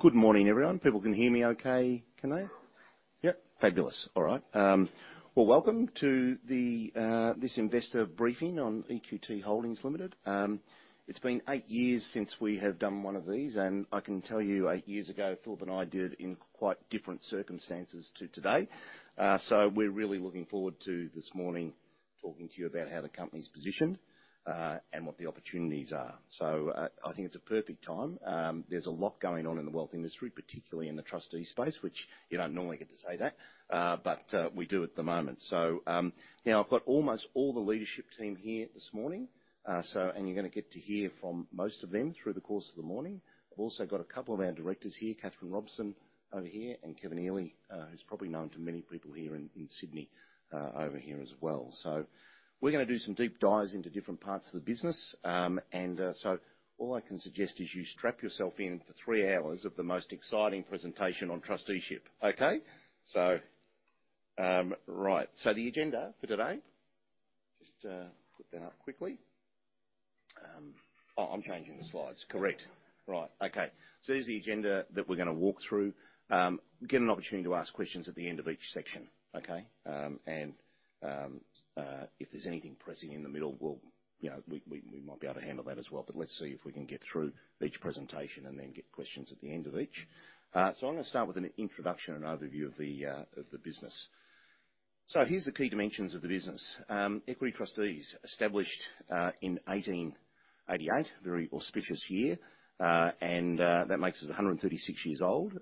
Good morning, everyone. People can hear me okay, can they? Yep. Yep, fabulous. All right. Well, welcome to this investor briefing on EQT Holdings Limited. It's been eight years since we have done one of these, and I can tell you eight years ago Philip and I did in quite different circumstances to today. So we're really looking forward to this morning talking to you about how the company's positioned, and what the opportunities are. I think it's a perfect time. There's a lot going on in the wealth industry, particularly in the trustee space, which you don't normally get to say that, but we do at the moment. Now I've got almost all the leadership team here this morning, and you're going to get to hear from most of them through the course of the morning. I've also got a couple of our directors here, Catherine Robson over here, and Kevin Eley, who's probably known to many people here in Sydney, over here as well. So we're going to do some deep dives into different parts of the business, and so all I can suggest is you strap yourself in for three hours of the most exciting presentation on trusteeship, okay? So, right. So the agenda for today just, put that up quickly. Oh, I'm changing the slides. Correct. Right. Okay. So here's the agenda that we're going to walk through. Get an opportunity to ask questions at the end of each section, okay? And, if there's anything pressing in the middle, we'll you know, we might be able to handle that as well, but let's see if we can get through each presentation and then get questions at the end of each. I'm going to start with an introduction and overview of the business. Here's the key dimensions of the business. Equity Trustees established in 1888, very auspicious year, and that makes us 136 years old.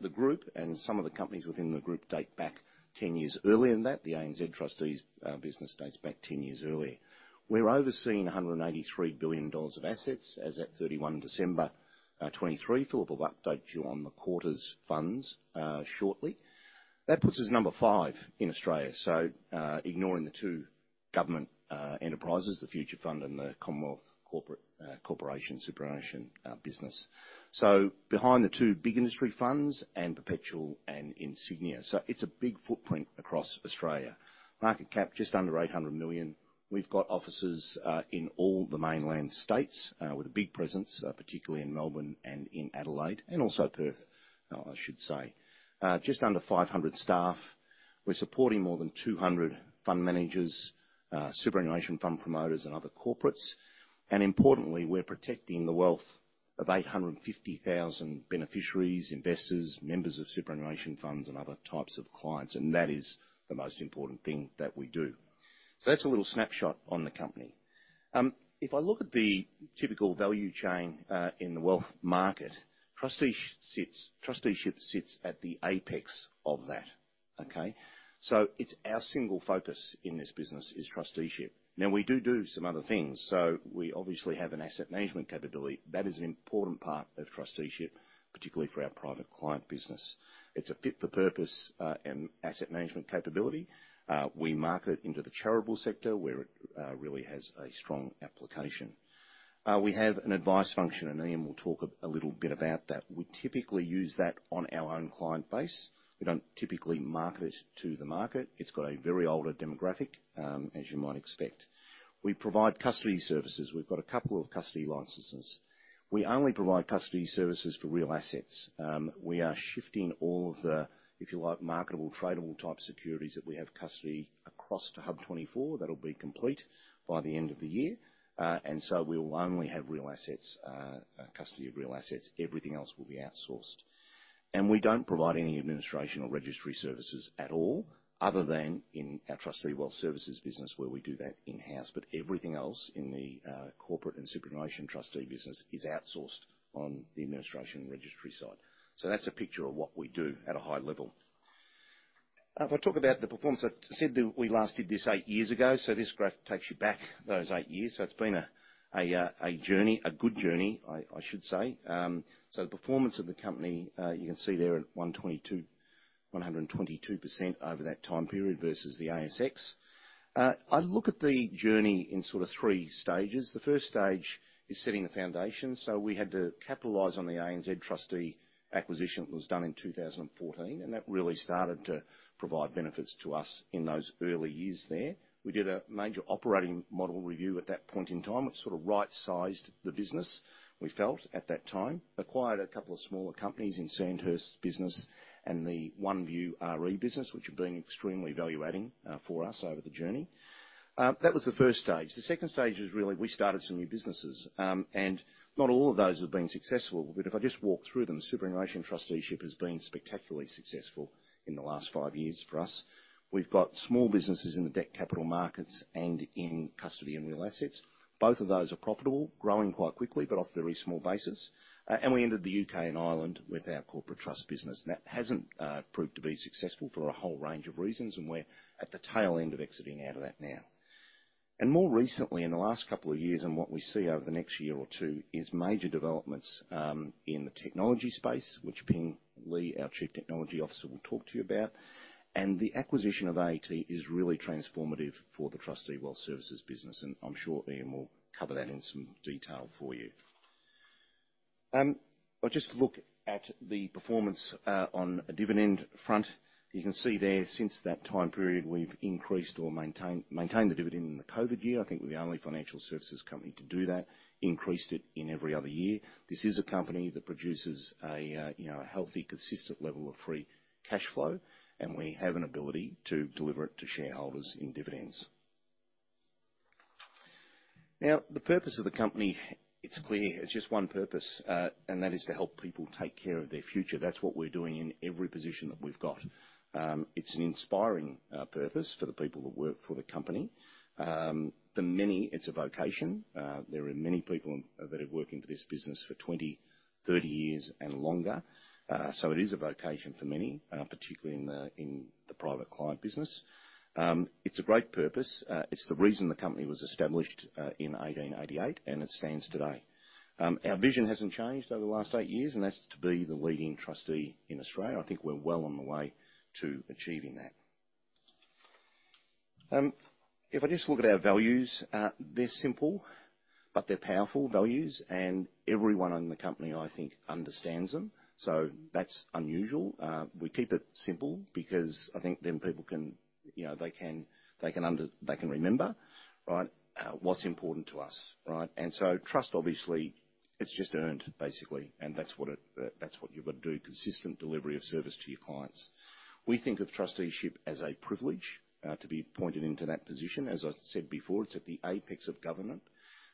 The group and some of the companies within the group date back 10 years earlier than that. The ANZ Trustees business dates back 10 years earlier. We're overseeing 183 billion dollars of assets as of 31 December 2023. Philip will update you on the quarter's funds shortly. That puts us number five in Australia, so ignoring the two government enterprises, the Future Fund and the Commonwealth Superannuation Corporation business. So behind the two big industry funds and Perpetual and Insignia, so it's a big footprint across Australia. Market cap just under 800 million. We've got offices in all the mainland states, with a big presence, particularly in Melbourne and in Adelaide, and also Perth, I should say. Just under 500 staff. We're supporting more than 200 fund managers, superannuation fund promoters, and other corporates. Importantly, we're protecting the wealth of 850,000 beneficiaries, investors, members of superannuation funds, and other types of clients, and that is the most important thing that we do. So that's a little snapshot on the company. If I look at the typical value chain in the wealth market, trusteeship sits at the apex of that, okay? So it's our single focus in this business is trusteeship. Now, we do do some other things, so we obviously have an asset management capability. That is an important part of trusteeship, particularly for our private client business. It's a fit for purpose, and asset management capability. We market it into the charitable sector where it really has a strong application. We have an advice function, and Ian will talk a little bit about that. We typically use that on our own client base. We don't typically market it to the market. It's got a very older demographic, as you might expect. We provide custody services. We've got a couple of custody licenses. We only provide custody services for real assets. We are shifting all of the, if you like, marketable, tradable type securities that we have custody across to HUB24. That'll be complete by the end of the year, and so we'll only have real assets, custody of real assets. Everything else will be outsourced. We don't provide any administration or registry services at all other than in our trustee wealth services business where we do that in-house, but everything else in the corporate and superannuation trustee business is outsourced on the administration and registry side. That's a picture of what we do at a high level. If I talk about the performance, I said that we last did this eight years ago, so this graph takes you back those eight years. It's been a journey, a good journey, I should say. The performance of the company, you can see there at 122% over that time period versus the ASX. I look at the journey in sort of three stages. The first stage is setting the foundation, so we had to capitalize on the ANZ Trustees acquisition that was done in 2014, and that really started to provide benefits to us in those early years there. We did a major operating model review at that point in time, which sort of right-sized the business, we felt, at that time. Acquired a couple of smaller companies in Sandhurst's business and the OneVue RE business, which have been extremely valuable, for us over the journey. That was the first stage. The second stage is really we started some new businesses, and not all of those have been successful, but if I just walk through them, superannuation trusteeship has been spectacularly successful in the last five years for us. We've got small businesses in the debt capital markets and in custody and real assets. Both of those are profitable, growing quite quickly, but off very small bases. We entered the U.K. and Ireland with our corporate trust business, and that hasn't proved to be successful for a whole range of reasons, and we're at the tail end of exiting out of that now. More recently, in the last couple of years, and what we see over the next year or two is major developments, in the technology space, which Phing Lee, our Chief Technology Officer, will talk to you about, and the acquisition of AET is really transformative for the trustee wealth services business, and I'm sure Ian will cover that in some detail for you. I'll just look at the performance, on a dividend front. You can see there since that time period we've increased or maintained the dividend in the COVID year. I think we're the only financial services company to do that, increased it in every other year. This is a company that produces a, you know, a healthy, consistent level of free cash flow, and we have an ability to deliver it to shareholders in dividends. Now, the purpose of the company, it's clear, it's just one purpose, and that is to help people take care of their future. That's what we're doing in every position that we've got. It's an inspiring purpose for the people that work for the company. For many, it's a vocation. There are many people in that have worked into this business for 20, 30 years and longer, so it is a vocation for many, particularly in the private client business. It's a great purpose. It's the reason the company was established, in 1888, and it stands today. Our vision hasn't changed over the last eight years, and that's to be the leading trustee in Australia. I think we're well on the way to achieving that. If I just look at our values, they're simple, but they're powerful values, and everyone in the company, I think, understands them, so that's unusual. We keep it simple because I think then people can, you know, they can understand, they can remember, right, what's important to us, right? And so trust, obviously, it's just earned, basically, and that's what it is, that's what you've got to do, consistent delivery of service to your clients. We think of trusteeship as a privilege, to be appointed into that position. As I said before, it's at the apex of good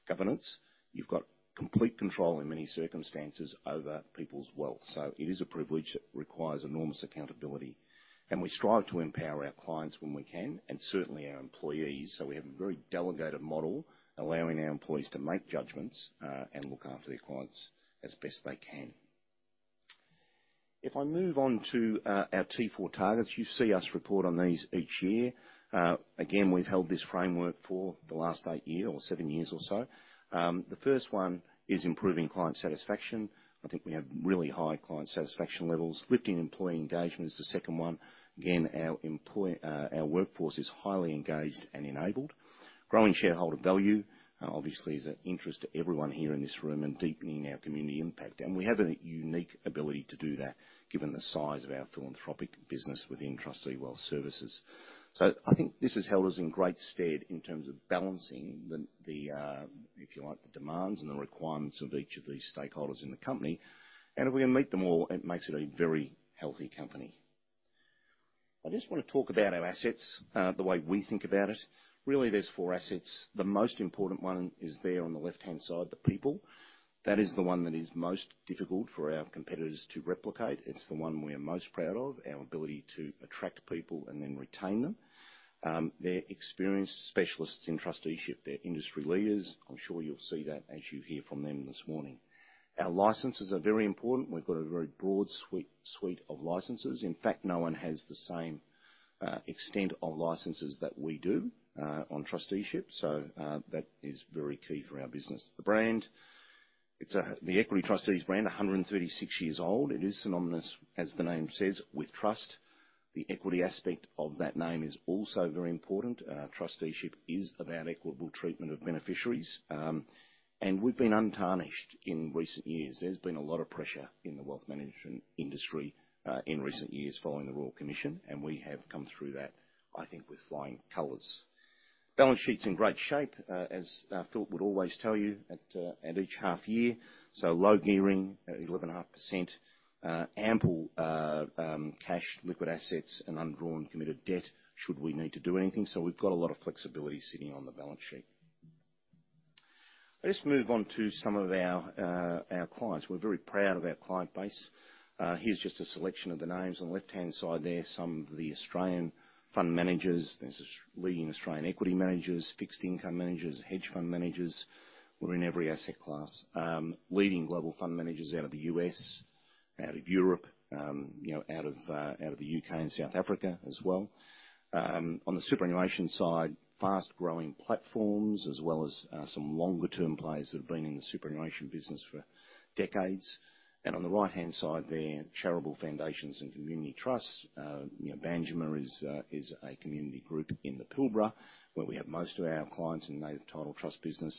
governance. You've got complete control in many circumstances over people's wealth, so it is a privilege that requires enormous accountability, and we strive to empower our clients when we can, and certainly our employees, so we have a very delegated model allowing our employees to make judgments, and look after their clients as best they can. If I move on to our T4 targets, you see us report on these each year. Again, we've held this framework for the last eight years or seven years or so. The first one is improving client satisfaction. I think we have really high client satisfaction levels. Lifting employee engagement is the second one. Again, our employees, our workforce is highly engaged and enabled. Growing shareholder value, obviously, is an interest to everyone here in this room and deepening our community impact, and we have a unique ability to do that given the size of our philanthropic business within trustee wealth services. So I think this has held us in great stead in terms of balancing the, if you like, the demands and the requirements of each of these stakeholders in the company, and if we can meet them all, it makes it a very healthy company. I just want to talk about our assets, the way we think about it. Really, there's four assets. The most important one is there on the left-hand side, the people. That is the one that is most difficult for our competitors to replicate. It's the one we are most proud of, our ability to attract people and then retain them. They're experienced specialists in trusteeship. They're industry leaders. I'm sure you'll see that as you hear from them this morning. Our licences are very important. We've got a very broad suite, suite of licences. In fact, no one has the same extent of licences that we do on trusteeship, so that is very key for our business. The brand, it's the Equity Trustees brand, 136 years old. It is synonymous, as the name says, with trust. The equity aspect of that name is also very important. Trusteeship is about equitable treatment of beneficiaries, and we've been untarnished in recent years. There's been a lot of pressure in the wealth management industry in recent years following the Royal Commission, and we have come through that, I think, with flying colours. Balance sheets in great shape, as Philip would always tell you at each half year, so low gearing, 11.5%, ample cash, liquid assets, and undrawn committed debt should we need to do anything, so we've got a lot of flexibility sitting on the balance sheet. I just move on to some of our clients. We're very proud of our client base. Here's just a selection of the names. On the left-hand side there, some of the Australian fund managers. There's us leading Australian equity managers, fixed income managers, hedge fund managers. We're in every asset class. Leading global fund managers out of the U.S., out of Europe, you know, out of the U.K. and South Africa as well. On the superannuation side, fast-growing platforms as well as some longer-term players that have been in the superannuation business for decades. On the right-hand side there, charitable foundations and community trusts. You know, Banjima is a community group in the Pilbara where we have most of our clients in the native title trust business.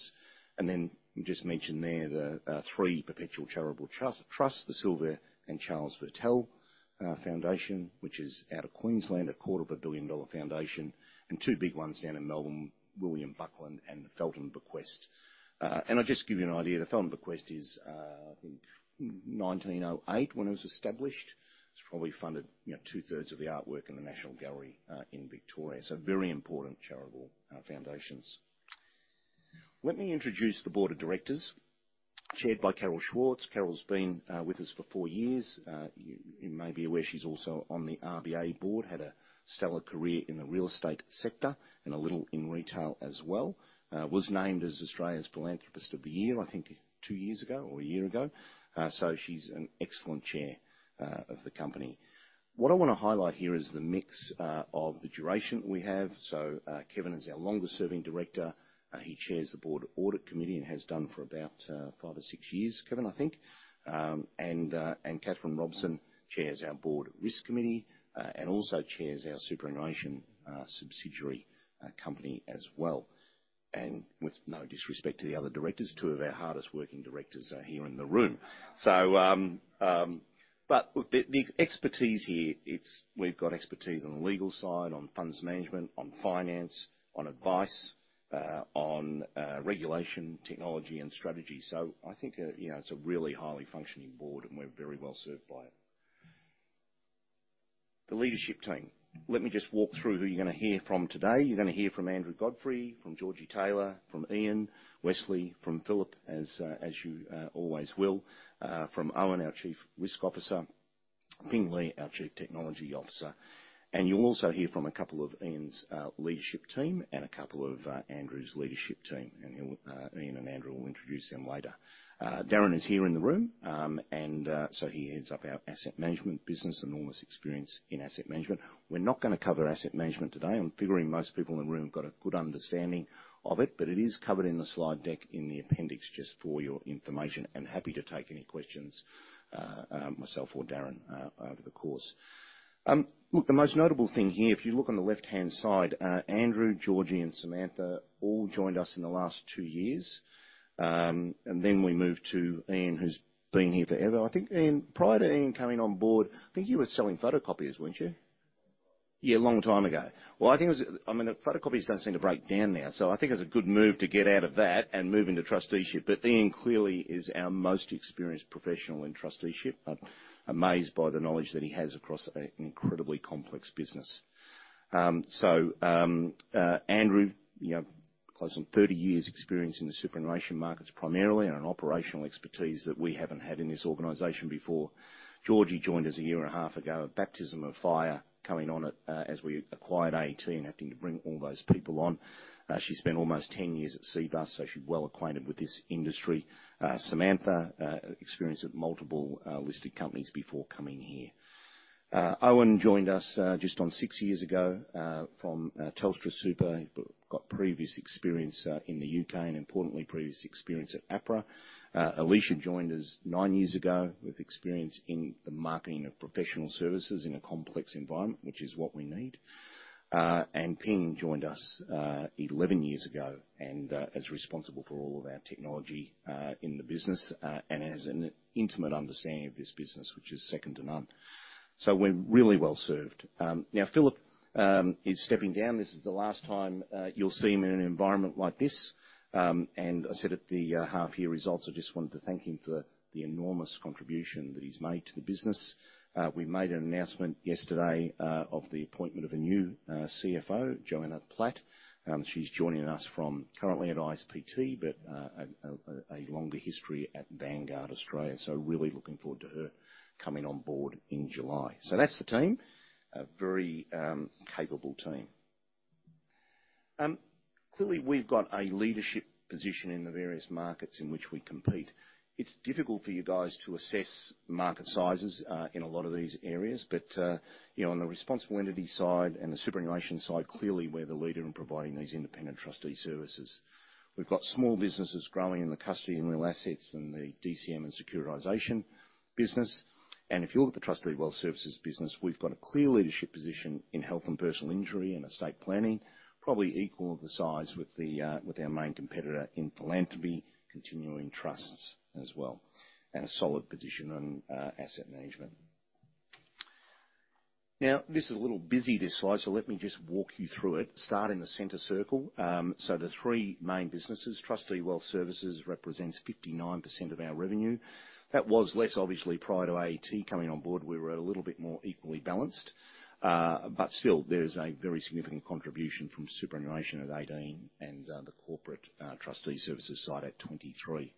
And then I'll just mention there the three Perpetual Charitable Trusts, the Sylvia and Charles Viertel Foundation, which is out of Queensland, a 250 million dollar foundation, and two big ones down in Melbourne, William Buckland and the Felton Bequest. And I'll just give you an idea. The Felton Bequest is, I think, 1908 when it was established. It's probably funded, you know, two-thirds of the artwork in the National Gallery of Victoria, so very important charitable foundations. Let me introduce the board of directors, chaired by Carol Schwartz. Carol's been with us for four years. You may be aware she's also on the RBA board, had a stellar career in the real estate sector and a little in retail as well. Was named as Australia's Philanthropist of the Year, I think, two years ago or a year ago, so she's an excellent chair of the company. What I want to highlight here is the mix of the duration we have. So, Kevin is our longest-serving director. He chairs the board audit committee and has done for about five or six years, Kevin, I think. And Catherine Robson chairs our board risk committee, and also chairs our superannuation subsidiary company as well, and with no disrespect to the other directors, two of our hardest-working directors here in the room. So, but the expertise here, it's we've got expertise on the legal side, on funds management, on finance, on advice, on regulation, technology, and strategy, so I think, you know, it's a really highly functioning board, and we're very well served by it. The leadership team. Let me just walk through who you're going to hear from today. You're going to hear from Andrew Godfrey, from Georgie Taylor, from Ian Wesley, from Philip, as you always will, from Owen, our Chief Risk Officer, Phing Lee, our Chief Technology Officer, and you'll also hear from a couple of Ian's leadership team and a couple of Andrew's leadership team, and he'll, Ian and Andrew will introduce them later. Darren is here in the room, and so he heads up our asset management business, enormous experience in asset management. We're not going to cover asset management today. I'm figuring most people in the room got a good understanding of it, but it is covered in the slide deck in the appendix just for your information, and happy to take any questions, myself or Darren, over the course. Look, the most notable thing here, if you look on the left-hand side, Andrew, Georgie, and Samantha all joined us in the last two years, and then we moved to Ian, who's been here forever. I think Ian, prior to Ian coming on board, I think you were selling photocopiers, weren't you? Yeah, a long time ago. Well, I think it was—I mean, the photocopiers don't seem to break down now, so I think it's a good move to get out of that and move into trusteeship, but Ian clearly is our most experienced professional in trusteeship. I'm amazed by the knowledge that he has across an incredibly complex business. So, Andrew, you know, close to 30 years' experience in the superannuation markets primarily and an operational expertise that we haven't had in this organization before. Georgie joined us a year and a half ago, a baptism of fire coming on it, as we acquired AET and having to bring all those people on. She's spent almost 10 years at CBUS, so she's well acquainted with this industry. Samantha, experience at multiple, listed companies before coming here. Owen joined us, just on six years ago, from, Telstra Super. He's got previous experience, in the U.K. and, importantly, previous experience at APRA. Alicia joined us nine years ago with experience in the marketing of professional services in a complex environment, which is what we need. Phing joined us 11 years ago and, as responsible for all of our technology in the business, has an intimate understanding of this business, which is second to none. So we're really well served. Now Philip is stepJodi down. This is the last time you'll see him in an environment like this, and I said at the half-year results, I just wanted to thank him for the enormous contribution that he's made to the business. We made an announcement yesterday of the appointment of a new CFO, Johanna Platt. She's joining us from currently at ISPT, but a longer history at Vanguard Australia, so really looking forward to her coming on board in July. So that's the team, a very capable team. Clearly, we've got a leadership position in the various markets in which we compete. It's difficult for you guys to assess market sizes, in a lot of these areas, but, you know, on the responsible entity side and the superannuation side, clearly, we're the leader in providing these independent trustee services. We've got small businesses growing in the custody and real assets and the DCM and securitization business, and if you look at the trustee wealth services business, we've got a clear leadership position in health and personal injury and estate planning, probably equal of the size with the, with our main competitor in philanthropy, continuing trusts as well, and a solid position in, asset management. Now, this is a little busy, this slide, so let me just walk you through it. Start in the center circle, so the three main businesses. Trustee wealth services represents 59% of our revenue. That was less, obviously, prior to AET coming on board. We were a little bit more equally balanced, but still, there's a very significant contribution from superannuation at 18% and the corporate trustee services side at 23%.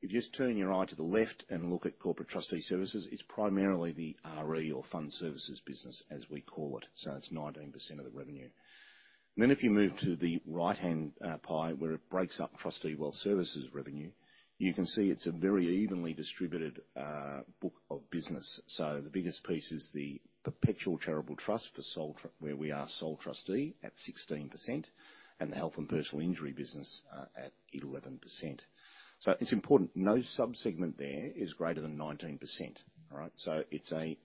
If you just turn your eye to the left and look at corporate trustee services, it's primarily the RE or fund services business, as we call it, so it's 19% of the revenue. And then if you move to the right-hand pie, where it breaks up trustee wealth services revenue, you can see it's a very evenly distributed book of business, so the biggest piece is the Perpetual Charitable Trust for sole trustee where we are sole trustee at 16% and the health and personal injury business at 11%. So it's important, no subsegment there is greater than 19%, all right? So it's an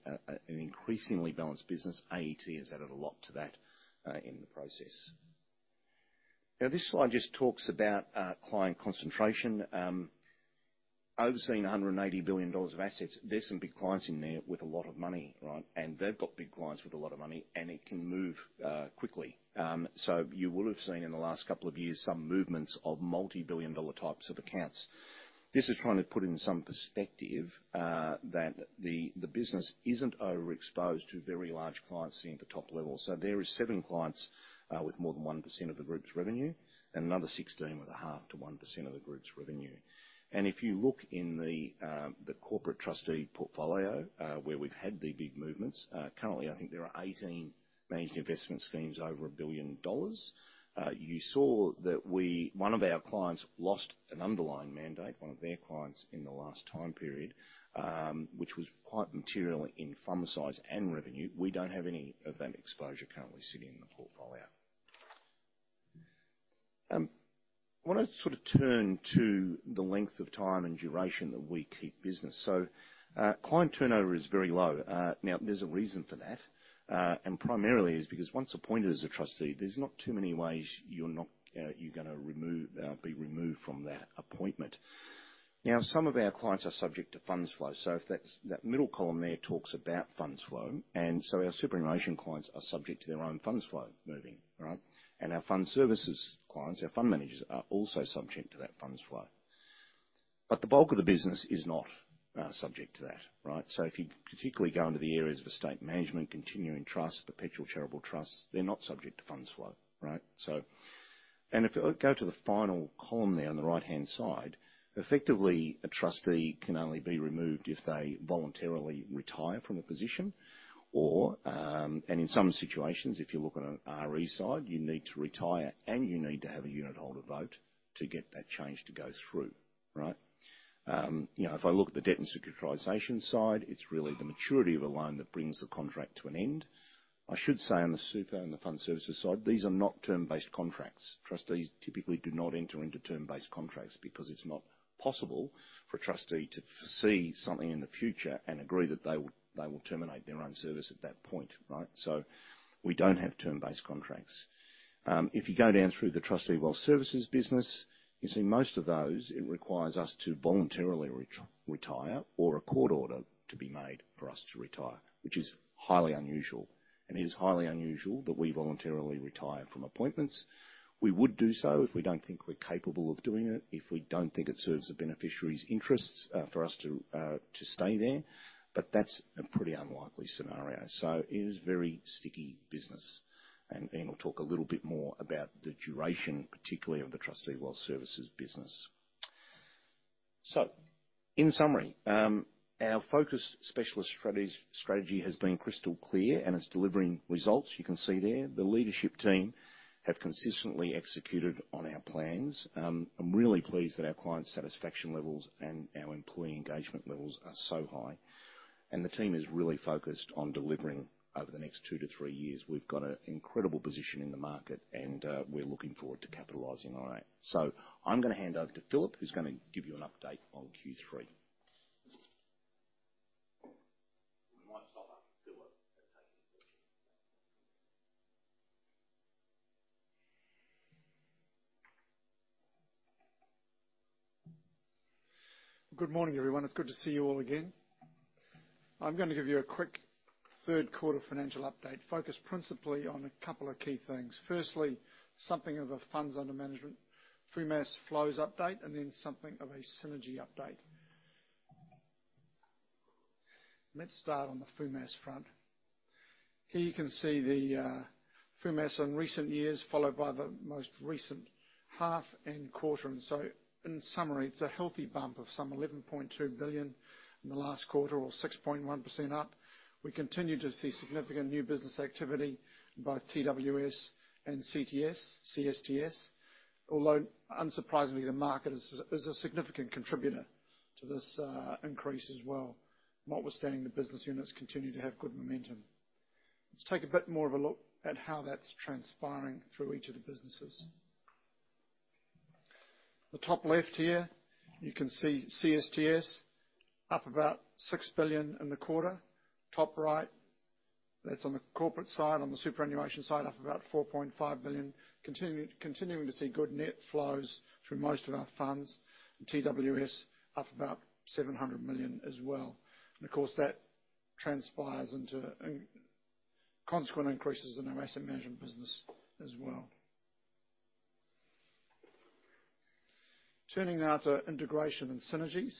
increasingly balanced business. AET has added a lot to that in the process. Now, this slide just talks about client concentration. Overseeing 180 billion dollars of assets, there's some big clients in there with a lot of money, right? And they've got big clients with a lot of money, and it can move quickly. So you will have seen in the last couple of years some movements of multi-billion-dollar types of accounts. This is trying to put in some perspective that the business isn't overexposed to very large clients sitting at the top level. So there are seven clients with more than 1% of the group's revenue and another 16 with 0.5%-1% of the group's revenue. And if you look in the corporate trustee portfolio, where we've had the big movements, currently, I think there are 18 managed investment schemes over 1 billion dollars. You saw that we one of our clients lost an underlying mandate, one of their clients, in the last time period, which was quite materially in fund size and revenue. We don't have any of that exposure currently sitting in the portfolio. I want to sort of turn to the length of time and duration that we keep business. So, client turnover is very low. Now, there's a reason for that, and primarily is because once appointed as a trustee, there's not too many ways you're going to be removed from that appointment. Now, some of our clients are subject to funds flow, so if that's that middle column there talks about funds flow, and so our superannuation clients are subject to their own funds flow moving, all right? And our fund services clients, our fund managers, are also subject to that funds flow, but the bulk of the business is not, subject to that, right? So if you particularly go into the areas of estate management, continuing trusts, Perpetual Charitable Trusts, they're not subject to funds flow, right? So and if you go to the final column there on the right-hand side, effectively, a trustee can only be removed if they voluntarily retire from a position or, and in some situations, if you look on an RE side, you need to retire and you need to have a unit holder vote to get that change to go through, right? You know, if I look at the debt and securitization side, it's really the maturity of a loan that brings the contract to an end. I should say on the Super and the Fund Services side, these are not term-based contracts. Trustees typically do not enter into term-based contracts because it's not possible for a trustee to foresee something in the future and agree that they will they will terminate their own service at that point, right? So we don't have term-based contracts. If you go down through the Trustee Wealth Services business, you'll see most of those. It requires us to voluntarily retire or a court order to be made for us to retire, which is highly unusual, and it is highly unusual that we voluntarily retire from appointments. We would do so if we don't think we're capable of doing it, if we don't think it serves the beneficiary's interests, for us to, to stay there, but that's a pretty unlikely scenario, so it is very sticky business, and Ian will talk a little bit more about the duration, particularly of the trustee wealth services business. So in summary, our focused specialist strategy has been crystal clear and is delivering results. You can see there, the leadership team have consistently executed on our plans. I'm really pleased that our client satisfaction levels and our employee engagement levels are so high, and the team is really focused on delivering over the next 2-3 years. We've got an incredible position in the market, and, we're looking forward to capitalizing on it. So I'm going to hand over to Philip, who's going to give you an update on Q3. We might stop after Philip taking the questions. Good morning, everyone. It's good to see you all again. I'm going to give you a quick third-quarter financial update, focused principally on a couple of key things. Firstly, something of a funds under management, FUMAS flows update, and then something of a synergy update. Let's start on the FUMAS front. Here you can see the FUMAS in recent years followed by the most recent half and quarter, and so in summary, it's a healthy bump of some 11.2 billion in the last quarter or 6.1% up. We continue to see significant new business activity in both TWS and CTS, CSTS, although unsurprisingly, the market is a significant contributor to this increase as well. Notwithstanding, the business units continue to have good momentum. Let's take a bit more of a look at how that's transpiring through each of the businesses. The top left here, you can see CSTS, up about 6 billion in the quarter. Top right, that's on the corporate side, on the superannuation side, up about 4.5 billion, continuing to see good net flows through most of our funds. TWS, up about 700 million as well, and of course, that transpires into consequent increases in our asset management business as well. Turning now to integration and synergies.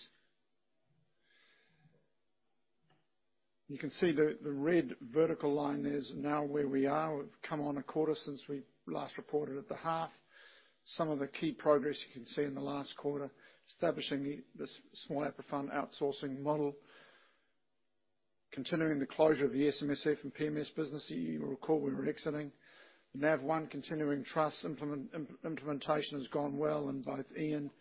You can see the red vertical line there's now where we are. We've come on a quarter since we last reported at the half. Some of the key progress you can see in the last quarter, establishing this small APRA fund outsourcing model, continuing the closure of the SMSF and PMS business. You will recall we were exiting. NavOne continuing trust implementation has gone well, and both Ian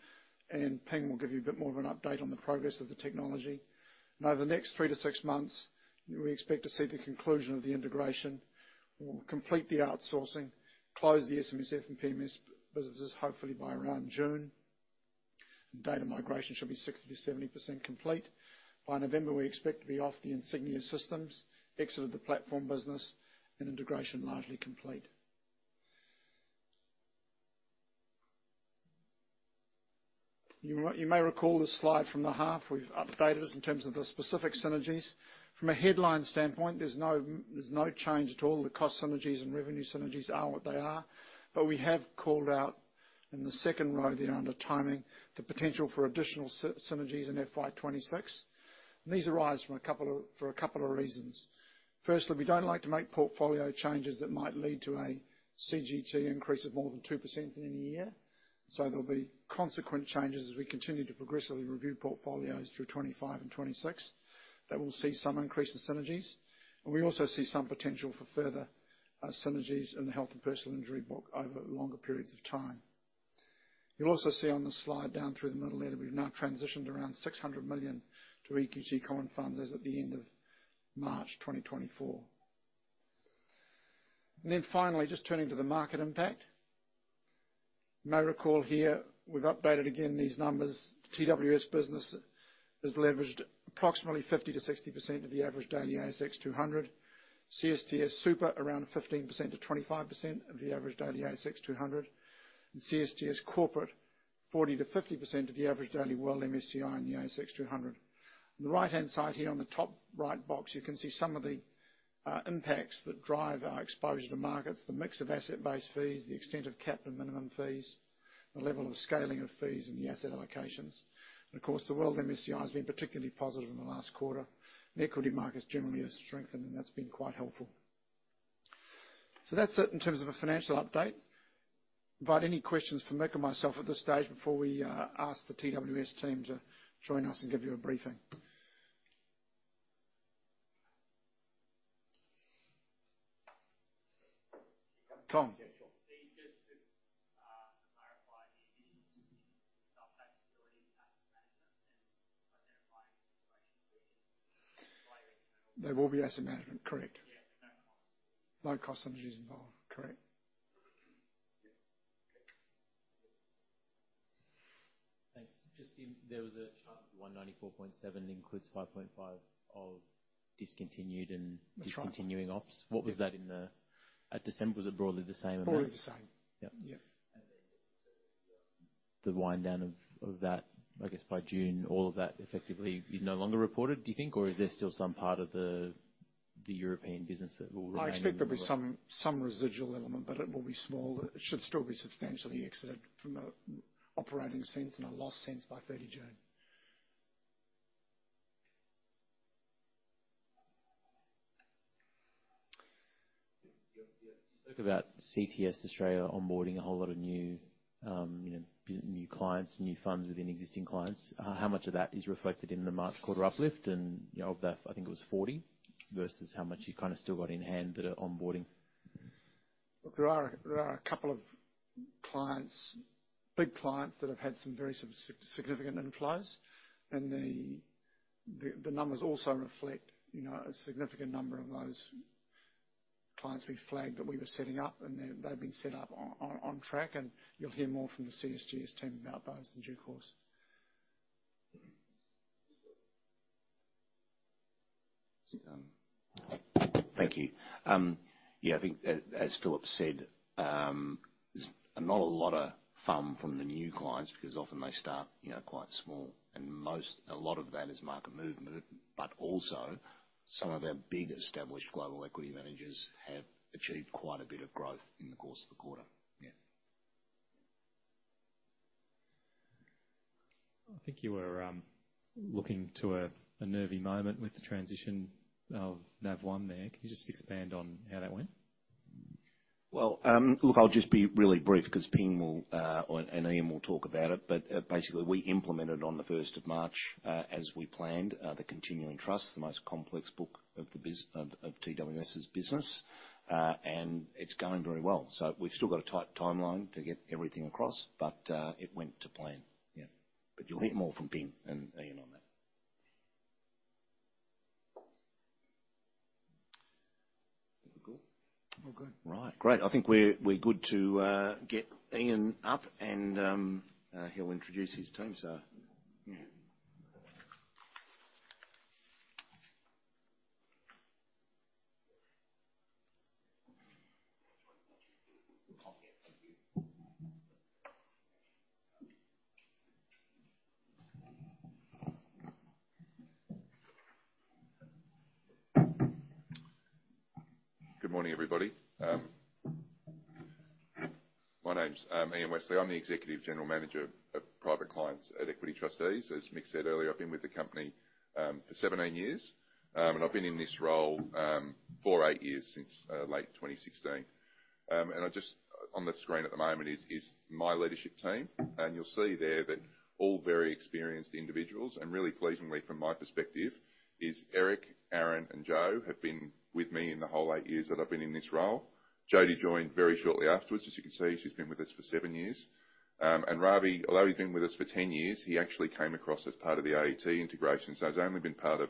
and Phing will give you a bit more of an update on the progress of the technology. Now, over the next 3-6 months, we expect to see the conclusion of the integration. We'll complete the outsourcing, close the SMSF and PMS businesses, hopefully by around June, and data migration should be 60%-70% complete. By November, we expect to be off the Insignia systems, exit of the platform business, and integration largely complete. You may recall this slide from the half. We've updated it in terms of the specific synergies. From a headline standpoint, there's no change at all. The cost synergies and revenue synergies are what they are, but we have called out in the second row there under timing the potential for additional synergies in FY26, and these arise from a couple of reasons. Firstly, we don't like to make portfolio changes that might lead to a CGT increase of more than 2% in any year, so there'll be consequent changes as we continue to progressively review portfolios through 2025 and 2026 that will see some increase in synergies, and we also see some potential for further synergies in the health and personal injury book over longer periods of time. You'll also see on the slide down through the middle there that we've now transitioned around 600 million to EQT common funds as at the end of March 2024. And then finally, just turning to the market impact, you may recall here, we've updated again these numbers. TWS business has leveraged approximately 50%-60% of the average daily ASX 200, CSTS Super around 15%-25% of the average daily ASX 200, and CSTS Corporate 40%-50% of the average daily world MSCI and the ASX 200. On the right-hand side here, on the top right box, you can see some of the impacts that drive our exposure to markets, the mix of asset-based fees, the extent of cap and minimum fees, the level of scaling of fees, and the asset allocations. And of course, the world MSCI has been particularly positive in the last quarter. The equity markets generally have strengthened, and that's been quite helpful. So that's it in terms of a financial update. Invite any questions for Mick or myself at this stage before we ask the TWS team to join us and give you a briefing. Tom. Yeah, sure. Steve, just to clarify the additional synergies with self-taxability, asset management, and identifying situations where you need to display the internal. There will be asset management, correct. Yeah, no cost synergies. No cost synergies involved, correct. Yeah. Okay. Yeah. Thanks. Just in there was a chart of AUD 194.7 includes 5.5 of discontinued and discontinuing ops. What was that in the at December? Was it broadly the same amount? Broadly the same. Yep. Yep. And then just to the winddown of that, I guess, by June, all of that effectively is no longer reported, do you think, or is there still some part of the European business that will remain? I expect there'll be some residual element, but it will be small. It should still be substantially exited from a operating sense and a loss sense by 30 June. You spoke about CSTS Australia onboarding a whole lot of new, you know, new clients, new funds within existing clients. How much of that is reflected in the March quarter uplift and, you know, of that? I think it was 40 versus how much you kind of still got in hand that are onboarding. Look, there are a couple of clients, big clients, that have had some very significant inflows, and the numbers also reflect, you know, a significant number of those clients we flagged that we were setting up, and they've been set up on track, and you'll hear more from the CSTS team about those in due course. Thank you. Yeah, I think as Philip said, there's not a lot of fun from the new clients because often they start, you know, quite small, and most a lot of that is market movement, but also some of our big established global equity managers have achieved quite a bit of growth in the course of the quarter. Yeah. I think you were looking to a nervy moment with the transition of NavOne there. Can you just expand on how that went? Well, look, I'll just be really brief because Phing will or Ian will talk about it, but basically, we implemented on the 1st of March, as we planned, the continuing trust, the most complex book of business of TWS's business, and it's going very well. So we've still got a tight timeline to get everything across, but it went to plan. Yeah. But you'll hear more from Phing and Ian on that. We're good? We're good. Right. Great. I think we're good to get Ian up, and he'll introduce his team, so. Yeah. Good morning, everybody. My name's Ian Wesley. I'm the Executive General Manager of private clients at Equity Trustees. As Mick said earlier, I've been with the company for 17 years, and I've been in this role eight years since late 2016. And just on the screen at the moment is my leadership team, and you'll see there that all very experienced individuals, and really pleasingly from my perspective, Eric, Aaron, and Joe have been with me in the whole eight years that I've been in this role. Jodie joined very shortly afterwards, as you can see. She's been with us for seven years. Ravi, although he's been with us for 10 years, he actually came across as part of the AET integration, so he's only been part of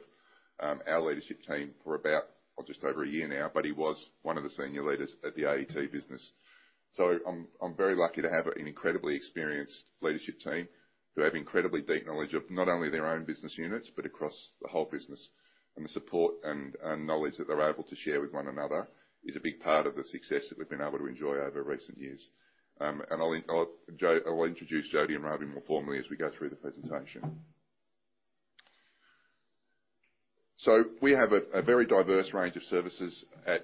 our leadership team for about, well, just over a year now, but he was one of the senior leaders at the AET business. So I'm very lucky to have an incredibly experienced leadership team who have incredibly deep knowledge of not only their own business units but across the whole business, and the support and knowledge that they're able to share with one another is a big part of the success that we've been able to enjoy over recent years. And I'll introduce Jodie and Ravi more formally as we go through the presentation. So we have a very diverse range of services at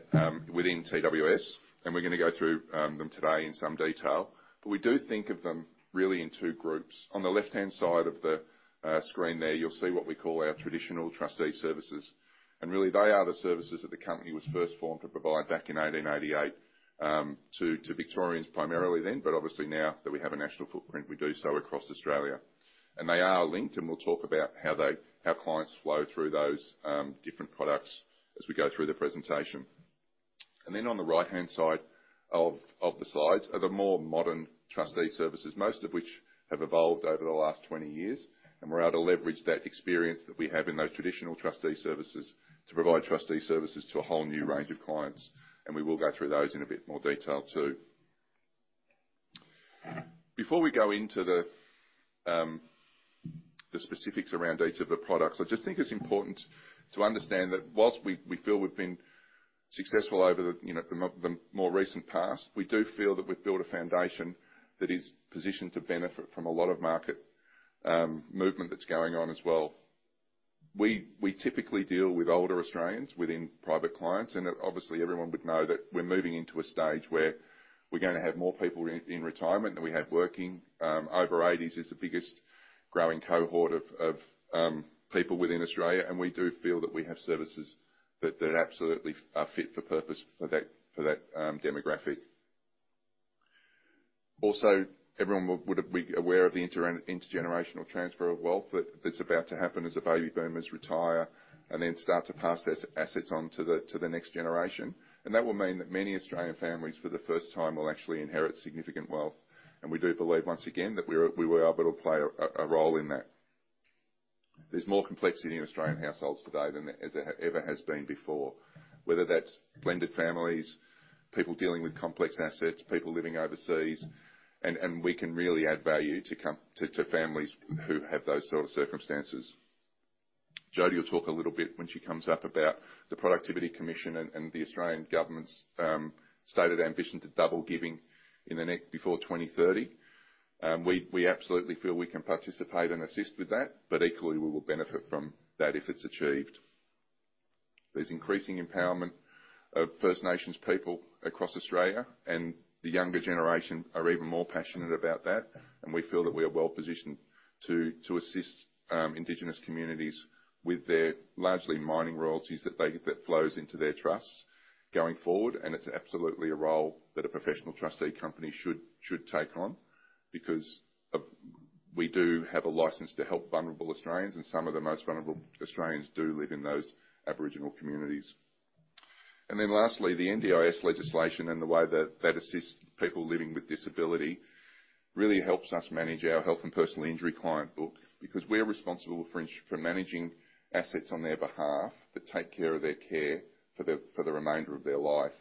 within TWS, and we're going to go through them today in some detail, but we do think of them really in two groups. On the left-hand side of the screen there, you'll see what we call our traditional trustee services, and really, they are the services that the company was first formed to provide back in 1888 to Victorians primarily then, but obviously now that we have a national footprint, we do so across Australia, and they are linked, and we'll talk about how clients flow through those different products as we go through the presentation. And then on the right-hand side of the slides are the more modern trustee services, most of which have evolved over the last 20 years, and we're out to leverage that experience that we have in those traditional trustee services to provide trustee services to a whole new range of clients, and we will go through those in a bit more detail too. Before we go into the specifics around each of the products, I just think it's important to understand that while we feel we've been successful over the, you know, the more recent past, we do feel that we've built a foundation that is positioned to benefit from a lot of market movement that's going on as well. We typically deal with older Australians within private clients, and obviously, everyone would know that we're moving into a stage where we're going to have more people in retirement than we have working. Over-80s is the biggest growing cohort of people within Australia, and we do feel that we have services that absolutely are fit for purpose for that demographic. Also, everyone would have been aware of the intergenerational transfer of wealth that's about to happen as a baby boomer's retire and then start to pass their assets on to the next generation, and that will mean that many Australian families for the first time will actually inherit significant wealth, and we do believe once again that we will be able to play a role in that. There's more complexity in Australian households today than it ever has been before, whether that's blended families, people dealing with complex assets, people living overseas, and we can really add value to families who have those sort of circumstances. Jody will talk a little bit when she comes up about the Productivity Commission and the Australian government's stated ambition to double giving in the next before 2030. We absolutely feel we can participate and assist with that, but equally, we will benefit from that if it's achieved. There's increasing empowerment of First Nations people across Australia, and the younger generation are even more passionate about that, and we feel that we are well positioned to assist Indigenous communities with their largely mining royalties that flow into their trusts going forward, and it's absolutely a role that a professional trustee company should take on because we do have a license to help vulnerable Australians, and some of the most vulnerable Australians do live in those Aboriginal communities. And then lastly, the NDIS legislation and the way that assists people living with disability really helps us manage our health and personal injury client book because we're responsible for managing assets on their behalf that take care of their care for the remainder of their life.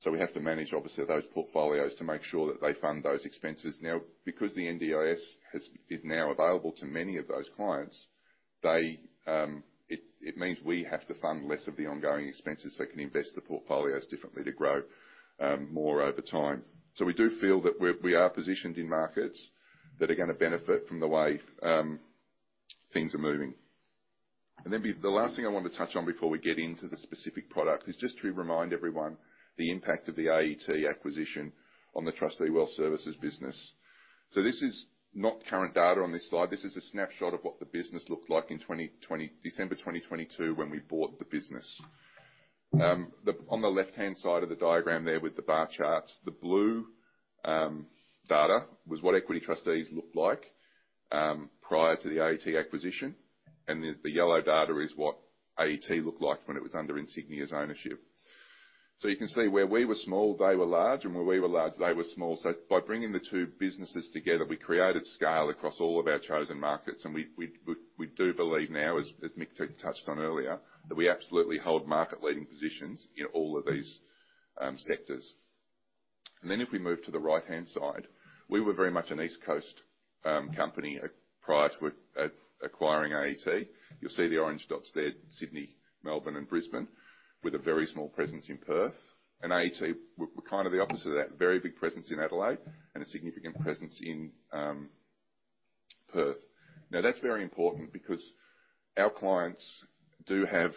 So we have to manage, obviously, those portfolios to make sure that they fund those expenses. Now, because the NDIS is now available to many of those clients, it means we have to fund less of the ongoing expenses so it can invest the portfolios differently to grow more over time. So we do feel that we are positioned in markets that are going to benefit from the way things are moving. And then the last thing I want to touch on before we get into the specific product is just to remind everyone the impact of the AET acquisition on the trustee wealth services business. So this is not current data on this slide. This is a snapshot of what the business looked like in December 2022 when we bought the business. On the left-hand side of the diagram there with the bar charts, the blue data was what Equity Trustees looked like prior to the AET acquisition, and the yellow data is what AET looked like when it was under Insignia's ownership. So you can see where we were small, they were large, and where we were large, they were small. So by bringing the two businesses together, we created scale across all of our chosen markets, and we do believe now, as Mick touched on earlier, that we absolutely hold market-leading positions in all of these sectors. And then if we move to the right-hand side, we were very much an East Coast company prior to acquiring AET. You'll see the orange dots there, Sydney, Melbourne, and Brisbane with a very small presence in Perth. AET were kind of the opposite of that, very big presence in Adelaide and a significant presence in Perth. Now, that's very important because our clients do have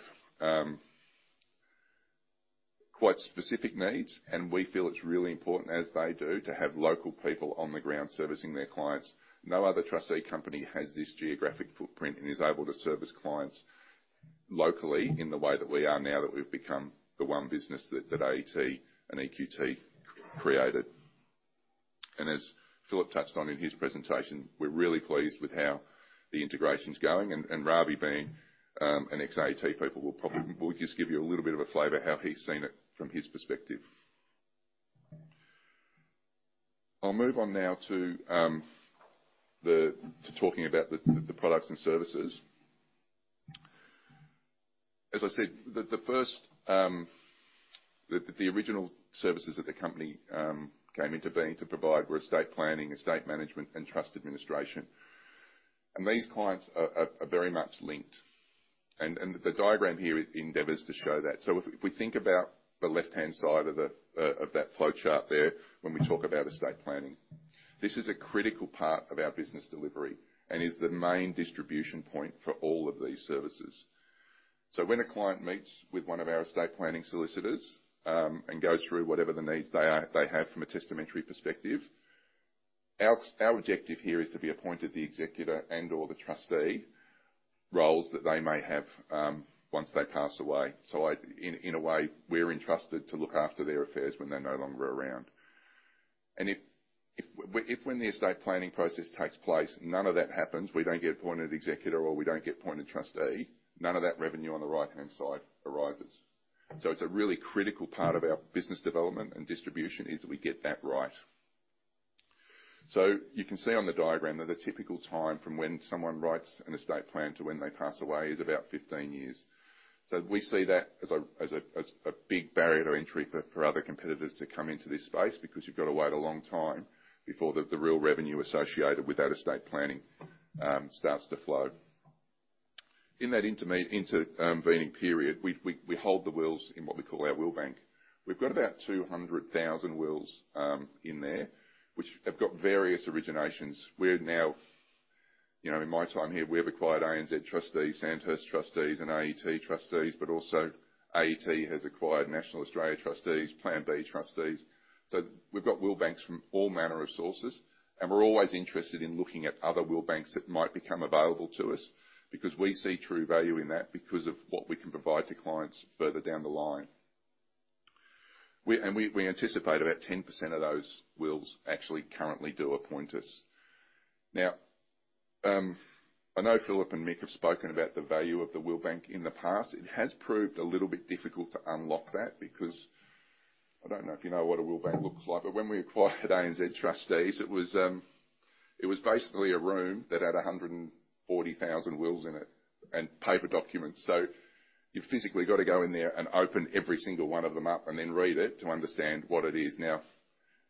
quite specific needs, and we feel it's really important as they do to have local people on the ground servicing their clients. No other trustee company has this geographic footprint and is able to service clients locally in the way that we are now that we've become the one business that AET and EQT created. As Philip touched on in his presentation, we're really pleased with how the integration's going, and Ravi, being an ex-AET [person], will probably just give you a little bit of a flavor how he's seen it from his perspective. I'll move on now to talking about the products and services. As I said, the first, the original services that the company came into being to provide were estate planning, estate management, and trust administration, and these clients are very much linked, and the diagram here endeavors to show that. So if we think about the left-hand side of that flow chart there when we talk about estate planning, this is a critical part of our business delivery and is the main distribution point for all of these services. So when a client meets with one of our estate planning solicitors, and goes through whatever the needs they have from a testamentary perspective, our objective here is to be appointed the executor and/or the trustee roles that they may have, once they pass away. So, in a way, we're entrusted to look after their affairs when they're no longer around. And if, when the estate planning process takes place, none of that happens. We don't get appointed executor or we don't get appointed trustee. None of that revenue on the right-hand side arises. So it's a really critical part of our business development and distribution is that we get that right. So you can see on the diagram that the typical time from when someone writes an estate plan to when they pass away is about 15 years. So we see that as a big barrier to entry for other competitors to come into this space because you've got to wait a long time before the real revenue associated with that estate planning starts to flow. In that intermediate intervening period, we hold the wills in what we call our will bank. We've got about 200,000 wills in there which have got various originations. We're now you know, in my time here, we've acquired ANZ Trustees, Sandhurst Trustees, and AET Trustees, but also AET has acquired National Australia Trustees, Plan B Trustees. So we've got will banks from all manner of sources, and we're always interested in looking at other will banks that might become available to us because we see true value in that because of what we can provide to clients further down the line. We anticipate about 10% of those wills actually currently do appoint us. Now, I know Philip and Mick have spoken about the value of the will bank in the past. It has proved a little bit difficult to unlock that because I don't know if you know what a will bank looks like, but when we acquired ANZ Trustees, it was basically a room that had 140,000 wills in it and paper documents. So you've physically got to go in there and open every single one of them up and then read it to understand what it is. Now,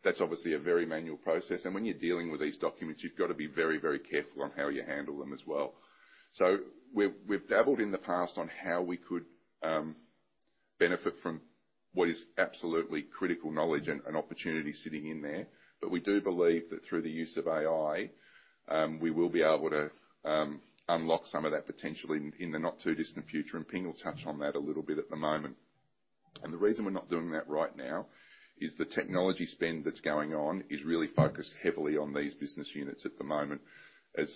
that's obviously a very manual process, and when you're dealing with these documents, you've got to be very, very careful on how you handle them as well. So we've dabbled in the past on how we could benefit from what is absolutely critical knowledge and opportunity sitting in there, but we do believe that through the use of AI, we will be able to unlock some of that potentially in the not-too-distant future, and Phing will touch on that a little bit at the moment. The reason we're not doing that right now is the technology spend that's going on is really focused heavily on these business units at the moment. As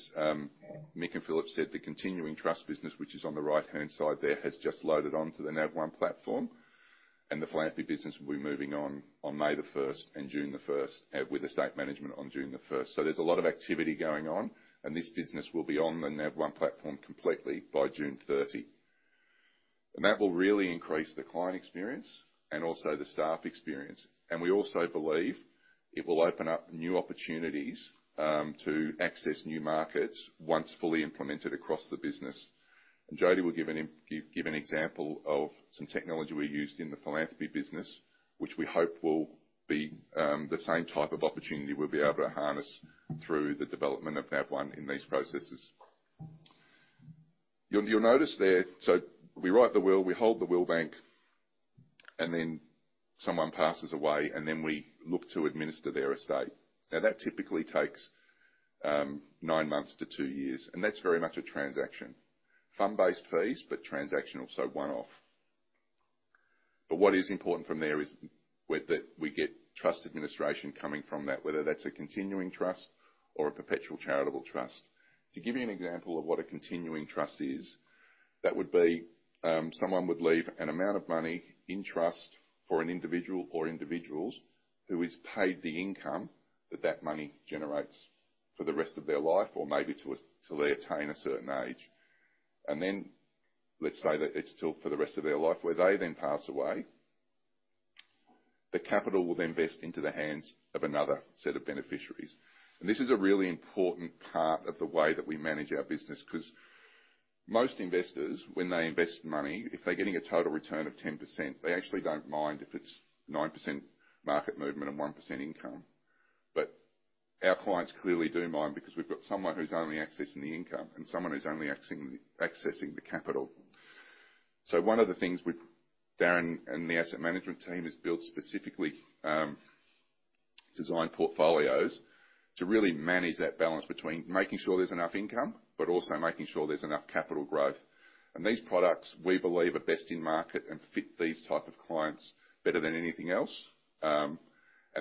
Mick and Philip said, the continuing trust business, which is on the right-hand side there, has just loaded onto the NavOne platform, and the philanthropy business will be moving on May the 1st and June the 1st with estate management on June the 1st. So there's a lot of activity going on, and this business will be on the NavOne platform completely by June 30, and that will really increase the client experience and also the staff experience. And we also believe it will open up new opportunities to access new markets once fully implemented across the business. And Jody will give an example of some technology we used in the philanthropy business, which we hope will be the same type of opportunity we'll be able to harness through the development of NavOne in these processes. You'll notice there so we write the will. We hold the will bank, and then someone passes away, and then we look to administer their estate. Now, that typically takes nine months to two years, and that's very much a transaction fund-based fees but transactional, so one-off. But what is important from there is where that we get trust administration coming from that, whether that's a continuing trust or a perpetual charitable trust. To give you an example of what a continuing trust is, that would be, someone would leave an amount of money in trust for an individual or individuals who is paid the income that that money generates for the rest of their life or maybe to a to they attain a certain age. Then let's say that it's till for the rest of their life where they then pass away. The capital will then vest into the hands of another set of beneficiaries, and this is a really important part of the way that we manage our business because most investors, when they invest money, if they're getting a total return of 10%, they actually don't mind if it's 9% market movement and 1% income, but our clients clearly do mind because we've got someone who's only accessing the income and someone who's only accessing the capital. So one of the things we've Darren and the asset management team has built specifically, designed portfolios to really manage that balance between making sure there's enough income but also making sure there's enough capital growth. And these products, we believe, are best in market and fit these type of clients better than anything else, and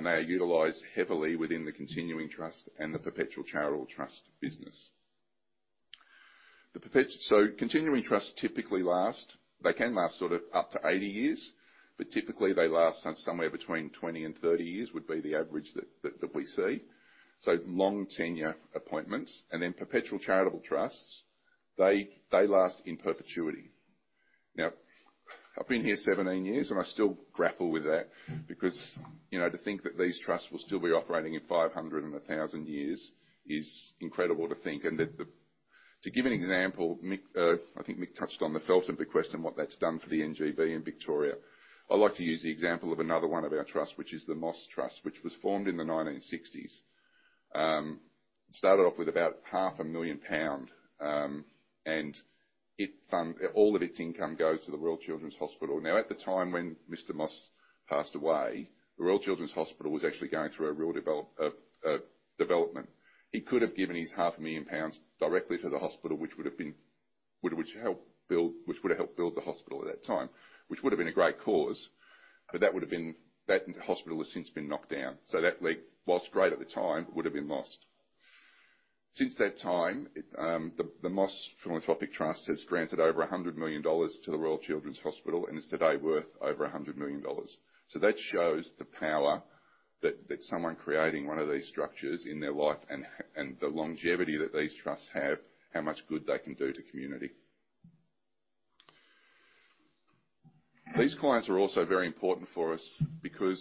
they are utilized heavily within the continuing trust and the perpetual charitable trust business. The perpetual, so continuing trusts typically last. They can last sort of up to 80 years, but typically, they last somewhere between 20-30 years, which would be the average that we see. So long-tenure appointments and then perpetual charitable trusts, they last in perpetuity. Now, I've been here 17 years, and I still grapple with that because, you know, to think that these trusts will still be operating in 500-1,000 years is incredible to think. And to give an example, Mick, I think Mick touched on the Felton Bequest and what that's done for the NGV in Victoria. I like to use the example of another one of our trusts, which is the Moss Trust, which was formed in the 1960s. It started off with about 500,000 pound, and the fund all of its income goes to the Royal Children's Hospital. Now, at the time when Mr. Moss passed away, the Royal Children's Hospital was actually going through a real development. He could have given his half a million pounds directly to the hospital, which would have helped build the hospital at that time, which would have been a great cause, but that hospital has since been knocked down. So that leg while great at the time, the Moss Philanthropic Trust has granted over 100 million dollars to the Royal Children's Hospital and is today worth over 100 million dollars. So that shows the power that someone creating one of these structures in their life and the longevity that these trusts have, how much good they can do to community. These clients are also very important for us because,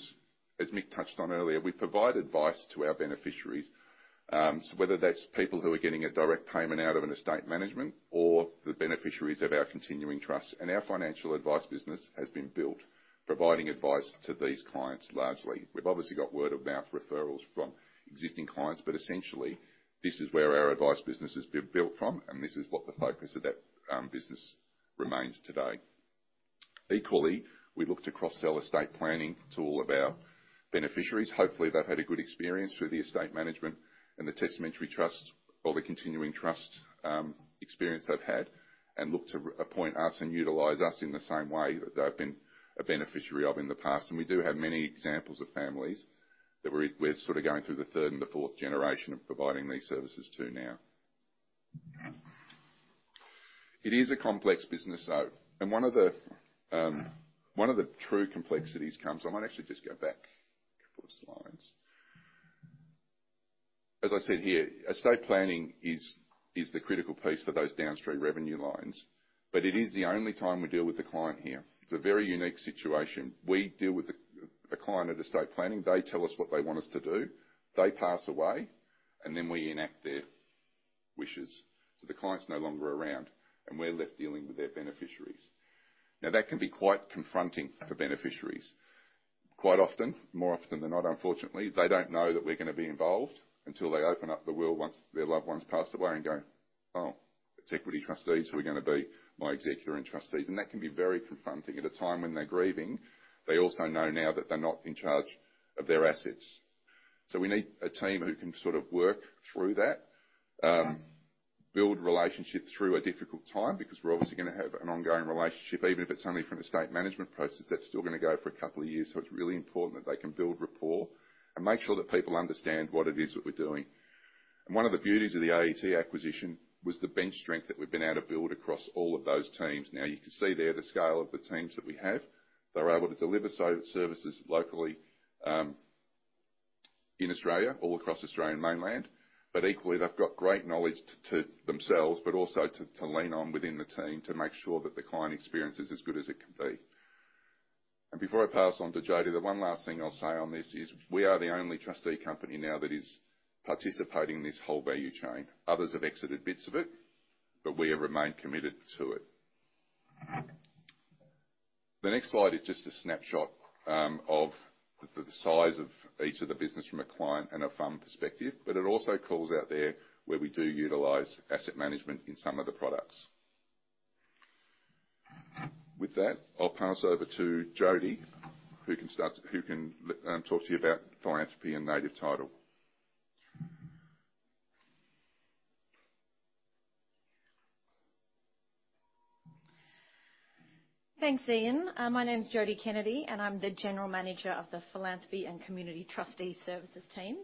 as Mick touched on earlier, we provide advice to our beneficiaries, whether that's people who are getting a direct payment out of an estate management or the beneficiaries of our continuing trust. Our financial advice business has been built providing advice to these clients largely. We've obviously got word-of-mouth referrals from existing clients, but essentially, this is where our advice business has been built from, and this is what the focus of that business remains today. Equally, we look to cross-sell estate planning to all of our beneficiaries. Hopefully, they've had a good experience through the estate management and the testamentary trust or the continuing trust, experience they've had and look to appoint us and utilize us in the same way that they've been a beneficiary of in the past. We do have many examples of families that we're we're sort of going through the third and the fourth generation of providing these services to now. It is a complex business, though, and one of the, one of the true complexities comes. I might actually just go back a couple of slides. As I said here, estate planning is, is the critical piece for those downstream revenue lines, but it is the only time we deal with the client here. It's a very unique situation. We deal with the, the client at estate planning. They tell us what they want us to do. They pass away, and then we enact their wishes. So the client's no longer around, and we're left dealing with their beneficiaries. Now, that can be quite confronting for beneficiaries. Quite often more often than not, unfortunately, they don't know that we're going to be involved until they open up the will once their loved ones pass away and go, "Oh, it's Equity Trustees. We're going to be my executor and trustees." And that can be very confronting at a time when they're grieving. They also know now that they're not in charge of their assets. So we need a team who can sort of work through that, build relationships through a difficult time because we're obviously going to have an ongoing relationship. Even if it's only from an estate management process, that's still going to go for a couple of years. So it's really important that they can build rapport and make sure that people understand what it is that we're doing. And one of the beauties of the AET acquisition was the bench strength that we've been able to build across all of those teams. Now, you can see there the scale of the teams that we have. They're able to deliver services locally, in Australia, all across Australian mainland, but equally, they've got great knowledge to themselves but also to lean on within the team to make sure that the client experience is as good as it can be. And before I pass on to Jody, the one last thing I'll say on this is we are the only trustee company now that is participating in this whole value chain. Others have exited bits of it, but we have remained committed to it. The next slide is just a snapshot of the size of each of the business from a client and a fund perspective, but it also calls out there where we do utilize asset management in some of the products. With that, I'll pass over to Jody, who can talk to you about philanthropy and native title. Thanks, Ian. My name's Jody Kennedy, and I'm the General Manager of the Philanthropy and Community Trustee Services team.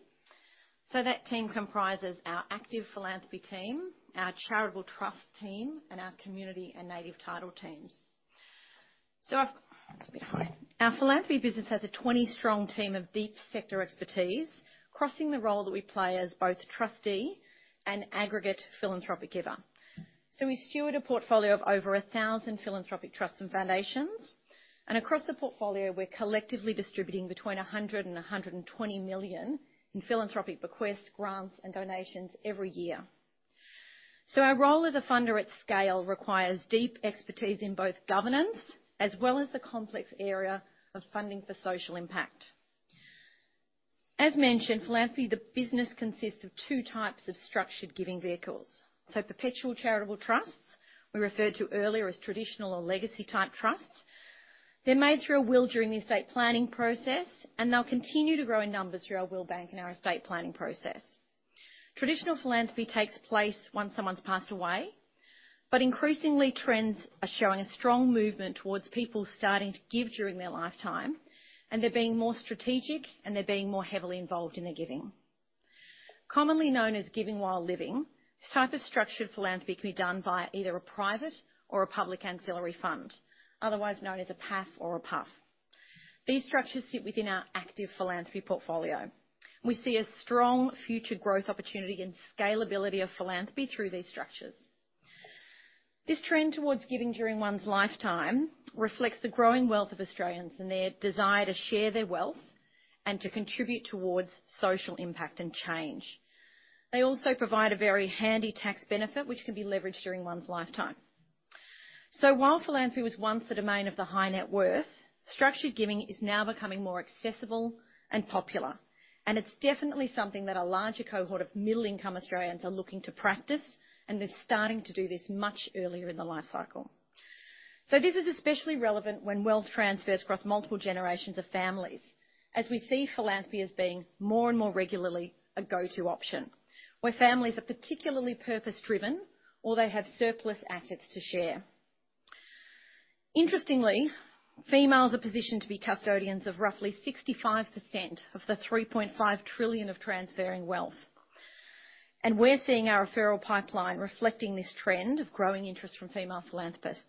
That team comprises our active philanthropy team, our charitable trust team, and our community and native title teams. It's a bit high. Our philanthropy business has a 20-strong team of deep sector expertise crossing the role that we play as both trustee and aggregate philanthropic giver. We steward a portfolio of over 1,000 philanthropic trusts and foundations, and across the portfolio, we're collectively distributing between 100 million and 120 million in philanthropic bequests, grants, and donations every year. Our role as a funder at scale requires deep expertise in both governance as well as the complex area of funding for social impact. As mentioned, philanthropy, the business consists of two types of structured giving vehicles. So perpetual charitable trusts, we referred to earlier as traditional or legacy-type trusts. They're made through a will during the estate planning process, and they'll continue to grow in numbers through our will bank and our estate planning process. Traditional philanthropy takes place once someone's passed away, but increasingly, trends are showing a strong movement towards people starting to give during their lifetime, and they're being more strategic, and they're being more heavily involved in their giving. Commonly known as giving while living, this type of structured philanthropy can be done via either a private or a public ancillary fund, otherwise known as a PAF or a PuAF. These structures sit within our active philanthropy portfolio. We see a strong future growth opportunity and scalability of philanthropy through these structures. This trend toward giving during one's lifetime reflects the growing wealth of Australians and their desire to share their wealth and to contribute toward social impact and change. They also provide a very handy tax benefit, which can be leveraged during one's lifetime. So while philanthropy was once the domain of the high net worth, structured giving is now becoming more accessible and popular, and it's definitely something that a larger cohort of middle-income Australians are looking to practice, and they're starting to do this much earlier in the life cycle. So this is especially relevant when wealth transfers across multiple generations of families as we see philanthropy as being more and more regularly a go-to option where families are particularly purpose-driven or they have surplus assets to share. Interestingly, females are positioned to be custodians of roughly 65% of the 3.5 trillion of transferring wealth, and we're seeing our referral pipeline reflecting this trend of growing interest from female philanthropists.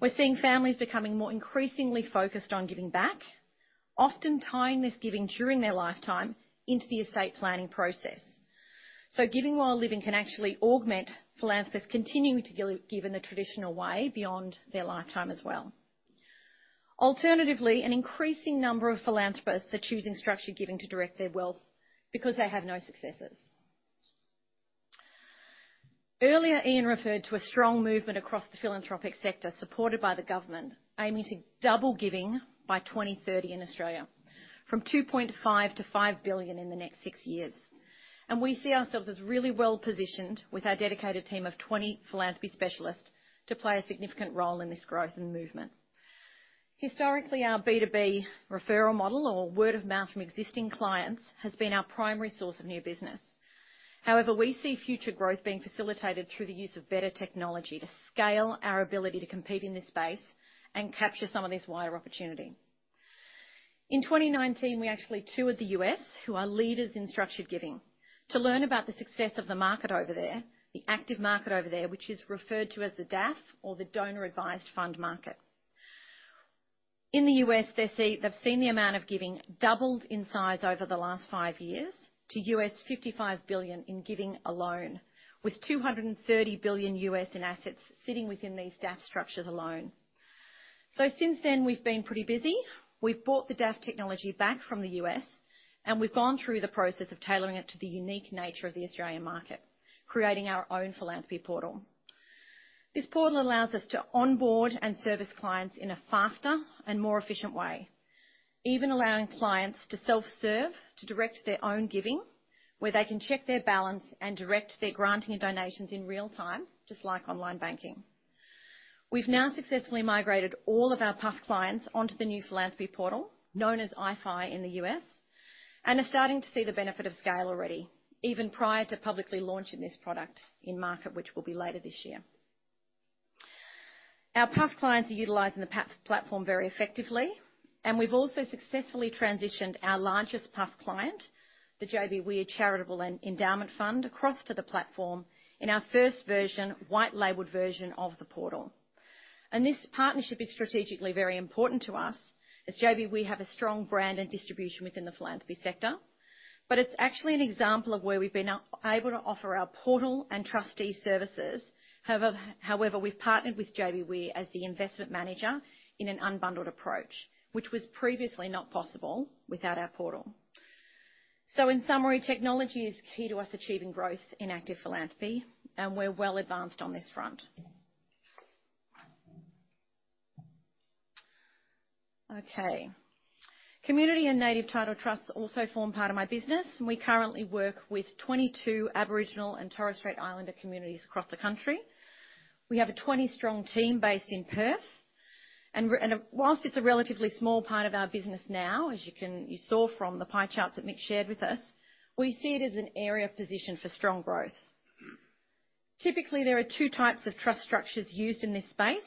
We're seeing families becoming more increasingly focused on giving back, often tying this giving during their lifetime into the estate planning process. So giving while living can actually augment philanthropists continuing to give in the traditional way beyond their lifetime as well. Alternatively, an increasing number of philanthropists are choosing structured giving to direct their wealth because they have no successes. Earlier, Ian referred to a strong movement across the philanthropic sector supported by the government aiming to double giving by 2030 in Australia from 2.5 billion-5 billion in the next six years. We see ourselves as really well-positioned with our dedicated team of 20 philanthropy specialists to play a significant role in this growth and movement. Historically, our B2B referral model or word-of-mouth from existing clients has been our primary source of new business. However, we see future growth being facilitated through the use of better technology to scale our ability to compete in this space and capture some of this wider opportunity. In 2019, we actually toured the U.S., who are leaders in structured giving, to learn about the success of the market over there, the active market over there, which is referred to as the DAF or the donor-advised fund market. In the U.S., they see they've seen the amount of giving doubled in size over the last five years to $55 billion in giving alone, with $230 billion in assets sitting within these DAF structures alone. Since then, we've been pretty busy. We've bought the DAF technology back from the U.S., and we've gone through the process of tailoring it to the unique nature of the Australian market, creating our own philanthropy portal. This portal allows us to onboard and service clients in a faster and more efficient way, even allowing clients to self-serve, to direct their own giving where they can check their balance and direct their granting and donations in real time, just like online banking. We've now successfully migrated all of our PuAF clients onto the new philanthropy portal known as iPhi in the U.S. and are starting to see the benefit of scale already, even prior to publicly launching this product in market, which will be later this year. Our PUF clients are utilizing the PAF platform very effectively, and we've also successfully transitioned our largest PUF client, the JB Were Charitable and Endowment Fund, across to the platform in our first version, white-labeled version of the portal. This partnership is strategically very important to us as JB Were have a strong brand and distribution within the philanthropy sector, but it's actually an example of where we've been able to offer our portal and trustee services. However, we've partnered with JB Were as the investment manager in an unbundled approach, which was previously not possible without our portal. In summary, technology is key to us achieving growth in active philanthropy, and we're well advanced on this front. Okay. Community and native title trusts also form part of my business. We currently work with 22 Aboriginal and Torres Strait Islander communities across the country. We have a 20-strong team based in Perth. While it's a relatively small part of our business now, as you saw from the pie charts that Mick shared with us, we see it as an area positioned for strong growth. Typically, there are two types of trust structures used in this space: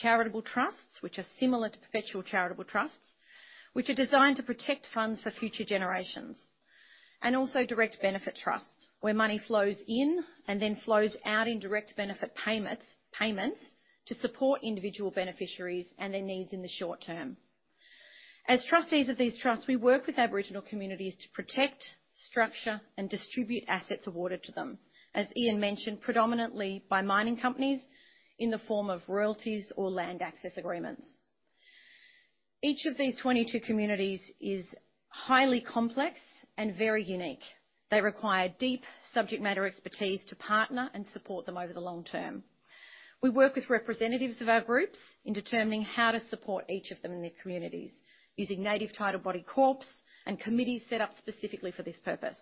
charitable trusts, which are similar to perpetual charitable trusts, which are designed to protect funds for future generations, and also direct benefit trusts where money flows in and then flows out in direct benefit payments to support individual beneficiaries and their needs in the short term. As trustees of these trusts, we work with Aboriginal communities to protect, structure, and distribute assets awarded to them, as Ian mentioned, predominantly by mining companies in the form of royalties or land access agreements. Each of these 22 communities is highly complex and very unique. They require deep subject matter expertise to partner and support them over the long term. We work with representatives of our groups in determining how to support each of them in their communities using native title body corps and committees set up specifically for this purpose.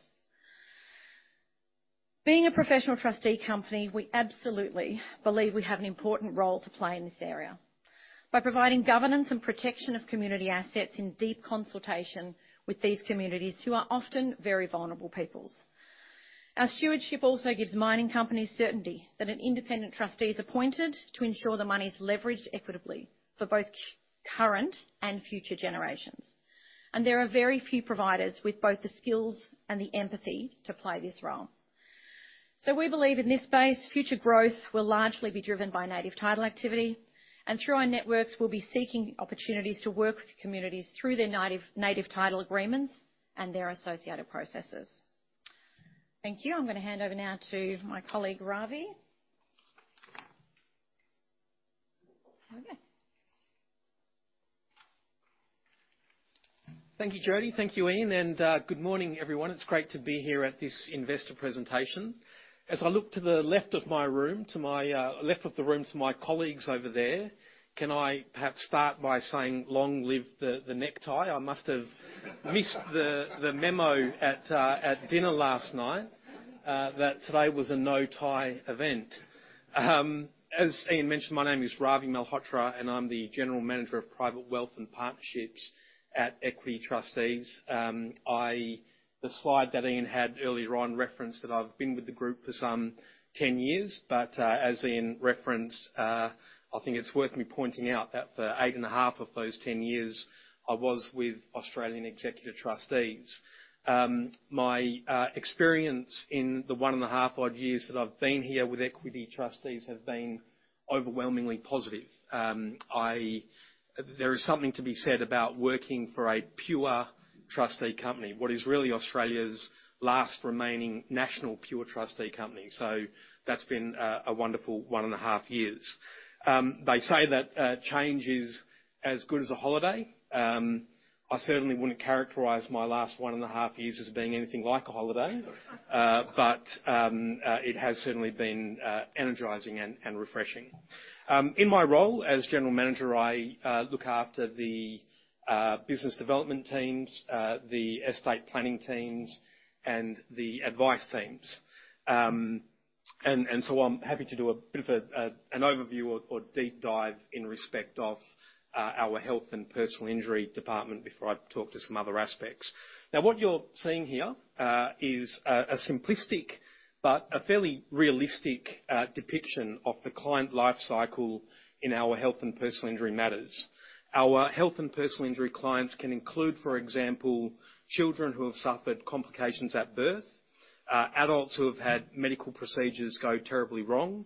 Being a professional trustee company, we absolutely believe we have an important role to play in this area by providing governance and protection of community assets in deep consultation with these communities who are often very vulnerable peoples. Our stewardship also gives mining companies certainty that an independent trustee is appointed to ensure the money's leveraged equitably for both current and future generations. And there are very few providers with both the skills and the empathy to play this role. So we believe in this space, future growth will largely be driven by native title activity, and through our networks, we'll be seeking opportunities to work with communities through their native title agreements and their associated processes. Thank you. I'm going to hand over now to my colleague Ravi. There we go. Thank you, Jody. Thank you, Ian. Good morning, everyone. It's great to be here at this investor presentation. As I look to the left of the room to my colleagues over there, can I perhaps start by saying long live the necktie? I must have missed the memo at dinner last night, that today was a no-tie event. As Ian mentioned, my name is Ravi Malhotra, and I'm the General Manager of Private Wealth and Partnerships at Equity Trustees. The slide that Ian had earlier on referenced that I've been with the group for some 10 years, but, as Ian referenced, I think it's worth me pointing out that for 8.5 of those 10 years, I was with Australian Executor Trustees. My experience in the 1.5-odd years that I've been here with Equity Trustees has been overwhelmingly positive. I, there is something to be said about working for a pure trustee company, what is really Australia's last remaining national pure trustee company. So that's been a wonderful 1.5 years. They say that change is as good as a holiday. I certainly wouldn't characterize my last 1.5 years as being anything like a holiday, but it has certainly been energizing and refreshing. In my role as general manager, I look after the business development teams, the estate planning teams, and the advice teams. And so I'm happy to do a bit of a a an overview or deep dive in respect of our health and personal injury department before I talk to some other aspects. Now, what you're seeing here, is a simplistic but a fairly realistic, depiction of the client life cycle in our health and personal injury matters. Our health and personal injury clients can include, for example, children who have suffered complications at birth, adults who have had medical procedures go terribly wrong,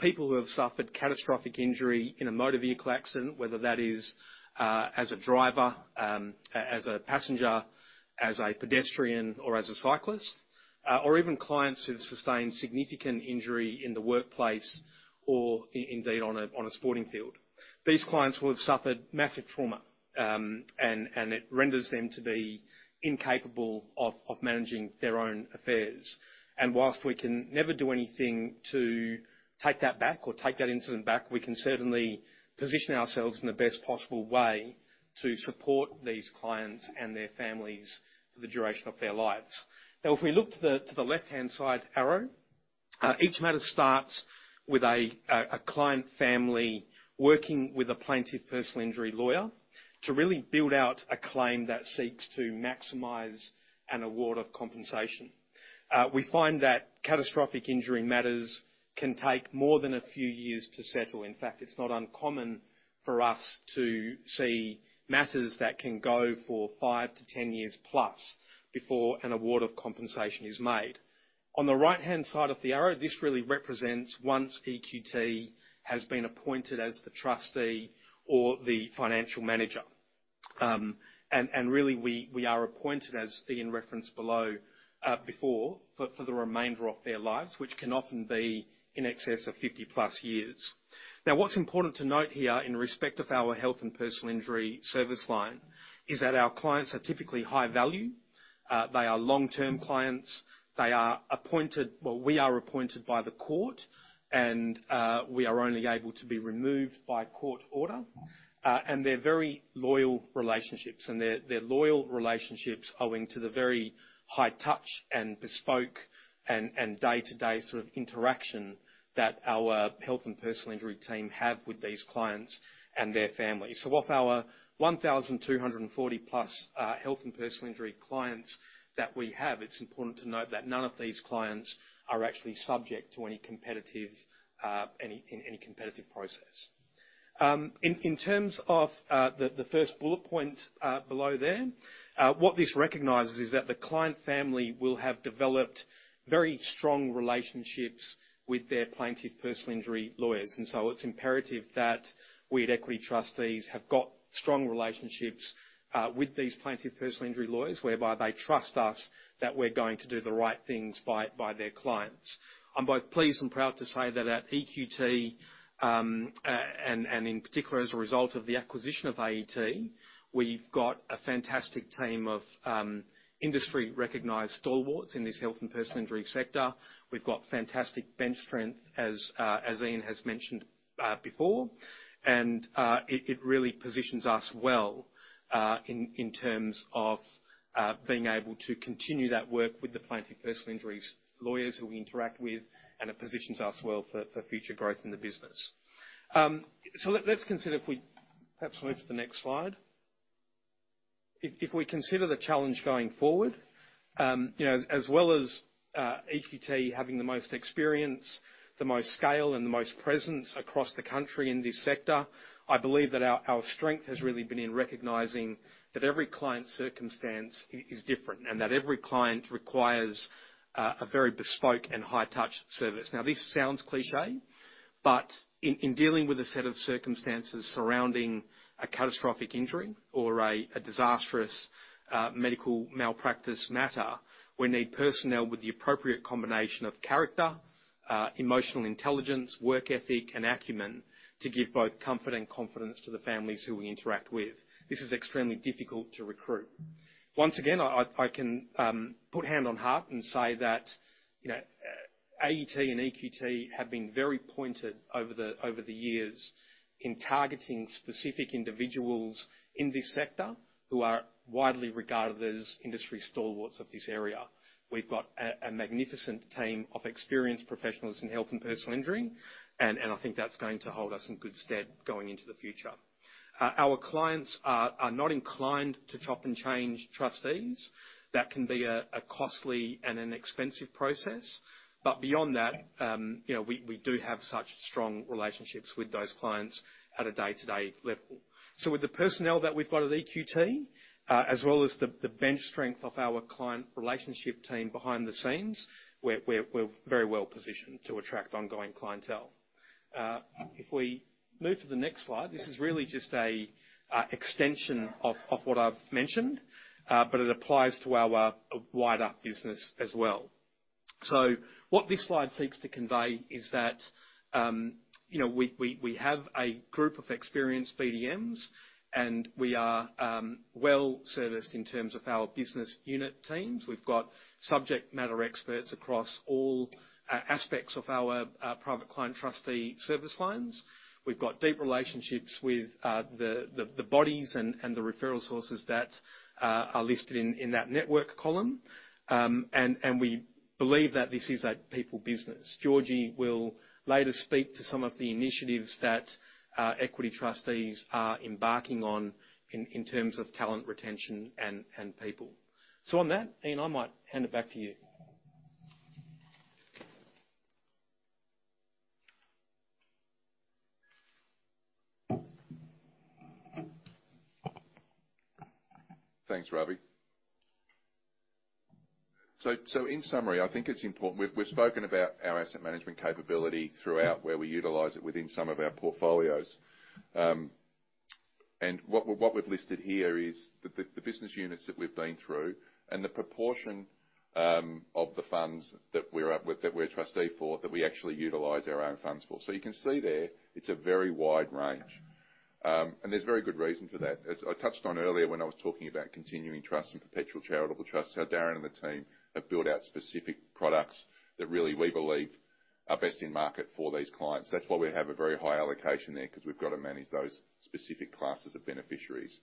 people who have suffered catastrophic injury in a motor vehicle accident, whether that is, as a driver, as a passenger, as a pedestrian, or as a cyclist, or even clients who've sustained significant injury in the workplace or, indeed, on a sporting field. These clients will have suffered massive trauma, and it renders them to be incapable of managing their own affairs. While we can never do anything to take that back or take that incident back, we can certainly position ourselves in the best possible way to support these clients and their families for the duration of their lives. Now, if we look to the left-hand side arrow, each matter starts with a client family working with a plaintiff personal injury lawyer to really build out a claim that seeks to maximize an award of compensation. We find that catastrophic injury matters can take more than a few years to settle. In fact, it's not uncommon for us to see matters that can go for 5-10 years plus before an award of compensation is made. On the right-hand side of the arrow, this really represents once EQT has been appointed as the trustee or the financial manager. really, we are appointed as Ian referenced before, for the remainder of their lives, which can often be in excess of 50+ years. Now, what's important to note here in respect of our health and personal injury service line is that our clients are typically high value. They are long-term clients. They are appointed well, we are appointed by the court, and we are only able to be removed by court order. And they're very loyal relationships, and they're loyal relationships owing to the very high touch and bespoke and day-to-day sort of interaction that our health and personal injury team have with these clients and their families. So whilst our 1,240+ health and personal injury clients that we have, it's important to note that none of these clients are actually subject to any competitive process. In terms of the first bullet point below there, what this recognizes is that the client family will have developed very strong relationships with their plaintiff personal injury lawyers. And so it's imperative that we at Equity Trustees have got strong relationships with these plaintiff personal injury lawyers whereby they trust us that we're going to do the right things by their clients. I'm both pleased and proud to say that at EQT, in particular as a result of the acquisition of AET, we've got a fantastic team of industry-recognized stalwarts in this health and personal injury sector. We've got fantastic bench strength as Ian has mentioned before. It really positions us well in terms of being able to continue that work with the plaintiff personal injuries lawyers who we interact with, and it positions us well for future growth in the business. So let's consider if we perhaps move to the next slide. If we consider the challenge going forward, you know, as well as EQT having the most experience, the most scale, and the most presence across the country in this sector, I believe that our strength has really been in recognizing that every client's circumstance is different and that every client requires a very bespoke and high-touch service. Now, this sounds cliché, but in dealing with a set of circumstances surrounding a catastrophic injury or a disastrous medical malpractice matter, we need personnel with the appropriate combination of character, emotional intelligence, work ethic, and acumen to give both comfort and confidence to the families who we interact with. This is extremely difficult to recruit. Once again, I can put hand on heart and say that, you know, AET and EQT have been very pointed over the years in targeting specific individuals in this sector who are widely regarded as industry stalwarts of this area. We've got a magnificent team of experienced professionals in health and personal injury, and I think that's going to hold us in good stead going into the future. Our clients are not inclined to chop and change trustees. That can be a costly and an expensive process. But beyond that, you know, we do have such strong relationships with those clients at a day-to-day level. So with the personnel that we've got at EQT, as well as the bench strength of our client relationship team behind the scenes, we're very well positioned to attract ongoing clientele. If we move to the next slide, this is really just an extension of what I've mentioned, but it applies to our wind-up business as well. So what this slide seeks to convey is that, you know, we have a group of experienced BDMs, and we are well-serviced in terms of our business unit teams. We've got subject matter experts across all aspects of our private client trustee service lines. We've got deep relationships with the bodies and the referral sources that are listed in that network column. And we believe that this is a people business. Georgie will later speak to some of the initiatives that Equity Trustees are embarking on in terms of talent retention and people. So on that, Ian, I might hand it back to you. Thanks, Ravi. So in summary, I think it's important we've spoken about our asset management capability throughout where we utilize it within some of our portfolios. What we've listed here is the business units that we've been through and the proportion of the funds that we're a trustee for that we actually utilize our own funds for. So you can see there, it's a very wide range. There's very good reason for that. As I touched on earlier when I was talking about continuing trust and perpetual charitable trust, how Darren and the team have built out specific products that really we believe are best in market for these clients. That's why we have a very high allocation there 'cause we've got to manage those specific classes of beneficiaries.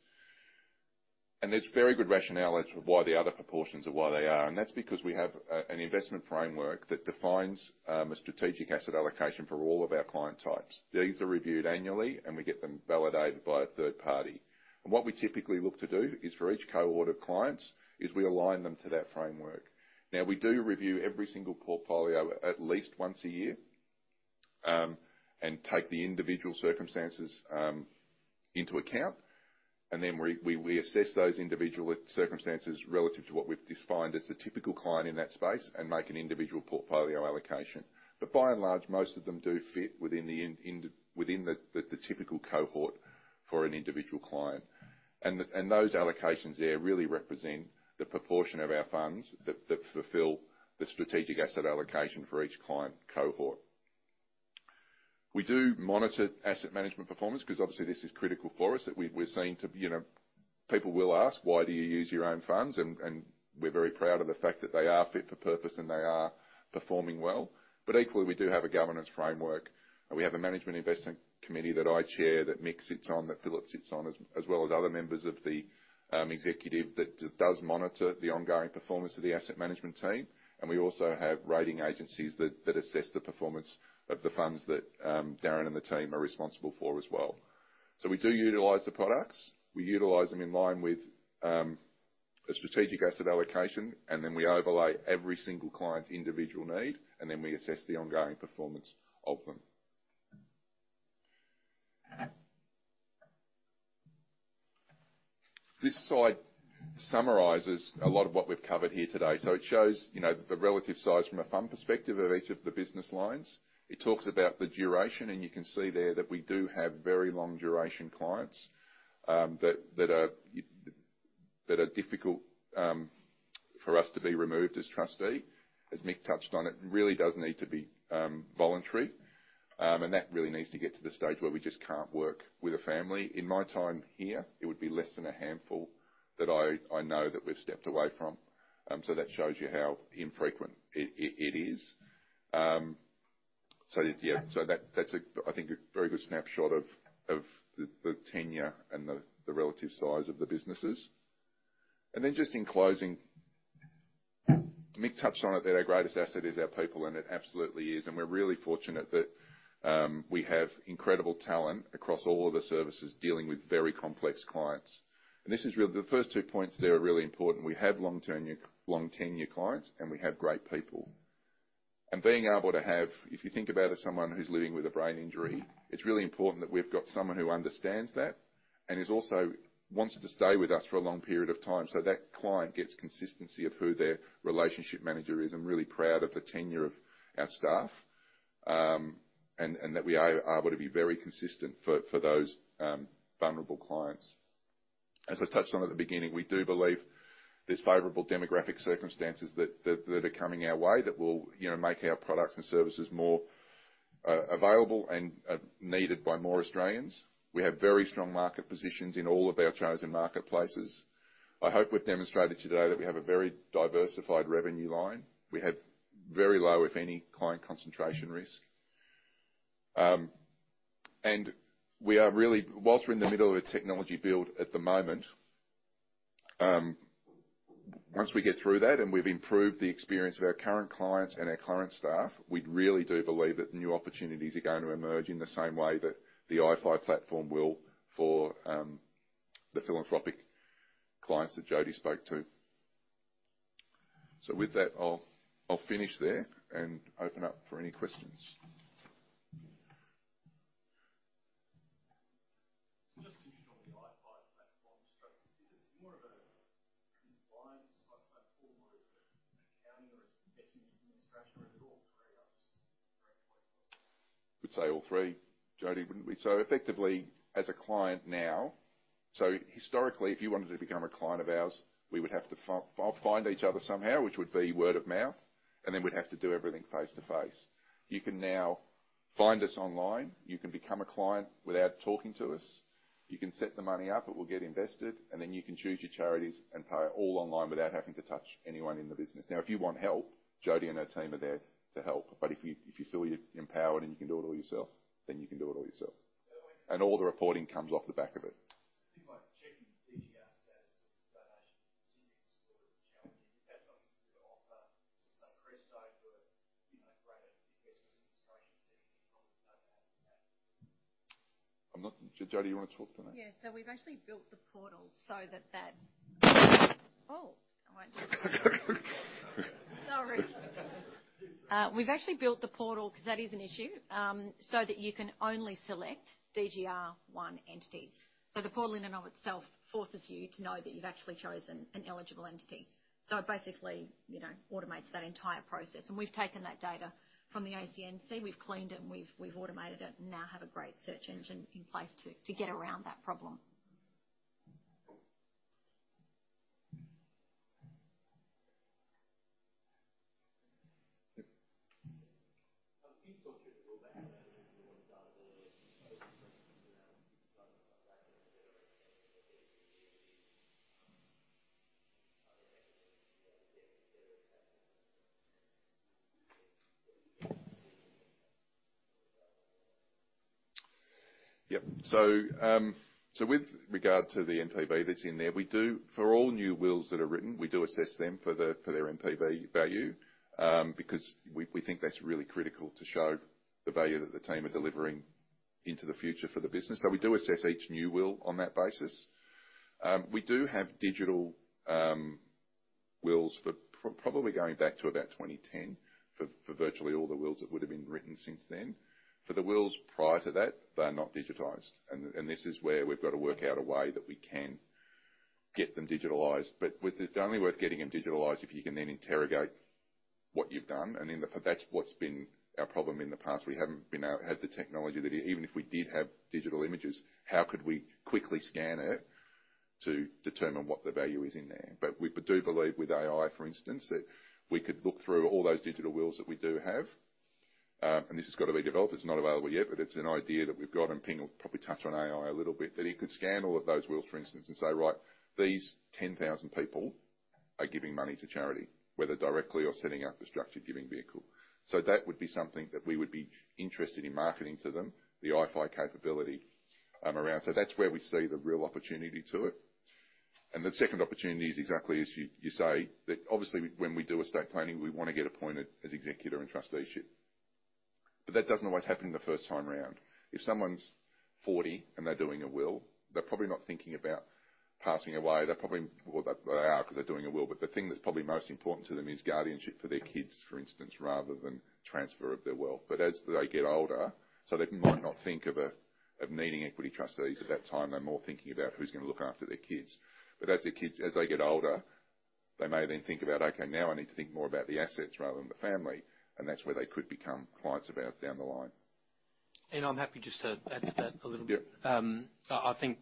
There's very good rationale as to why the other proportions are why they are. That's because we have an investment framework that defines a strategic asset allocation for all of our client types. These are reviewed annually, and we get them validated by a third party. What we typically look to do is for each cohort client is we align them to that framework. Now, we do review every single portfolio at least once a year and take the individual circumstances into account. And then we assess those individual circumstances relative to what we've defined as the typical client in that space and make an individual portfolio allocation. But by and large, most of them do fit within the typical cohort for an individual client. And those allocations there really represent the proportion of our funds that fulfill the strategic asset allocation for each client cohort. We do monitor asset management performance 'cause obviously, this is critical for us that we've seen, you know, people will ask, "Why do you use your own funds?" And we're very proud of the fact that they are fit for purpose and they are performing well. But equally, we do have a governance framework. We have a management investment committee that I chair that Mick sits on, that Philip sits on, as well as other members of the executive that does monitor the ongoing performance of the asset management team. And we also have rating agencies that assess the performance of the funds that Darren and the team are responsible for as well. So we do utilize the products. We utilize them in line with a strategic asset allocation, and then we overlay every single client's individual need, and then we assess the ongoing performance of them. This slide summarizes a lot of what we've covered here today. So it shows, you know, the relative size from a fund perspective of each of the business lines. It talks about the duration, and you can see there that we do have very long-duration clients that are difficult for us to be removed as trustee. As Mick touched on, it really does need to be voluntary, and that really needs to get to the stage where we just can't work with a family. In my time here, it would be less than a handful that I know that we've stepped away from, so that shows you how infrequent it is. So yeah. So that's, I think, a very good snapshot of the tenure and the relative size of the businesses. And then just in closing, Mick touched on it that our greatest asset is our people, and it absolutely is. And we're really fortunate that we have incredible talent across all of the services dealing with very complex clients. And this is really the first two points there are really important. We have long-term long-tenure clients, and we have great people. And being able to have, if you think about it, someone who's living with a brain injury, it's really important that we've got someone who understands that and who also wants to stay with us for a long period of time. So that client gets consistency of who their relationship manager is. I'm really proud of the tenure of our staff, and that we are able to be very consistent for those vulnerable clients. As I touched on at the beginning, we do believe there's favorable demographic circumstances that are coming our way that will, you know, make our products and services more available and needed by more Australians. We have very strong market positions in all of our chosen marketplaces. I hope we've demonstrated today that we have a very diversified revenue line. We have very low, if any, client concentration risk. We are really while we're in the middle of a technology build at the moment. Once we get through that and we've improved the experience of our current clients and our current staff, we'd really do believe that new opportunities are going to emerge in the same way that the iFi platform will for the philanthropic clients that Jody spoke to. So with that, I'll, I'll finish there and open up for any questions. So just in short, on the iFi platform, so is it more of a compliance platform, or is it accounting, or is it investment administration, or is it all three? I'm just very quick. I'd say all three, Jody, wouldn't we? So effectively, as a client now, so historically, if you wanted to become a client of ours, we would have to find each other somehow, which would be word of mouth, and then we'd have to do everything face to face. You can now find us online. You can become a client without talking to us. You can set the money up. It will get invested. And then you can choose your charities and pay all online without having to touch anyone in the business. Now, if you want help, Jody and her team are there to help. But if you feel you're empowered and you can do it all yourself, then you can do it all yourself. And all the reporting comes off the back of it. Things like checking DGR status of donation continuing to support is challenging. If you had something to offer, say, Crestone to a, you know, greater investment administration team, you'd probably know how to do that. I'm not Jody, do you wanna talk to that? Yeah. So we've actually built the portal 'cause that is an issue, so that you can only select DGR1 entities. So the portal in and of itself forces you to know that you've actually chosen an eligible entity. So it basically, you know, automates that entire process. And we've taken that data from the ACNC. We've cleaned it, and we've automated it and now have a great search engine in place to get around that problem. In short, Jody, will that allow the people who want data to open sources around to keep the data coming back in a better way than they did in the years earlier? Are there measures to be able to get better access to the data and use the data to do things like that in regards to the NPV? Yep. So with regard to the NPV that's in there, we do for all new wills that are written, we do assess them for their NPV value, because we think that's really critical to show the value that the team are delivering into the future for the business. So we do assess each new will on that basis. We do have digital wills for probably going back to about 2010 for virtually all the wills that would have been written since then. For the wills prior to that, they're not digitized. And this is where we've got to work out a way that we can get them digitized. But it's only worth getting them digitized if you can then interrogate what you've done. And in the for that's what's been our problem in the past. We haven't been able to have the technology that even if we did have digital images, how could we quickly scan it to determine what the value is in there? But we do believe with AI, for instance, that we could look through all those digital wills that we do have. And this has got to be developed. It's not available yet, but it's an idea that we've got. And Phing will probably touch on AI a little bit, that it could scan all of those wills, for instance, and say, "Right. These 10,000 people are giving money to charity, whether directly or setting up a structured giving vehicle." So that would be something that we would be interested in marketing to them, the iFi capability, around. So that's where we see the real opportunity to it. And the second opportunity is exactly as you say, that obviously, when we do estate planning, we wanna get appointed as executor and trusteeship. But that doesn't always happen in the first time round. If someone's 40 and they're doing a will, they're probably not thinking about passing away. They're probably well, they are 'cause they're doing a will. But the thing that's probably most important to them is guardianship for their kids, for instance, rather than transfer of their wealth. But as they get older so they might not think of of needing Equity Trustees at that time. They're more thinking about who's gonna look after their kids. But as their kids as they get older, they may then think about, "Okay. Now, I need to think more about the assets rather than the family." That's where they could become clients of ours down the line. I'm happy just to add to that a little bit. Yep. I think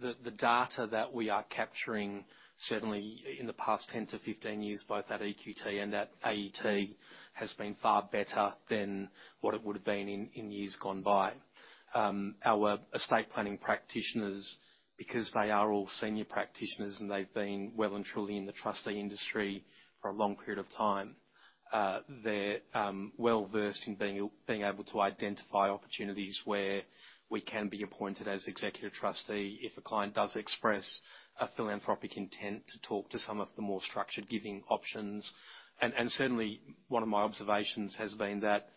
the data that we are capturing, certainly in the past 10-15 years, both at EQT and at AET, has been far better than what it would have been in years gone by. Our estate planning practitioners, because they are all senior practitioners and they've been well and truly in the trustee industry for a long period of time, they're well-versed in being able to identify opportunities where we can be appointed as executor trustee if a client does express a philanthropic intent to talk to some of the more structured giving options. Certainly, one of my observations has been that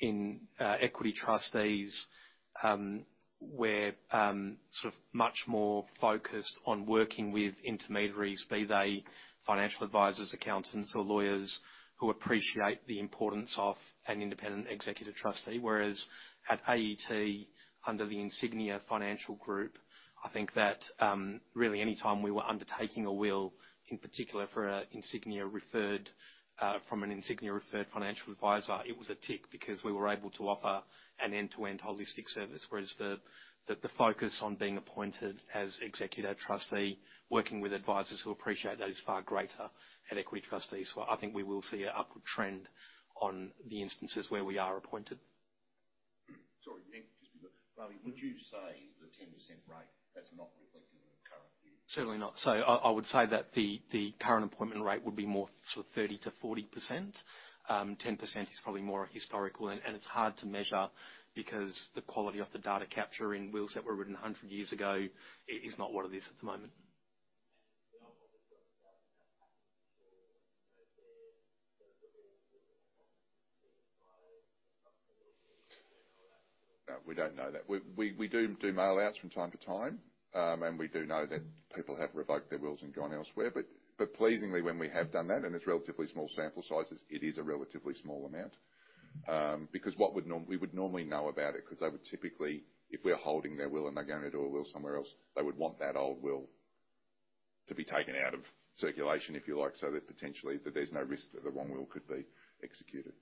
in Equity Trustees, we're sort of much more focused on working with intermediaries, be they financial advisors, accountants, or lawyers, who appreciate the importance of an independent executor trustee. Whereas at AET, under the Insignia Financial Group, I think that, really, anytime we were undertaking a will, in particular for a Insignia referred, from an Insignia referred financial advisor, it was a tick because we were able to offer an end-to-end holistic service. Whereas the focus on being appointed as executor trustee, working with advisors who appreciate that, is far greater at Equity Trustees. So I think we will see an upward trend on the instances where we are appointed. Sorry. Mick, excuse me. But, Ravi, would you say the 10% rate, that's not reflected in the current year? Certainly not. So I would say that the current appointment rate would be more sort of 30%-40%. 10% is probably more historical. And it's hard to measure because the quality of the data capture in wills that were written 100 years ago is not what it is at the moment. The opposite of the doubt about packaging for sure, or you know, if they're sort of all wills are possibly being signed by a trusting authority? Do you know that? No, we don't know that. We do do mailouts from time to time, and we do know that people have revoked their wills and gone elsewhere. But pleasingly, when we have done that, and it's relatively small sample sizes, it is a relatively small amount, because what would we would normally know about it 'cause they would typically if we're holding their will and they're going to do a will somewhere else, they would want that old will to be taken out of circulation, if you like, so that potentially that there's no risk that the wrong will could be executed.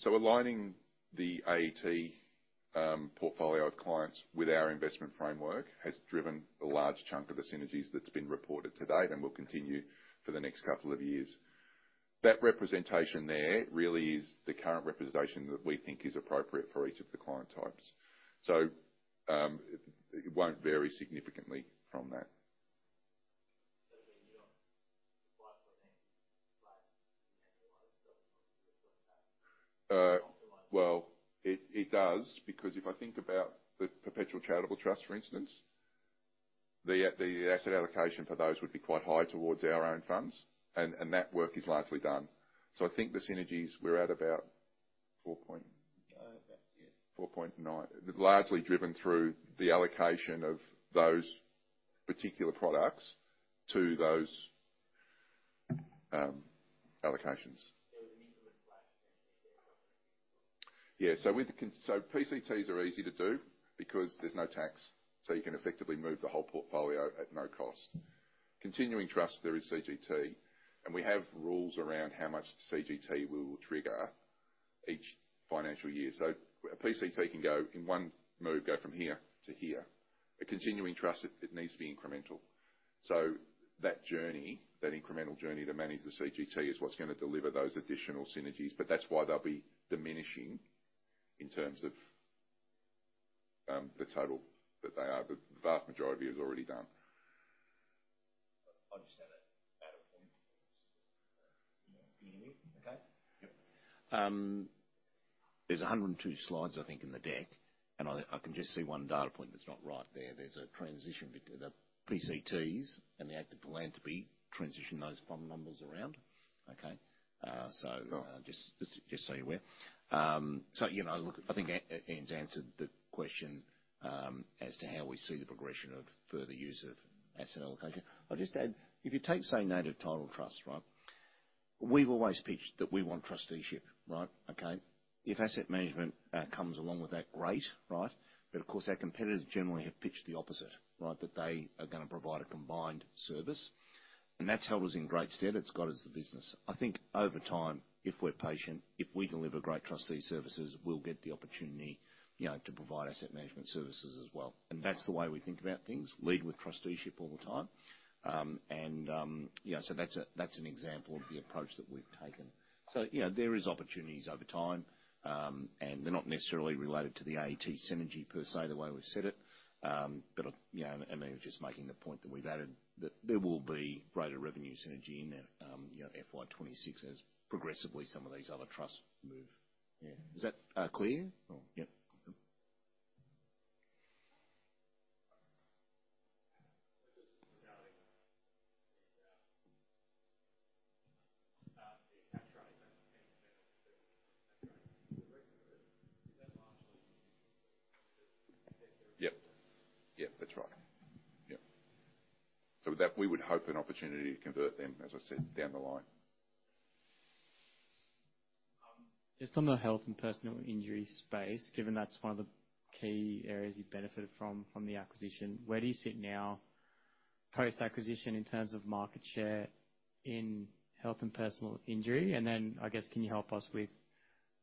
And Mick, you've alluded to the risk of expectation in terms of externalization of that potential. You've said the chance to have data and to expect it to become much. I mean, there's a concurrent line. So there's some that will never get too high, or are they just sort of aligning through the contract within the asset? So aligning the AET portfolio of clients with our investment framework has driven a large chunk of the synergies that's been reported to date and will continue for the next couple of years. That representation there really is the current representation that we think is appropriate for each of the client types. So, it won't vary significantly from that. So then you don't apply for an active flat annualized double-concrete contract? Well, it does because if I think about the Perpetual Charitable Trust, for instance, the asset allocation for those would be quite high towards our own funds. And that work is largely done. So I think the synergies we're at about four point. Oh, okay. Yeah. 4.9. Largely driven through the allocation of those particular products to those allocations. There was an increment flat potentially there? Yeah. So with the continuing, so PCTs are easy to do because there's no tax. So you can effectively move the whole portfolio at no cost. Continuing trust, there is CGT. And we have rules around how much CGT will trigger each financial year. So a PCT can go in one move, go from here to here. A continuing trust, it needs to be incremental. So that journey, that incremental journey to manage the CGT is what's gonna deliver those additional synergies. But that's why they'll be diminishing in terms of, the total that they are. The vast majority is already done. I understand that. Adam? You know, PME? Okay. Yep. There's 102 slides, I think, in the deck. I can just see one data point that's not right there. There's a transition between the PCTs and the active philanthropy transition those fund numbers around. Okay? So. Oh. Just so you're aware. So, you know, look, I think Ian's answered the question, as to how we see the progression of further use of asset allocation. I'll just add, if you take, say, Native Title Trust, right? We've always pitched that we want trusteeship, right? Okay? If asset management comes along with that, great, right? But of course, our competitors generally have pitched the opposite, right, that they are gonna provide a combined service. And that's held us in great stead. It's got us the business. I think over time, if we're patient, if we deliver great trustee services, we'll get the opportunity, you know, to provide asset management services as well. And that's the way we think about things, lead with trusteeship all the time. And, you know, so that's an example of the approach that we've taken. So, you know, there is opportunities over time, and they're not necessarily related to the AET synergy per se the way we've set it. But I you know, and, and I'm just making the point that we've added that there will be greater revenue synergy in there, you know, FY26 as progressively some of these other trusts move. Yeah. Is that clear? Or yep. Regarding the tax rate that came in generally for services and tax rate on the regular, is that largely due to sort of limited sector? Yep. Yep. That's right. Yep. So with that, we would hope an opportunity to convert them, as I said, down the line. Just on the health and personal injury space, given that's one of the key areas you benefited from, from the acquisition, where do you sit now post-acquisition in terms of market share in health and personal injury? And then, I guess, can you help us with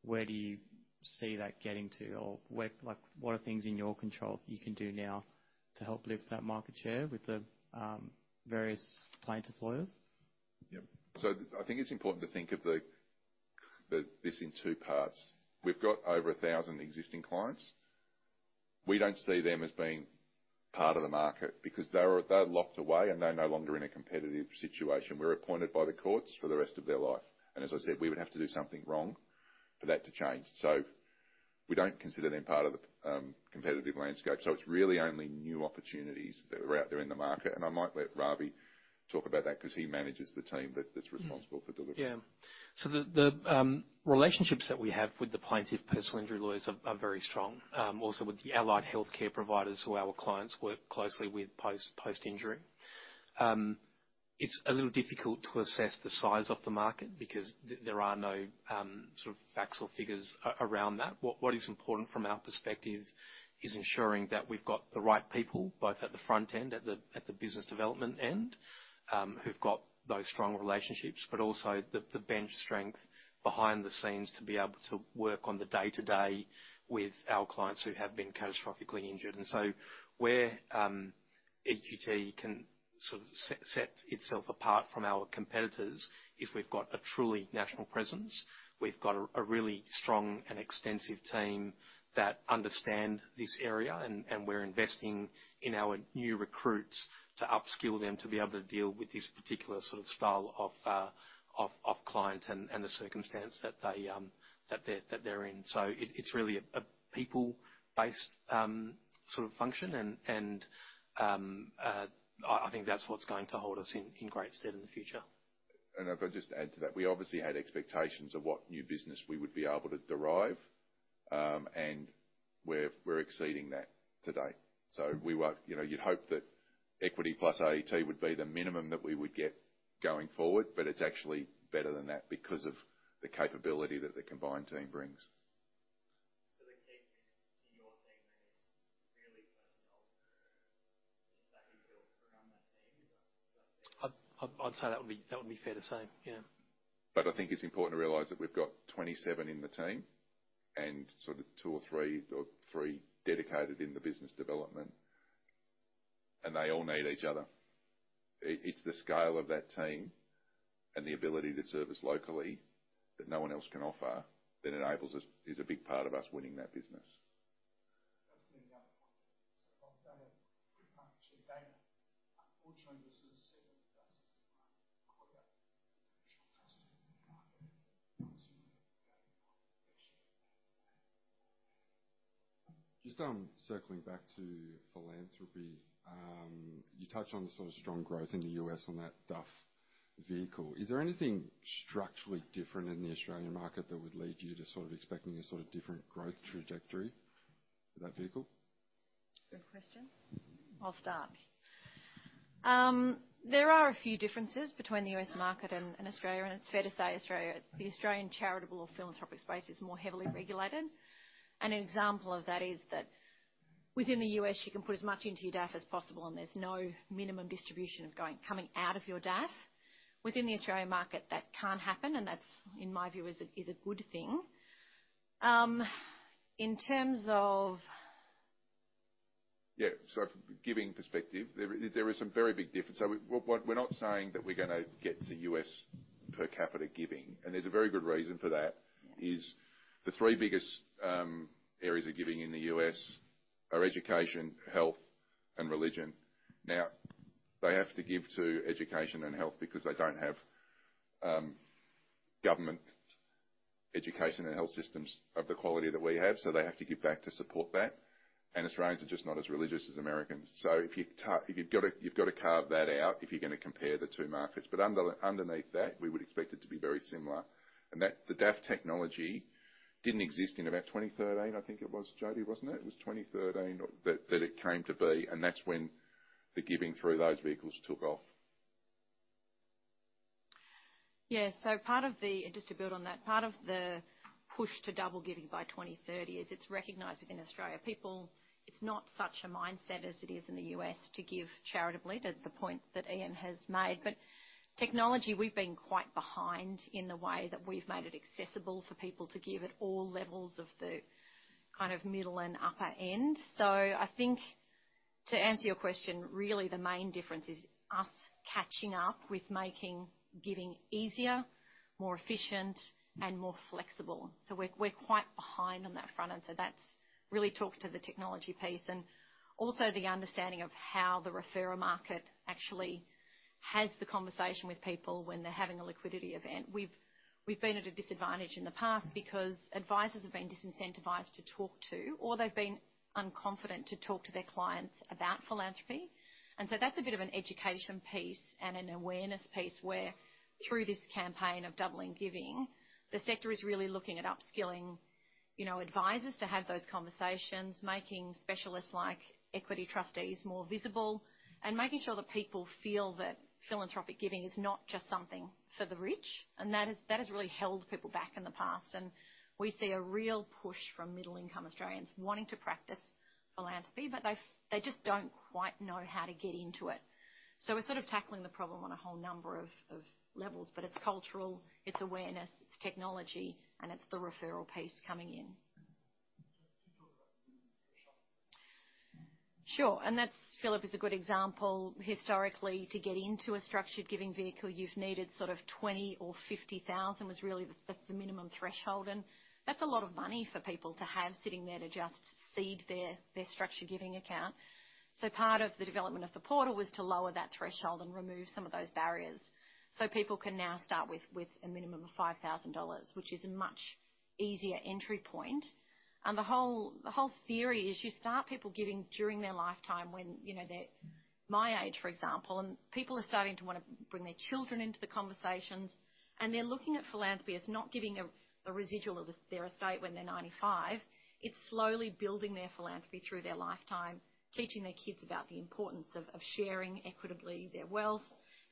where do you see that getting to? Or where, like, what are things in your control that you can do now to help lift that market share with the various plaintiff lawyers? Yep. So I think it's important to think of the this in two parts. We've got over 1,000 existing clients. We don't see them as being part of the market because they're locked away, and they're no longer in a competitive situation. We're appointed by the courts for the rest of their life. And as I said, we would have to do something wrong for that to change. So we don't consider them part of the competitive landscape. So it's really only new opportunities that are out there in the market. And I might let Riley talk about that 'cause he manages the team that's responsible for delivering. Yeah. So the relationships that we have with the plaintiff personal injury lawyers are very strong, also with the allied healthcare providers who our clients work closely with post-injury. It's a little difficult to assess the size of the market because there are no sort of facts or figures around that. What is important from our perspective is ensuring that we've got the right people, both at the front end, at the business development end, who've got those strong relationships, but also the bench strength behind the scenes to be able to work on the day-to-day with our clients who have been catastrophically injured. And so where EQT can sort of set itself apart from our competitors is we've got a truly national presence. We've got a really strong and extensive team that understand this area. And we're investing in our new recruits to upskill them to be able to deal with this particular sort of style of client and the circumstance that they're in. So it's really a people-based sort of function. And I think that's what's going to hold us in great stead in the future. If I just add to that, we obviously had expectations of what new business we would be able to derive, and we're exceeding that to date. We were, you know, you'd hope that Equity plus AET would be the minimum that we would get going forward, but it's actually better than that because of the capability that the combined team brings. So the key risk to your team, I guess, really personnel is that you feel around that team. Is that fair? I'd say that would be fair to say. Yeah. I think it's important to realize that we've got 27 in the team and sort of two or three or three dedicated in the business development. And they all need each other. It's the scale of that team and the ability to service locally that no one else can offer that enables us is a big part of us winning that business. I'm just gonna jump onto so I'm gonna pick up some data. Unfortunately, this is a segment that doesn't seem like clear. The professional trust in the market, obviously, we're getting more efficient at. Just, circling back to philanthropy, you touched on the sort of strong growth in the U.S. on that DAF vehicle. Is there anything structurally different in the Australian market that would lead you to sort of expecting a sort of different growth trajectory for that vehicle? Good question. I'll start. There are a few differences between the U.S. market and Australia. It's fair to say Australia, the Australian charitable or philanthropic space is more heavily regulated. An example of that is that within the U.S., you can put as much into your DAF as possible, and there's no minimum distribution of going coming out of your DAF. Within the Australian market, that can't happen. That's, in my view, a good thing. In terms of. Yeah. So for giving perspective, there is some very big difference. So we're not saying that we're gonna get to U.S. per capita giving. There's a very good reason for that. Yeah. The three biggest areas of giving in the U.S. are education, health, and religion. Now, they have to give to education and health because they don't have government education and health systems of the quality that we have. So they have to give back to support that. And Australians are just not as religious as Americans. So if you've gotta, you've gotta carve that out if you're gonna compare the two markets. But underneath that, we would expect it to be very similar. And that the DAF technology didn't exist in about 2013, I think it was, Jody, wasn't it? It was 2013 that it came to be. And that's when the giving through those vehicles took off. Yeah. So, just to build on that, part of the push to double giving by 2030 is it's recognized within Australia. People, it's not such a mindset as it is in the U.S. to give charitably, to the point that Ian has made. But technology, we've been quite behind in the way that we've made it accessible for people to give at all levels of the kind of middle and upper end. So I think, to answer your question, really, the main difference is us catching up with making giving easier, more efficient, and more flexible. So we're quite behind on that front. And so that's really talked to the technology piece and also the understanding of how the referral market actually has the conversation with people when they're having a liquidity event. We've been at a disadvantage in the past because advisors have been disincentivized to talk to, or they've been unconfident to talk to their clients about philanthropy. And so that's a bit of an education piece and an awareness piece where, through this campaign of doubling giving, the sector is really looking at upskilling, you know, advisors to have those conversations, making specialists like Equity Trustees more visible, and making sure that people feel that philanthropic giving is not just something for the rich. And that has really held people back in the past. And we see a real push from middle-income Australians wanting to practice philanthropy, but they just don't quite know how to get into it. So we're sort of tackling the problem on a whole number of levels. But it's cultural. It's awareness. It's technology. And it's the referral piece coming in. Just to talk about the minimum threshold. Sure. And that's Philip is a good example. Historically, to get into a structured giving vehicle, you've needed sort of 20,000 or 50,000 was really the minimum threshold. And that's a lot of money for people to have sitting there to just seed their structured giving account. So part of the development of the portal was to lower that threshold and remove some of those barriers. So people can now start with a minimum of 5,000 dollars, which is a much easier entry point. And the whole theory is you start people giving during their lifetime when, you know, they're my age, for example. And people are starting to wanna bring their children into the conversations. And they're looking at philanthropy as not giving a residual of their estate when they're 95. It's slowly building their philanthropy through their lifetime, teaching their kids about the importance of, of sharing equitably their wealth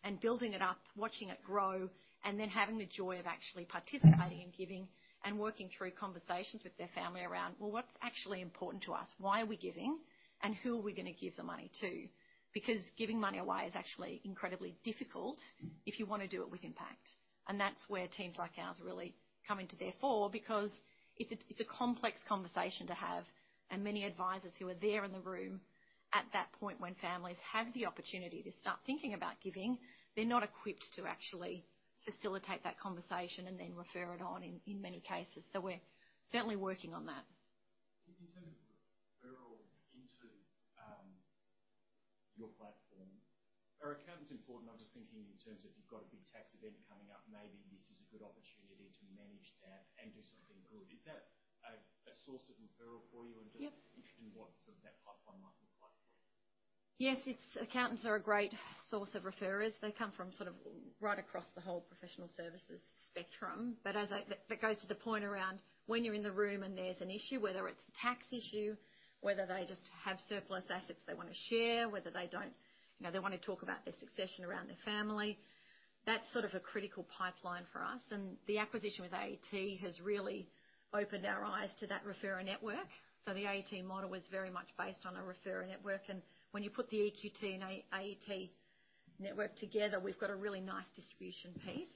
and building it up, watching it grow, and then having the joy of actually participating in giving and working through conversations with their family around, "Well, what's actually important to us? Why are we giving? And who are we gonna give the money to?" Because giving money away is actually incredibly difficult if you wanna do it with impact. And that's where teams like ours really come to the fore because it's a complex conversation to have. And many advisors who are there in the room at that point when families have the opportunity to start thinking about giving, they're not equipped to actually facilitate that conversation and then refer it on in many cases. So we're certainly working on that. In terms of referrals into your platform, are accountants important? I'm just thinking in terms of you've got a big tax event coming up. Maybe this is a good opportunity to manage that and do something good. Is that a source of referral for you and just. Yep. Interested in what sort of that platform might look like for you? Yes. Its accountants are a great source of referrers. They come from sort of right across the whole professional services spectrum. But that goes to the point around when you're in the room and there's an issue, whether it's a tax issue, whether they just have surplus assets they wanna share, whether they don't you know, they wanna talk about their succession around their family, that's sort of a critical pipeline for us. And the acquisition with AET has really opened our eyes to that referral network. So the AET model was very much based on a referral network. And when you put the EQT and AET network together, we've got a really nice distribution piece.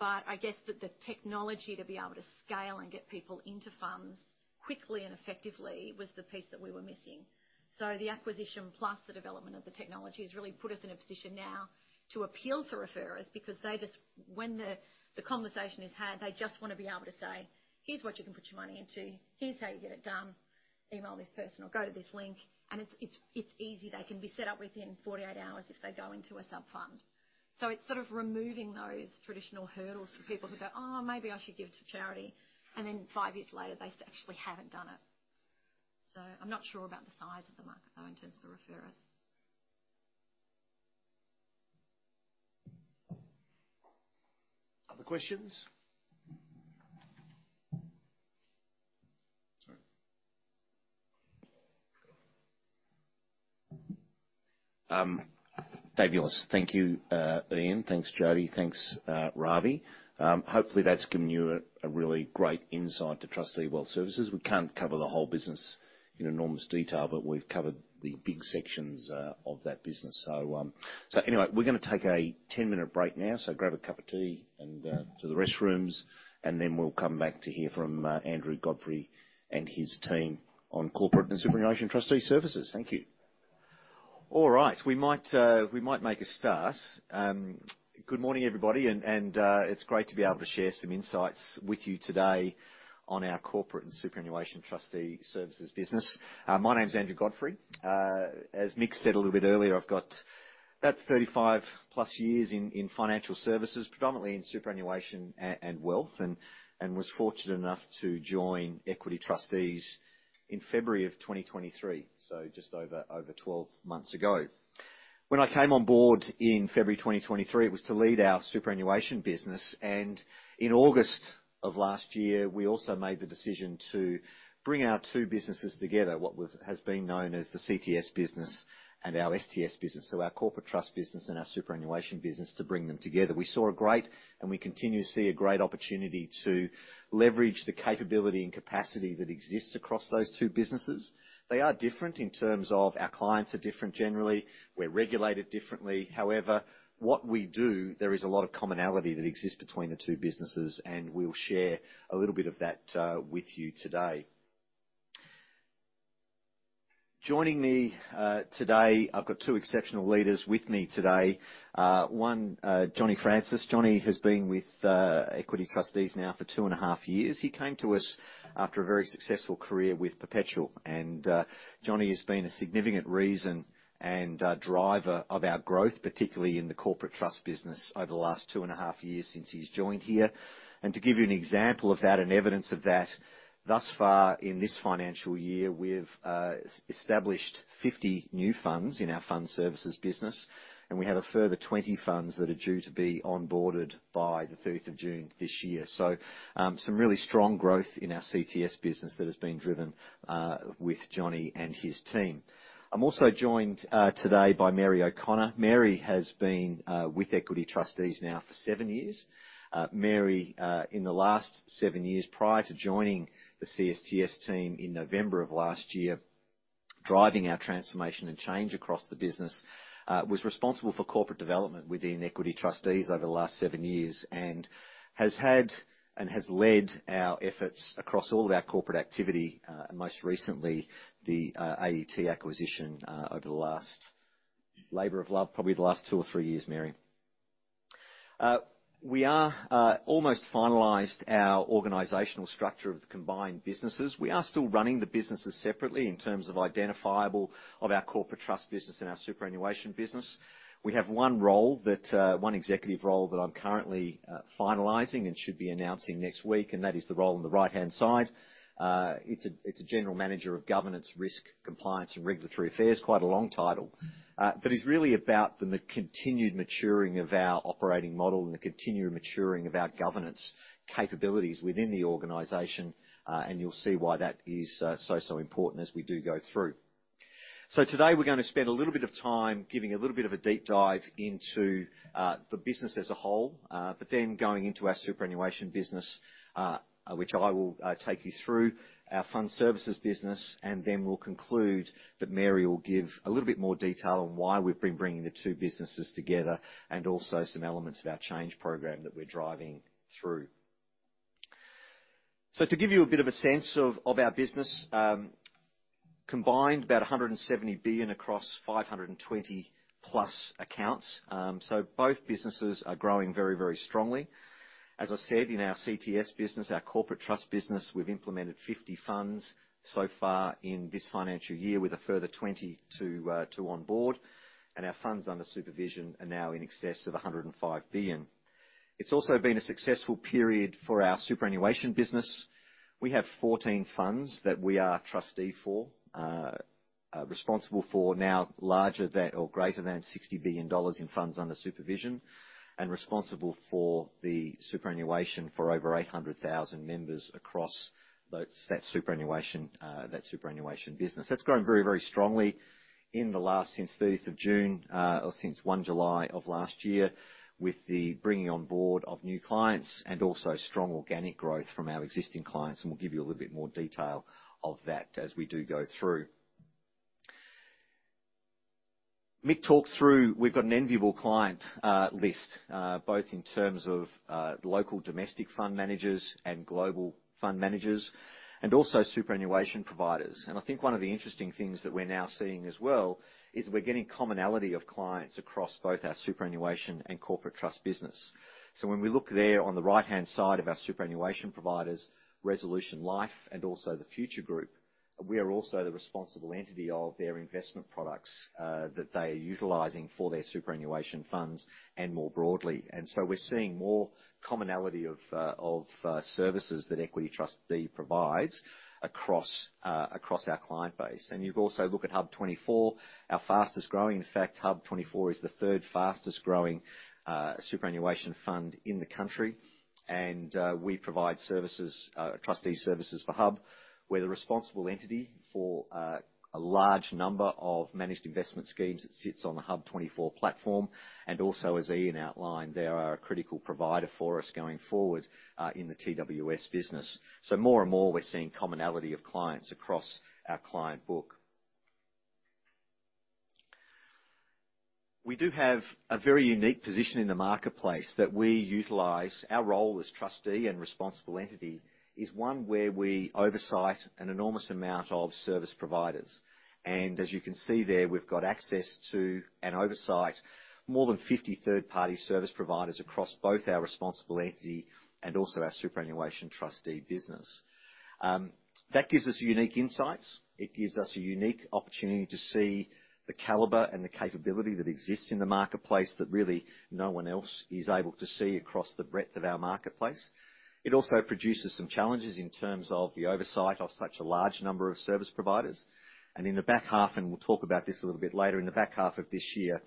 But I guess that the technology to be able to scale and get people into funds quickly and effectively was the piece that we were missing. So the acquisition plus the development of the technology has really put us in a position now to appeal to referrers because they just, when the conversation is had, they just wanna be able to say, "Here's what you can put your money into. Here's how you get it done. Email this person or go to this link." And it's easy. They can be set up within 48 hours if they go into a sub-fund. So it's sort of removing those traditional hurdles for people who go, "Oh, maybe I should give to charity." And then five years later, they actually haven't done it. So I'm not sure about the size of the market, though, in terms of the referrers. Other questions? Sorry. Adios, thank you, Ian. Thanks, Jody. Thanks, Riley. Hopefully, that's given you a really great insight to Trustee Wealth Services. We can't cover the whole business in enormous detail, but we've covered the big sections of that business. So anyway, we're gonna take a 10-minute break now. So grab a cup of tea and to the restrooms. And then we'll come back to hear from Andrew Godfrey and his team on corporate and superannuation trustee services. Thank you. All right. We might make a start. Good morning, everybody. And it's great to be able to share some insights with you today on our corporate and superannuation trustee services business. My name's Andrew Godfrey. As Mick said a little bit earlier, I've got about 35+ years in financial services, predominantly in superannuation and wealth, and was fortunate enough to join Equity Trustees in February of 2023, so just over 12 months ago. When I came on board in February 2023, it was to lead our superannuation business. In August of last year, we also made the decision to bring our two businesses together, what has been known as the CTS business and our STS business, so our corporate trust business and our superannuation business, to bring them together. We saw a great and we continue to see a great opportunity to leverage the capability and capacity that exists across those two businesses. They are different in terms of our clients are different generally. We're regulated differently. However, what we do, there is a lot of commonality that exists between the two businesses. And we'll share a little bit of that, with you today. Joining me, today, I've got two exceptional leaders with me today. One, Johnny Francis. Johnny has been with Equity Trustees now for two and a half years. He came to us after a very successful career with Perpetual. And, Johnny has been a significant reason and, driver of our growth, particularly in the corporate trust business over the last two and a half years since he's joined here. And to give you an example of that and evidence of that, thus far in this financial year, we've established 50 new funds in our fund services business. And we have a further 20 funds that are due to be onboarded by the 30th of June this year. So, some really strong growth in our CTS business that has been driven with Johnny and his team. I'm also joined today by Mary O'Connor. Mary has been with Equity Trustees now for seven years. Mary, in the last seven years prior to joining the CSTS team in November of last year, driving our transformation and change across the business, was responsible for corporate development within Equity Trustees over the last seven years and has had and has led our efforts across all of our corporate activity, and most recently, the AET acquisition, over the last labor of love, probably the last two or three years, Mary. We are almost finalized our organizational structure of the combined businesses. We are still running the businesses separately in terms of identifiability of our corporate trust business and our superannuation business. We have one executive role that I'm currently finalizing and should be announcing next week. That is the role on the right-hand side. It's a general manager of governance, risk, compliance, and regulatory affairs, quite a long title, but is really about the continued maturing of our operating model and the continual maturing of our governance capabilities within the organization. And you'll see why that is so important as we do go through. Today, we're gonna spend a little bit of time giving a little bit of a deep dive into the business as a whole, but then going into our superannuation business, which I will take you through, our fund services business. Then we'll conclude that Mary will give a little bit more detail on why we've been bringing the two businesses together and also some elements of our change program that we're driving through. So to give you a bit of a sense of, of our business, combined, 170 billion across 520+ accounts. So both businesses are growing very, very strongly. As I said, in our CTS business, our corporate trust business, we've implemented 50 funds so far in this financial year with a further 20 to, to onboard. And our funds under supervision are now in excess of 105 billion. It's also been a successful period for our superannuation business. We have 14 funds that we are trustee for, responsible for, now larger than or greater than 60 billion dollars in funds under supervision and responsible for the superannuation for over 800,000 members across those that superannuation, that superannuation business. That's grown very, very strongly in the last since 30th of June, or since 1 July of last year with the bringing on board of new clients and also strong organic growth from our existing clients. We'll give you a little bit more detail of that as we do go through. Mick talks through we've got an enviable client list, both in terms of local domestic fund managers and global fund managers and also superannuation providers. I think one of the interesting things that we're now seeing as well is we're getting commonality of clients across both our superannuation and corporate trust business. So when we look there on the right-hand side of our superannuation providers, Resolution Life and also the Future Group, we are also the responsible entity of their investment products, that they are utilizing for their superannuation funds and more broadly. And so we're seeing more commonality of services that Equity Trustees provides across our client base. And you also look at HUB24, our fastest growing. In fact, HUB24 is the third fastest growing superannuation fund in the country. And we provide services, trustee services for HUB; we're the responsible entity for a large number of managed investment schemes that sits on the HUB24 platform. And also, as Ian outlined, they are a critical provider for us going forward, in the TWS business. So more and more, we're seeing commonality of clients across our client book. We do have a very unique position in the marketplace that we utilize our role as trustee and responsible entity is one where we oversee an enormous amount of service providers. As you can see there, we've got access to and oversight more than 50 third-party service providers across both our responsible entity and also our superannuation trustee business. That gives us unique insights. It gives us a unique opportunity to see the caliber and the capability that exists in the marketplace that really no one else is able to see across the breadth of our marketplace. It also produces some challenges in terms of the oversight of such a large number of service providers. In the back half, and we'll talk about this a little bit later, in the back half of this year,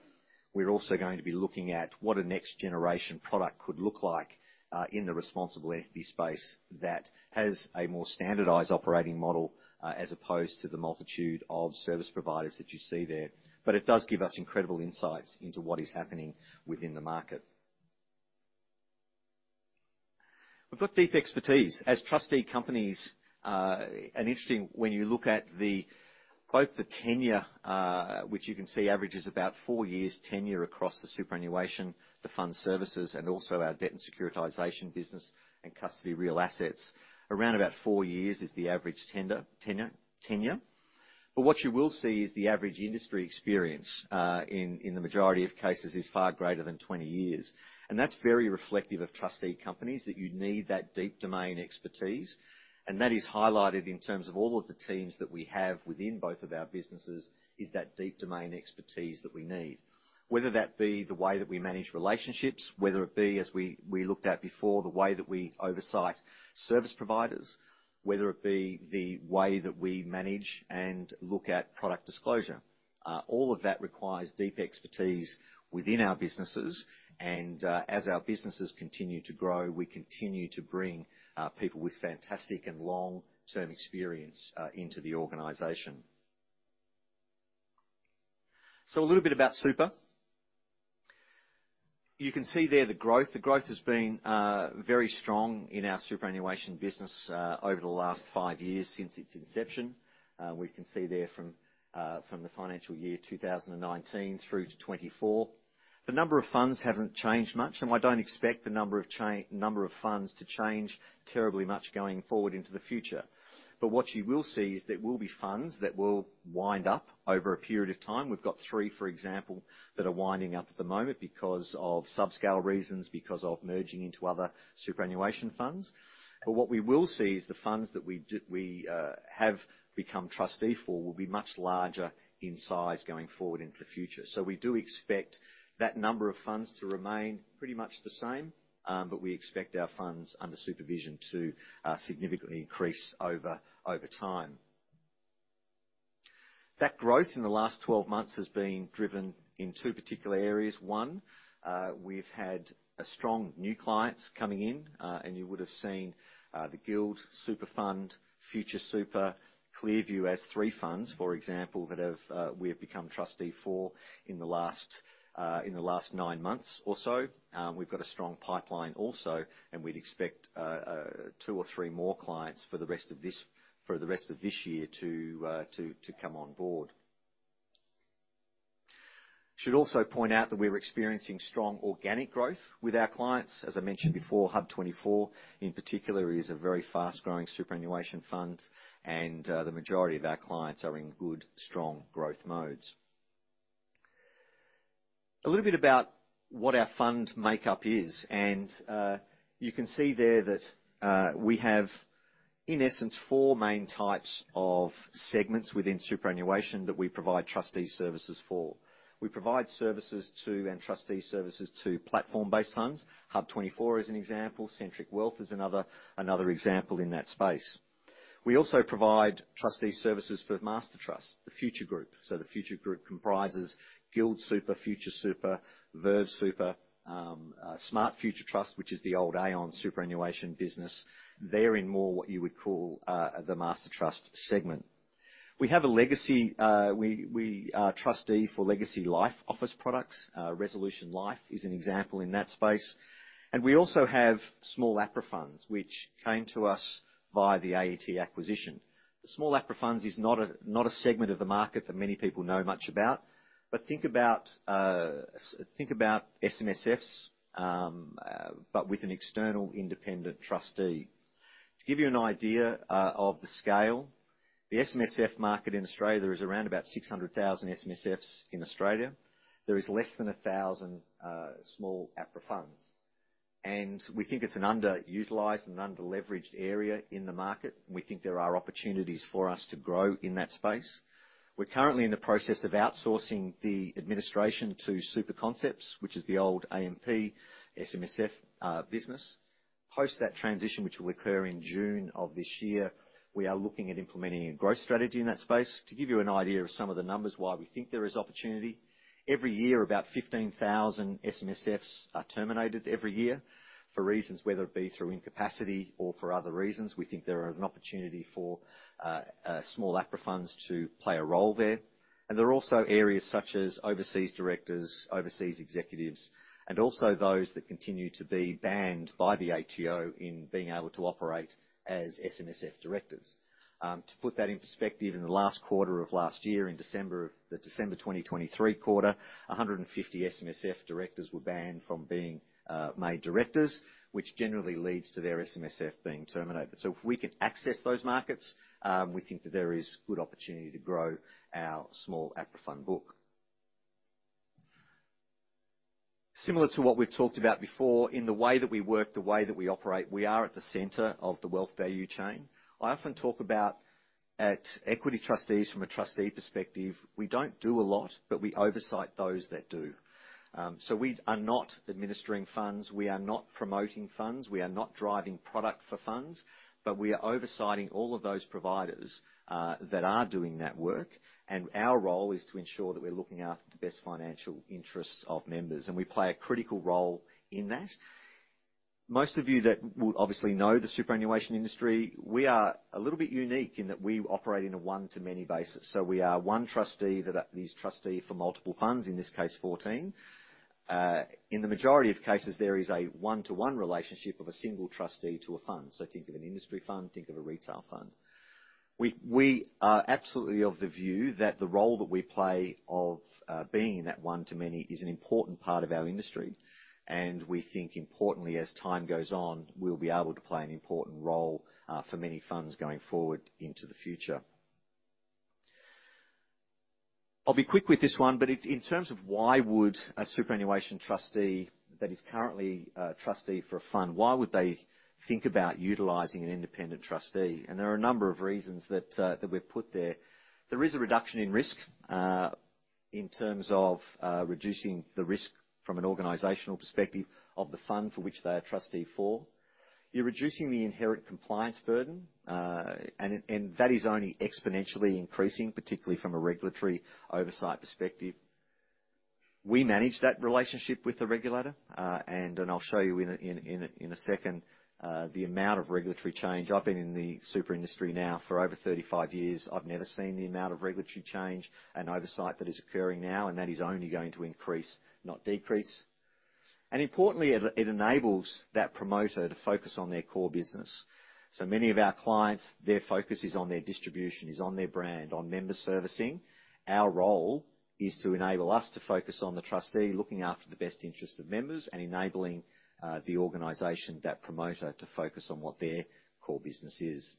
we're also going to be looking at what a next-generation product could look like in the responsible entity space that has a more standardized operating model, as opposed to the multitude of service providers that you see there. But it does give us incredible insights into what is happening within the market. We've got deep expertise as trustee companies. And interesting, when you look at both the tenure, which you can see averages about four years tenure across the superannuation, the fund services, and also our debt and securitization business and custody real assets, around about four years is the average tender tenure, tenure. But what you will see is the average industry experience, in the majority of cases, is far greater than 20 years. That's very reflective of trustee companies that you need that deep domain expertise. That is highlighted in terms of all of the teams that we have within both of our businesses is that deep domain expertise that we need, whether that be the way that we manage relationships, whether it be, as we looked at before, the way that we oversight service providers, whether it be the way that we manage and look at product disclosure. All of that requires deep expertise within our businesses. As our businesses continue to grow, we continue to bring people with fantastic and long-term experience into the organization. A little bit about Super. You can see there the growth. The growth has been very strong in our superannuation business over the last five years since its inception. We can see there from the financial year 2019 through to 2024. The number of funds hasn't changed much. I don't expect the number of funds to change terribly much going forward into the future. But what you will see is there will be funds that will wind up over a period of time. We've got three, for example, that are winding up at the moment because of subscale reasons, because of merging into other superannuation funds. But what we will see is the funds that we have become trustee for will be much larger in size going forward into the future. So we do expect that number of funds to remain pretty much the same, but we expect our funds under supervision to significantly increase over time. That growth in the last 12 months has been driven in two particular areas. One, we've had strong new clients coming in, and you would have seen the Guild Super, Future Super, ClearView as three funds, for example, that have we have become trustee for in the last nine months or so. We've got a strong pipeline also. We'd expect two or three more clients for the rest of this year to come on board. Should also point out that we're experiencing strong organic growth with our clients. As I mentioned before, HUB24 in particular is a very fast-growing superannuation fund. The majority of our clients are in good, strong growth modes. A little bit about what our fund makeup is. You can see there that we have, in essence, four main types of segments within superannuation that we provide trustee services for. We provide services to and trustee services to platform-based funds. HUB24 is an example. Centric Wealth is another example in that space. We also provide trustee services for Master Trust, the Future Group. So the Future Group comprises Guild Super, Future Super, Verve Super, Smart Future Trust, which is the old Aon superannuation business. They're in more what you would call, the Master Trust segment. We have a legacy trustee for Legacy Life office products. Resolution Life is an example in that space. And we also have small APRA funds, which came to us via the AET acquisition. The small APRA funds is not a segment of the market that many people know much about. But think about SMSFs, but with an external independent trustee. To give you an idea of the scale, the SMSF market in Australia is around about 600,000 SMSFs in Australia. There is less than 1,000 small APRA funds. We think it's an underutilized and underleveraged area in the market. We think there are opportunities for us to grow in that space. We're currently in the process of outsourcing the administration to SuperConcepts, which is the old AMP SMSF business. Post that transition, which will occur in June of this year, we are looking at implementing a growth strategy in that space. To give you an idea of some of the numbers, why we think there is opportunity, every year about 15,000 SMSFs are terminated every year for reasons whether it be through incapacity or for other reasons. We think there is an opportunity for small APRA funds to play a role there. There are also areas such as overseas directors, overseas executives, and also those that continue to be banned by the ATO in being able to operate as SMSF directors. To put that in perspective, in the last quarter of last year, in December of the December 2023 quarter, 150 SMSF directors were banned from being made directors, which generally leads to their SMSF being terminated. So if we can access those markets, we think that there is good opportunity to grow our small APRA fund book. Similar to what we've talked about before, in the way that we work, the way that we operate, we are at the center of the wealth value chain. I often talk about at Equity Trustees from a trustee perspective, we don't do a lot, but we oversee those that do. So we are not administering funds. We are not promoting funds. We are not driving product for funds. But we are oversighting all of those providers that are doing that work. And our role is to ensure that we're looking after the best financial interests of members. And we play a critical role in that. Most of you that will obviously know the superannuation industry, we are a little bit unique in that we operate in a one-to-many basis. So we are one trustee that is trustee for multiple funds, in this case, 14. In the majority of cases, there is a one-to-one relationship of a single trustee to a fund. So think of an industry fund. Think of a retail fund. We, we are absolutely of the view that the role that we play of being in that one-to-many is an important part of our industry. We think, importantly, as time goes on, we'll be able to play an important role for many funds going forward into the future. I'll be quick with this one. But in terms of why would a superannuation trustee that is currently trustee for a fund, why would they think about utilizing an independent trustee? There are a number of reasons that we've put there. There is a reduction in risk in terms of reducing the risk from an organizational perspective of the fund for which they are trustee for. You're reducing the inherent compliance burden, and that is only exponentially increasing, particularly from a regulatory oversight perspective. We manage that relationship with the regulator, and I'll show you in a second the amount of regulatory change. I've been in the super industry now for over 35 years. I've never seen the amount of regulatory change and oversight that is occurring now. And that is only going to increase, not decrease. And importantly, it, it enables that promoter to focus on their core business. So many of our clients, their focus is on their distribution, is on their brand, on member servicing. Our role is to enable us to focus on the trustee, looking after the best interests of members, and enabling, the organization, that promoter, to focus on what their core business is.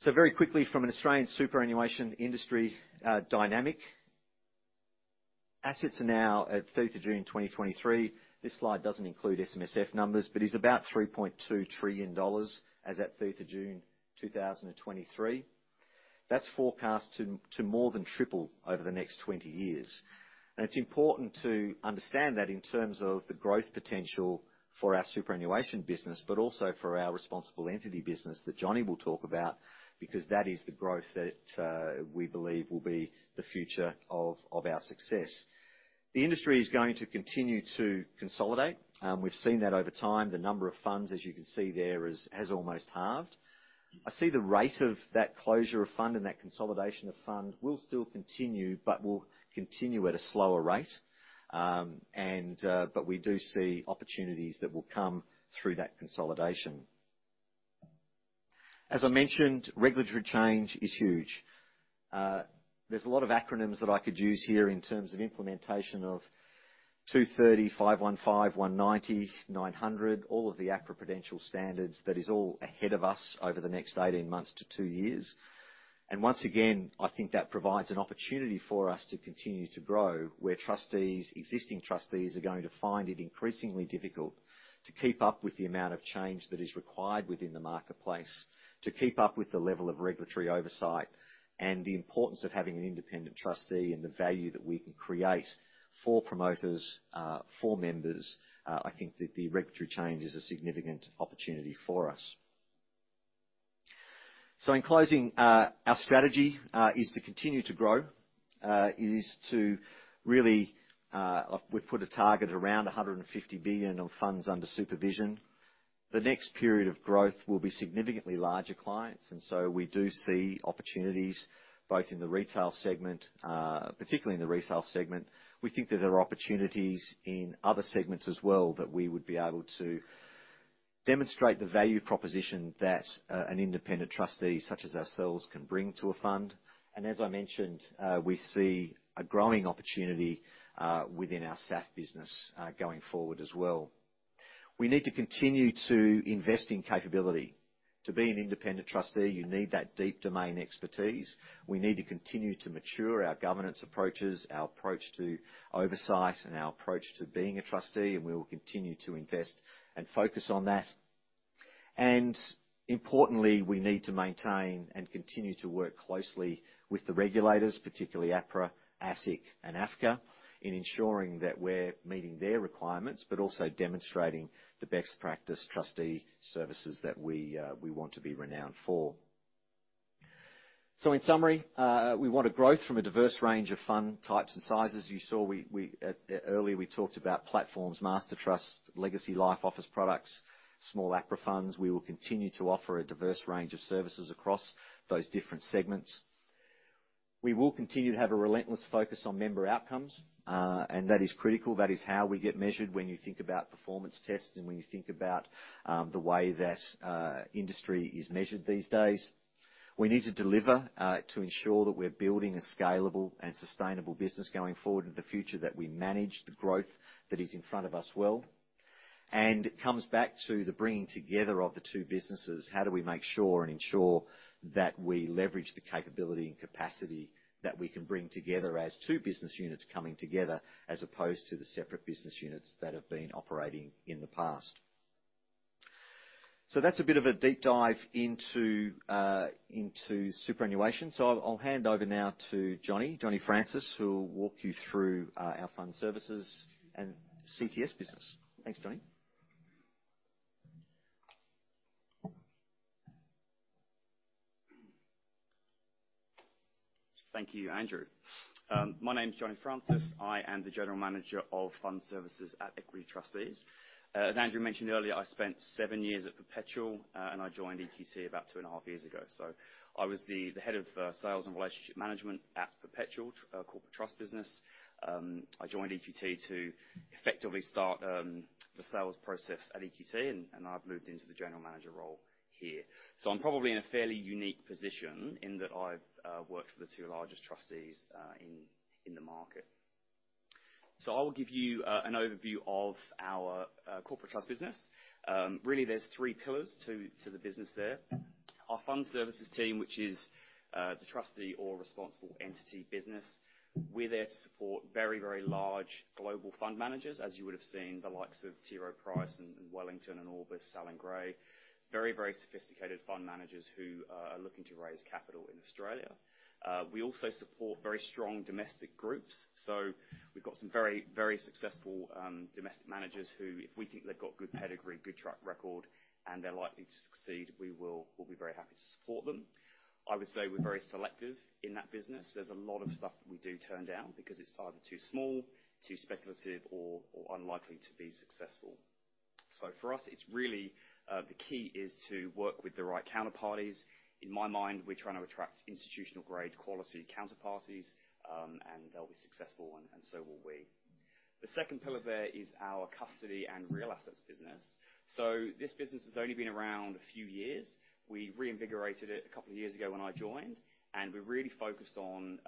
So very quickly, from an Australian superannuation industry, dynamic, assets are now at 30th of June 2023. This slide doesn't include SMSF numbers, but is about 3.2 trillion dollars as at 30th of June 2023. That's forecast to, to more than triple over the next 20 years. It's important to understand that in terms of the growth potential for our superannuation business, but also for our responsible entity business that Johnny will talk about, because that is the growth that, we believe will be the future of, of our success. The industry is going to continue to consolidate. We've seen that over time. The number of funds, as you can see there, has almost halved. I see the rate of that closure of fund and that consolidation of fund will still continue, but will continue at a slower rate. But we do see opportunities that will come through that consolidation. As I mentioned, regulatory change is huge. There's a lot of acronyms that I could use here in terms of implementation of 230, 515, 190, 900, all of the APRA prudential standards. That is all ahead of us over the next 18 months to two years. And once again, I think that provides an opportunity for us to continue to grow, where trustees, existing trustees, are going to find it increasingly difficult to keep up with the amount of change that is required within the marketplace, to keep up with the level of regulatory oversight, and the importance of having an independent trustee and the value that we can create for promoters, for members. I think that the regulatory change is a significant opportunity for us. So in closing, our strategy is to continue to grow. It is to really, we've put a target around 150 billion of funds under supervision. The next period of growth will be significantly larger clients. And so we do see opportunities both in the retail segment, particularly in the retail segment. We think that there are opportunities in other segments as well that we would be able to demonstrate the value proposition that an independent trustee such as ourselves can bring to a fund. As I mentioned, we see a growing opportunity within our SAF business going forward as well. We need to continue to invest in capability. To be an independent trustee, you need that deep domain expertise. We need to continue to mature our governance approaches, our approach to oversight, and our approach to being a trustee. We will continue to invest and focus on that. Importantly, we need to maintain and continue to work closely with the regulators, particularly APRA, ASIC, and AFCA, in ensuring that we're meeting their requirements, but also demonstrating the best-practice trustee services that we, we want to be renowned for. So in summary, we want a growth from a diverse range of fund types and sizes. You saw, earlier we talked about platforms, Master Trust, Legacy Life office products, small APRA funds. We will continue to offer a diverse range of services across those different segments. We will continue to have a relentless focus on member outcomes. And that is critical. That is how we get measured when you think about performance tests and when you think about the way that industry is measured these days. We need to deliver, to ensure that we're building a scalable and sustainable business going forward in the future, that we manage the growth that is in front of us well. And it comes back to the bringing together of the two businesses. How do we make sure and ensure that we leverage the capability and capacity that we can bring together as two business units coming together, as opposed to the separate business units that have been operating in the past? So that's a bit of a deep dive into superannuation. So I'll hand over now to Johnny Francis, who'll walk you through our fund services and CTS business. Thanks, Johnny. Thank you, Andrew. My name's Johnny Francis. I am the general manager of fund services at Equity Trustees. As Andrew mentioned earlier, I spent seven years at Perpetual, and I joined EQT about two and a half years ago. So I was the head of sales and relationship management at Perpetual, the corporate trust business. I joined EQT to effectively start the sales process at EQT. And I've moved into the general manager role here. So I'm probably in a fairly unique position in that I've worked for the two largest trustees in the market. So I will give you an overview of our corporate trust business. Really, there's three pillars to the business there. Our fund services team, which is the trustee or responsible entity business, we're there to support very, very large global fund managers, as you would have seen, the likes of T.O. Price and Wellington and Albus, Sal and Gray, very, very sophisticated fund managers who are looking to raise capital in Australia. We also support very strong domestic groups. So we've got some very, very successful domestic managers who, if we think they've got good pedigree, good track record, and they're likely to succeed, we will be very happy to support them. I would say we're very selective in that business. There's a lot of stuff that we do turn down because it's either too small, too speculative, or unlikely to be successful. So for us, it's really the key is to work with the right counterparties. In my mind, we're trying to attract institutional-grade quality counterparties, and they'll be successful, and so will we. The second pillar there is our custody and real assets business. So this business has only been around a few years. We reinvigorated it a couple of years ago when I joined. We really focused on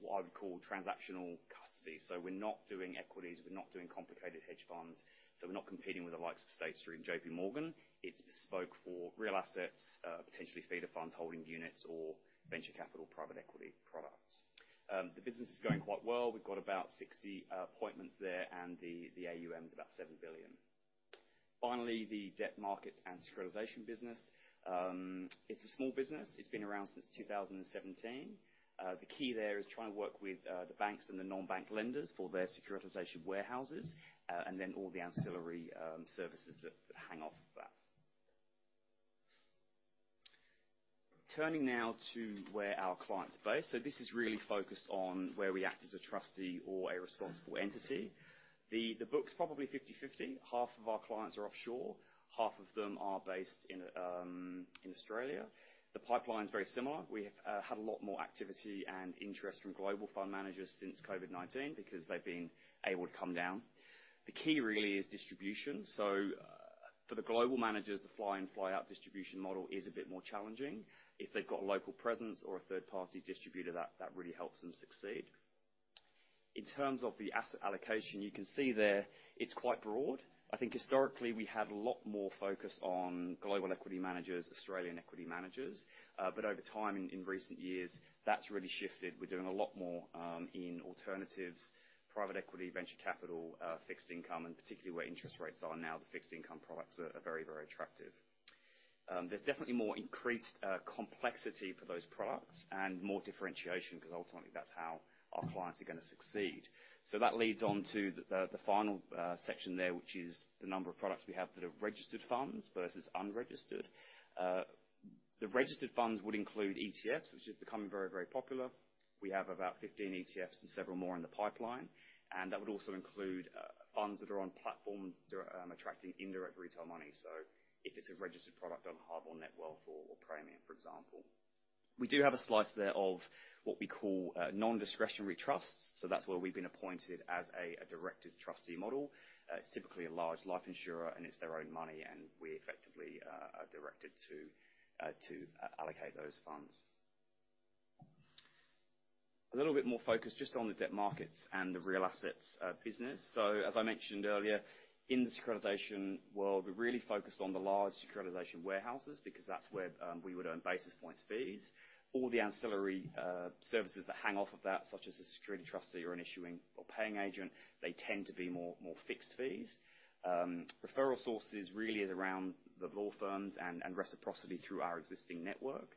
what I would call transactional custody. So we're not doing equities. We're not doing complicated hedge funds. So we're not competing with the likes of State Street and J.P. Morgan. It's bespoke for real assets, potentially feeder funds, holding units, or venture capital, private equity products. The business is going quite well. We've got about 60 appointments there. The AUM is about 7 billion. Finally, the debt market and securitization business. It's a small business. It's been around since 2017. The key there is trying to work with the banks and the non-bank lenders for their securitization warehouses, and then all the ancillary services that hang off that. Turning now to where our clients are based. So this is really focused on where we act as a trustee or a responsible entity. The book's probably 50/50. Half of our clients are offshore. Half of them are based in Australia. The pipeline's very similar. We had a lot more activity and interest from global fund managers since COVID-19 because they've been able to come down. The key, really, is distribution. So, for the global managers, the fly-in, fly-out distribution model is a bit more challenging. If they've got a local presence or a third-party distributor, that really helps them succeed. In terms of the asset allocation, you can see there, it's quite broad. I think historically, we had a lot more focus on global equity managers, Australian equity managers. But over time, in recent years, that's really shifted. We're doing a lot more in alternatives, private equity, venture capital, fixed income, and particularly where interest rates are now, the fixed income products are very, very attractive. There's definitely more increased complexity for those products and more differentiation because ultimately, that's how our clients are going to succeed. So that leads on to the final section there, which is the number of products we have that are registered funds versus unregistered. The registered funds would include ETFs, which have become very, very popular. We have about 15 ETFs and several more in the pipeline. And that would also include funds that are on platforms that are attracting indirect retail money. So if it's a registered product on Hub24, Netwealth, or Praemium, for example. We do have a slice there of what we call non-discretionary trusts. So that's where we've been appointed as a directed trustee model. It's typically a large life insurer. And it's their own money. And we're effectively directed to allocate those funds. A little bit more focus just on the debt markets and the real assets business. So as I mentioned earlier, in the securitization world, we're really focused on the large securitization warehouses because that's where we would earn basis points fees. All the ancillary services that hang off of that, such as a security trustee or an issuing or paying agent, they tend to be more fixed fees. Referral sources really is around the law firms and reciprocity through our existing network.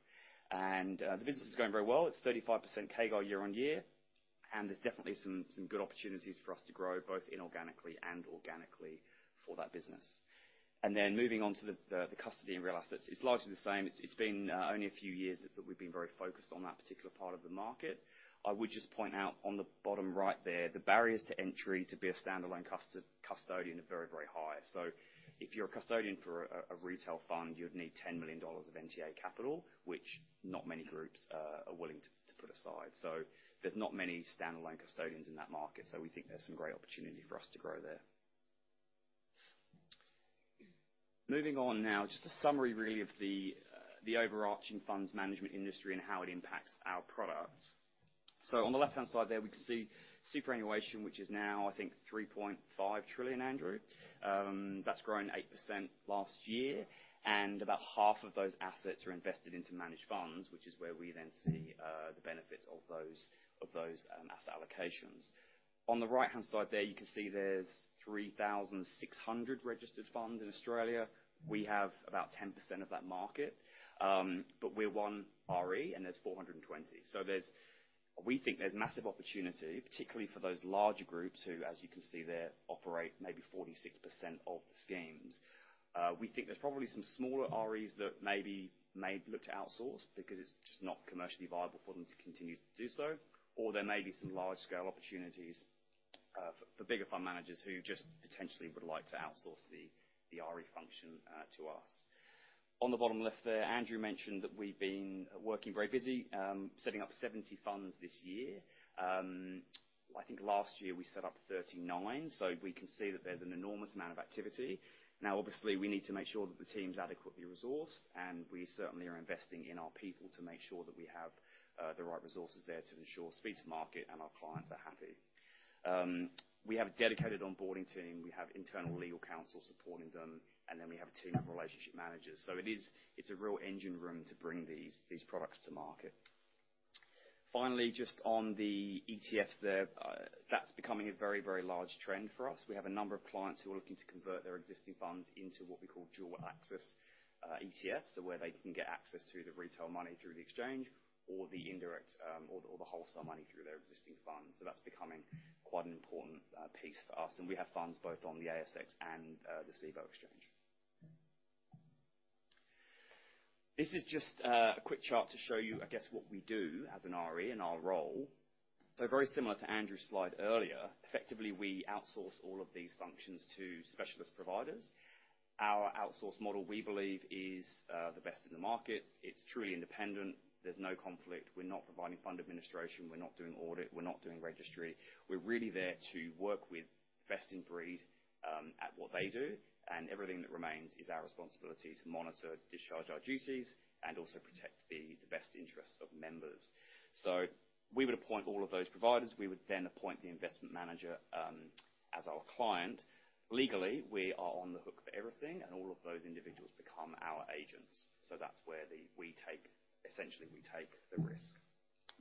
And the business is going very well. It's 35% CAGR year-over-year. And there's definitely some good opportunities for us to grow both inorganically and organically for that business. And then moving on to the custody and real assets, it's largely the same. It's been only a few years that we've been very focused on that particular part of the market. I would just point out on the bottom right there, the barriers to entry to be a standalone custodian are very, very high. So if you're a custodian for a retail fund, you'd need 10 million dollars of NTA capital, which not many groups are willing to put aside. So there's not many standalone custodians in that market. So we think there's some great opportunity for us to grow there. Moving on now, just a summary, really, of the overarching funds management industry and how it impacts our products. So on the left-hand side there, we can see superannuation, which is now, I think, 3.5 trillion, Andrew. That's grown 8% last year. About half of those assets are invested into managed funds, which is where we then see the benefits of those asset allocations. On the right-hand side there, you can see there's 3,600 registered funds in Australia. We have about 10% of that market. But we're one RE, and there's 420. So we think there's massive opportunity, particularly for those larger groups who, as you can see there, operate maybe 46% of the schemes. We think there's probably some smaller REs that maybe may look to outsource because it's just not commercially viable for them to continue to do so. Or there may be some large-scale opportunities for bigger fund managers who just potentially would like to outsource the RE function to us. On the bottom left there, Andrew mentioned that we've been working very busy setting up 70 funds this year. I think last year, we set up 39. So we can see that there's an enormous amount of activity. Now, obviously, we need to make sure that the team's adequately resourced. We certainly are investing in our people to make sure that we have the right resources there to ensure speed to market and our clients are happy. We have a dedicated onboarding team. We have internal legal counsel supporting them. Then we have a team of relationship managers. So it is, it's a real engine room to bring these, these products to market. Finally, just on the ETFs there, that's becoming a very, very large trend for us. We have a number of clients who are looking to convert their existing funds into what we call dual access ETFs, so where they can get access to the retail money through the exchange or the indirect, or the wholesale money through their existing funds. So that's becoming quite an important piece for us. We have funds both on the ASX and the Cboe exchange. This is just a quick chart to show you, I guess, what we do as an RE and our role. So very similar to Andrew's slide earlier, effectively, we outsource all of these functions to specialist providers. Our outsource model, we believe, is the best in the market. It's truly independent. There's no conflict. We're not providing fund administration. We're not doing audit. We're not doing registry. We're really there to work with best-in-breed at what they do. And everything that remains is our responsibility to monitor, discharge our duties, and also protect the, the best interests of members. So we would appoint all of those providers. We would then appoint the investment manager, as our client. Legally, we are on the hook for everything. And all of those individuals become our agents. So that's where the we take essentially, we take the risk.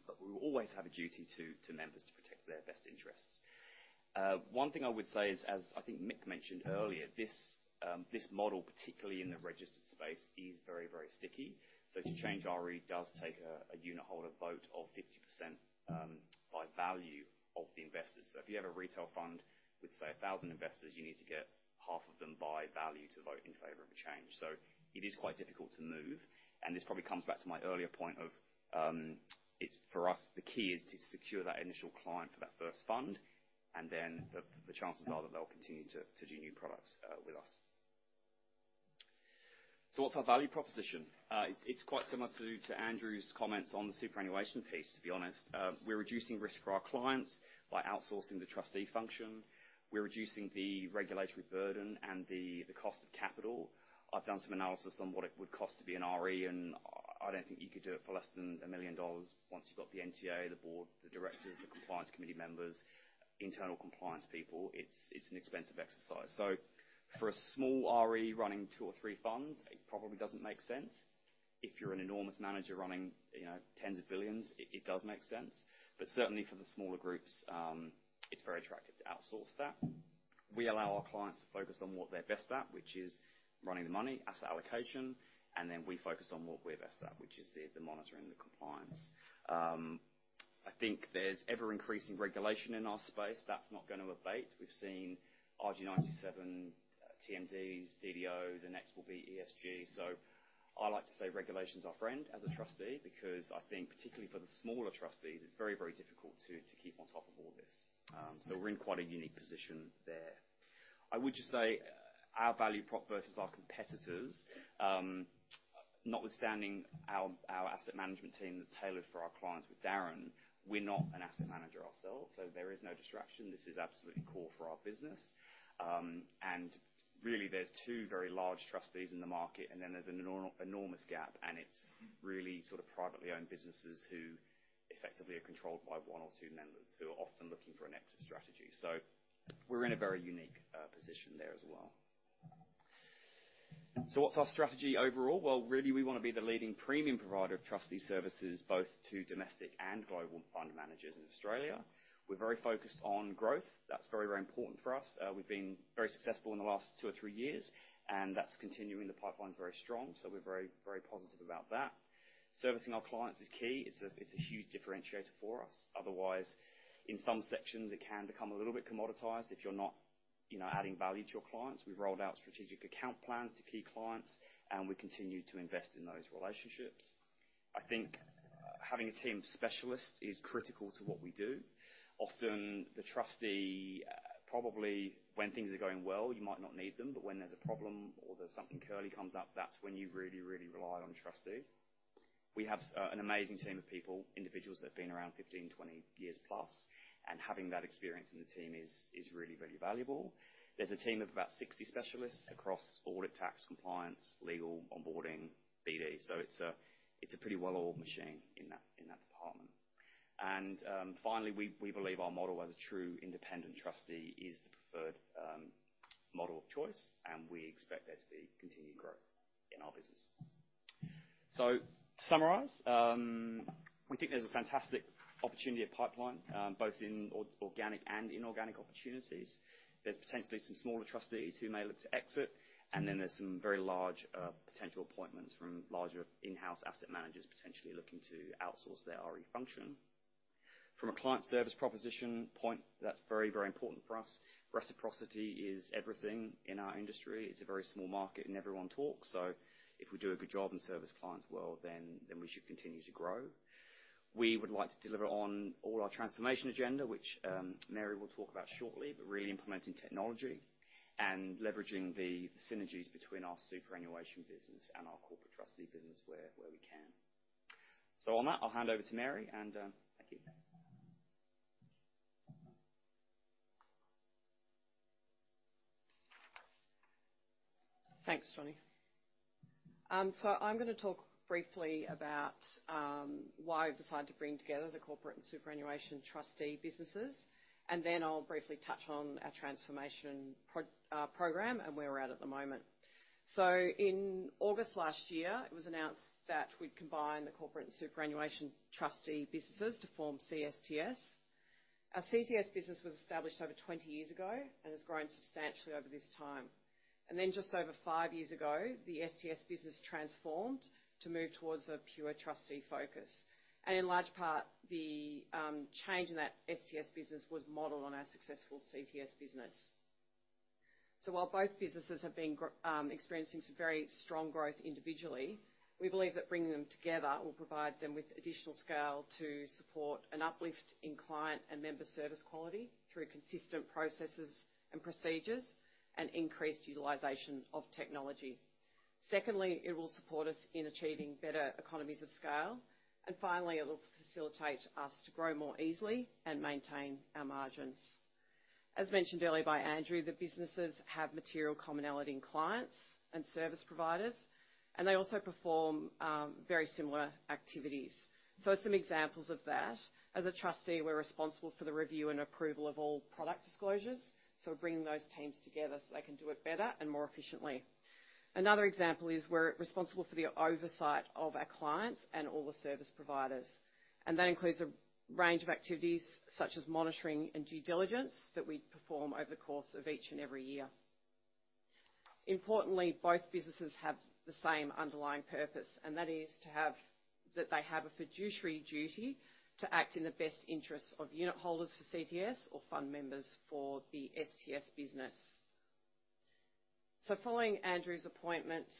But we will always have a duty to, to members to protect their best interests. One thing I would say is, as I think Mick mentioned earlier, this, this model, particularly in the registered space, is very, very sticky. So to change RE does take a, a unit holder vote of 50%, by value of the investors. So if you have a retail fund with, say, 1,000 investors, you need to get half of them by value to vote in favor of a change. It is quite difficult to move. This probably comes back to my earlier point of, it's for us, the key is to secure that initial client for that first fund. Then the chances are that they'll continue to do new products with us. So what's our value proposition? It's quite similar to Andrew's comments on the superannuation piece, to be honest. We're reducing risk for our clients by outsourcing the trustee function. We're reducing the regulatory burden and the cost of capital. I've done some analysis on what it would cost to be an RE. I don't think you could do it for less than 1 million dollars once you've got the NTA, the board, the directors, the compliance committee members, internal compliance people. It's an expensive exercise. So for a small RE running two or three funds, it probably doesn't make sense. If you're an enormous manager running, you know, tens of billions, it does make sense. But certainly, for the smaller groups, it's very attractive to outsource that. We allow our clients to focus on what they're best at, which is running the money, asset allocation. And then we focus on what we're best at, which is the monitoring and the compliance. I think there's ever-increasing regulation in our space. That's not going to abate. We've seen RG97, TMDs, DDO. The next will be ESG. So I like to say regulation's our friend as a trustee because I think, particularly for the smaller trustees, it's very, very difficult to keep on top of all this. So we're in quite a unique position there. I would just say, our value prop versus our competitors, notwithstanding our asset management team that's tailored for our clients with Darren, we're not an asset manager ourselves. So there is no distraction. This is absolutely core for our business. Really, there's two very large trustees in the market. Then there's an enormous gap. It's really sort of privately owned businesses who effectively are controlled by one or two members who are often looking for an exit strategy. So we're in a very unique position there as well. So what's our strategy overall? Well, really, we want to be the leading premium provider of trustee services both to domestic and global fund managers in Australia. We're very focused on growth. That's very, very important for us. We've been very successful in the last two or three years. That's continuing. The pipeline's very strong. So we're very, very positive about that. Servicing our clients is key. It's a huge differentiator for us. Otherwise, in some sections, it can become a little bit commoditized if you're not, you know, adding value to your clients. We've rolled out strategic account plans to key clients. And we continue to invest in those relationships. I think, having a team of specialists is critical to what we do. Often, the trustee, probably when things are going well, you might not need them. But when there's a problem or there's something curly comes up, that's when you really, really rely on a trustee. We have an amazing team of people, individuals that have been around 15, 20 years plus. And having that experience in the team is really, really valuable. There's a team of about 60 specialists across audit, tax, compliance, legal, onboarding, BD. So it's a pretty well-oiled machine in that department. And, finally, we believe our model as a true independent trustee is the preferred model of choice. And we expect there to be continued growth in our business. So to summarize, we think there's a fantastic opportunity of pipeline, both in organic and inorganic opportunities. There's potentially some smaller trustees who may look to exit. And then there's some very large potential appointments from larger in-house asset managers potentially looking to outsource their RE function. From a client service proposition point, that's very, very important for us. Reciprocity is everything in our industry. It's a very small market. And everyone talks. So if we do a good job and service clients well, then we should continue to grow. We would like to deliver on all our transformation agenda, which, Mary will talk about shortly, but really implementing technology and leveraging the, the synergies between our superannuation business and our corporate trustee business where, where we can. So on that, I'll hand over to Mary. Thank you. Thanks, Johnny. So I'm going to talk briefly about why we've decided to bring together the corporate and superannuation trustee businesses. And then I'll briefly touch on our transformation program and where we're at the moment. So in August last year, it was announced that we'd combine the corporate and superannuation trustee businesses to form CSTS. Our CTS business was established over 20 years ago and has grown substantially over this time. And then just over five years ago, the STS business transformed to move towards a pure trustee focus. In large part, the change in that STS business was modeled on our successful CTS business. So while both businesses have been growing, experiencing some very strong growth individually, we believe that bringing them together will provide them with additional scale to support an uplift in client and member service quality through consistent processes and procedures and increased utilization of technology. Secondly, it will support us in achieving better economies of scale. Finally, it'll facilitate us to grow more easily and maintain our margins. As mentioned earlier by Andrew, the businesses have material commonality in clients and service providers. They also perform very similar activities. So some examples of that, as a trustee, we're responsible for the review and approval of all product disclosures. So we're bringing those teams together so they can do it better and more efficiently. Another example is we're responsible for the oversight of our clients and all the service providers. That includes a range of activities such as monitoring and due diligence that we perform over the course of each and every year. Importantly, both businesses have the same underlying purpose. That is, they have a fiduciary duty to act in the best interests of unit holders for CTS or fund members for the STS business. Following Andrew's appointments,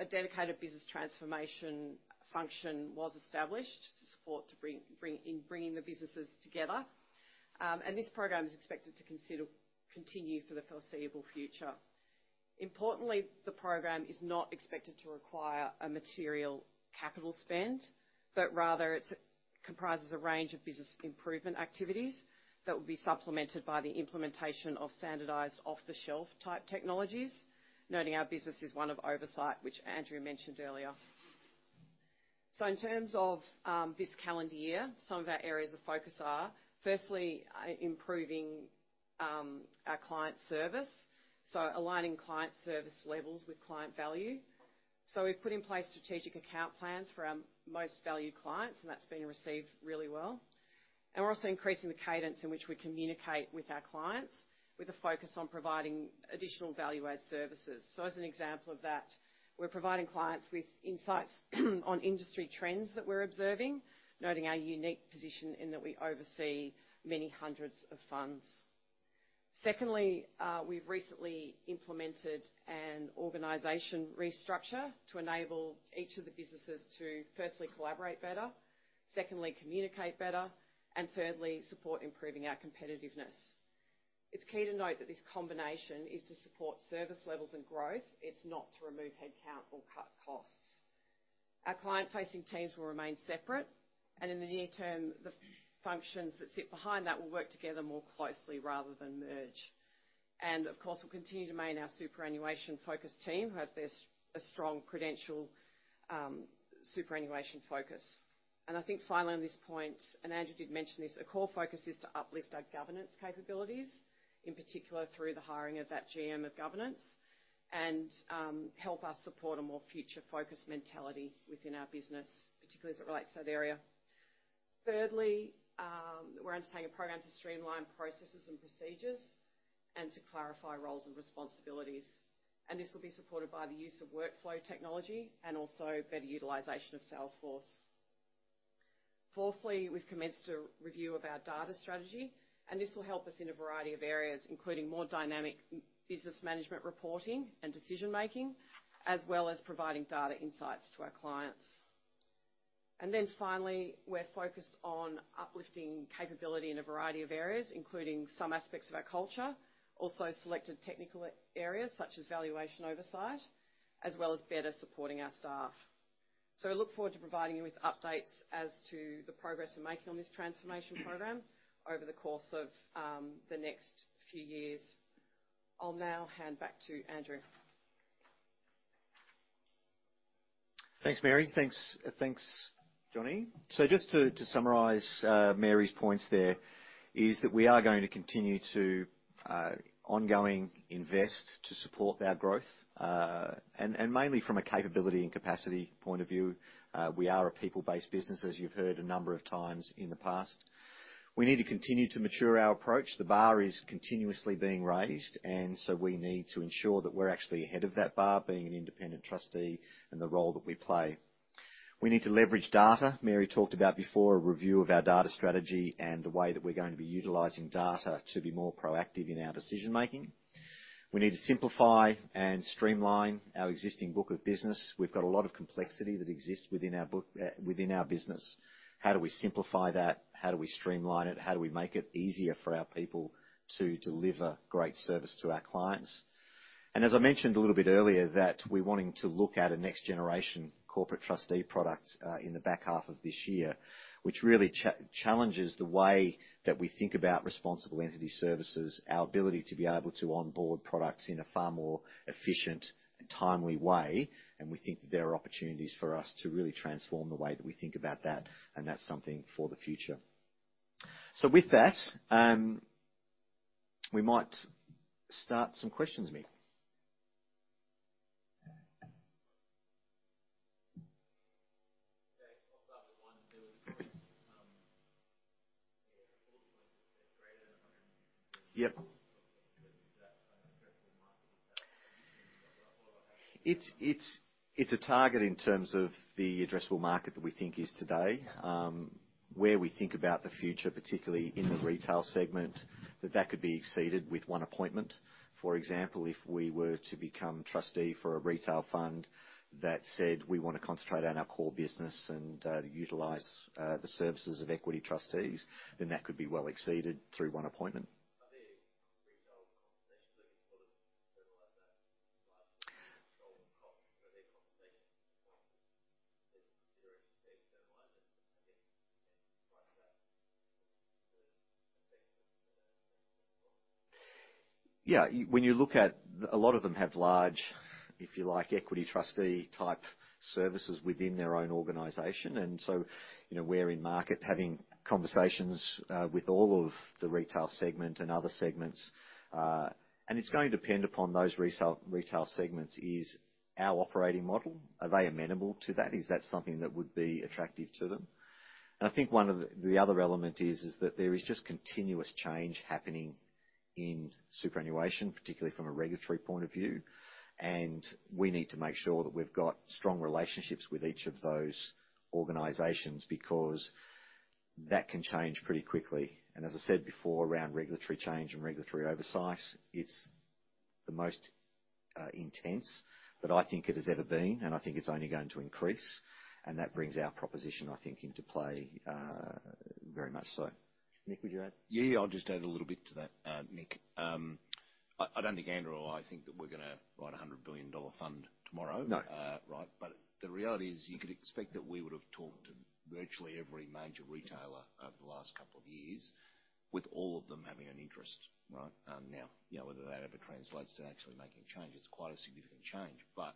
a dedicated business transformation function was established to support bringing the businesses together. This program is expected to continue for the foreseeable future. Importantly, the program is not expected to require a material capital spend. But rather, it comprises a range of business improvement activities that will be supplemented by the implementation of standardized off-the-shelf type technologies, noting our business is one of oversight, which Andrew mentioned earlier. So in terms of this calendar year, some of our areas of focus are, firstly, improving our client service, so aligning client service levels with client value. So we've put in place strategic account plans for our most valued clients. And that's been received really well. And we're also increasing the cadence in which we communicate with our clients with a focus on providing additional value-added services. So as an example of that, we're providing clients with insights on industry trends that we're observing, noting our unique position in that we oversee many hundreds of funds. Secondly, we've recently implemented an organization restructure to enable each of the businesses to, firstly, collaborate better, secondly, communicate better, and thirdly, support improving our competitiveness. It's key to note that this combination is to support service levels and growth. It's not to remove headcount or cut costs. Our client-facing teams will remain separate. In the near term, the functions that sit behind that will work together more closely rather than merge. Of course, we'll continue to maintain our superannuation-focused team who have such a strong credential superannuation focus. I think finally on this point, and Andrew did mention this, a core focus is to uplift our governance capabilities, in particular through the hiring of that GM of governance, and help us support a more future-focused mentality within our business, particularly as it relates to that area. Thirdly, we're undertaking a program to streamline processes and procedures and to clarify roles and responsibilities. This will be supported by the use of workflow technology and also better utilization of Salesforce. Fourthly, we've commenced a review of our data strategy. This will help us in a variety of areas, including more dynamic business management reporting and decision-making, as well as providing data insights to our clients. Finally, we're focused on uplifting capability in a variety of areas, including some aspects of our culture, also selected technical areas such as valuation oversight, as well as better supporting our staff. I look forward to providing you with updates as to the progress we're making on this transformation program over the course of the next few years. I'll now hand back to Andrew. Thanks, Mary. Thanks, thanks, Johnny. So just to summarize, Mary's points there is that we are going to continue to ongoing invest to support our growth, and mainly from a capability and capacity point of view. We are a people-based business, as you've heard a number of times in the past. We need to continue to mature our approach. The bar is continuously being raised. And so we need to ensure that we're actually ahead of that bar being an independent trustee and the role that we play. We need to leverage data, Mary talked about before, a review of our data strategy and the way that we're going to be utilizing data to be more proactive in our decision-making. We need to simplify and streamline our existing book of business. We've got a lot of complexity that exists within our book within our business. How do we simplify that? How do we streamline it? How do we make it easier for our people to deliver great service to our clients? And as I mentioned a little bit earlier, that we're wanting to look at a next-generation corporate trustee product, in the back half of this year, which really challenges the way that we think about responsible entity services, our ability to be able to onboard products in a far more efficient and timely way. And we think that there are opportunities for us to really transform the way that we think about that. And that's something for the future. So with that, we might start some questions, Mick. Okay. I'll start with one. There was a question, where all the points have said greater than AUD 150 billion. Yep. But is that an addressable market? Is that a vision? What, what, what are we having to do? It's a target in terms of the addressable market that we think is today, where we think about the future, particularly in the retail segment, that that could be exceeded with one appointment. For example, if we were to become trustee for a retail fund that said, "We want to concentrate on our core business and utilize the services of Equity Trustees," then that could be well exceeded through one appointment. Are there retail compensations? I guess, sort of externalize that largely? The goal and costs, are there compensation points that they're considering to externalize? And again, right to that, the effects of, the cost. Yeah. You, when you look at a lot of them have large, if you like, Equity Trustees-type services within their own organization. And so, you know, we're in market having conversations with all of the retail segment and other segments. And it's going to depend upon those resale retail segments is our operating model. Are they amenable to that? Is that something that would be attractive to them? And I think one of the other elements is that there is just continuous change happening in superannuation, particularly from a regulatory point of view. And we need to make sure that we've got strong relationships with each of those organizations because that can change pretty quickly. And as I said before, around regulatory change and regulatory oversight, it's the most intense that I think it has ever been. And I think it's only going to increase. That brings our proposition, I think, into play, very much so. Mick, would you add? Yeah, yeah. I'll just add a little bit to that, Mick. I don't think Andrew or I think that we're going to write a 100 billion dollar fund tomorrow. No. Right? But the reality is, you could expect that we would have talked to virtually every major retailer over the last couple of years with all of them having an interest, right, now, you know, whether that ever translates to actually making change. It's quite a significant change. But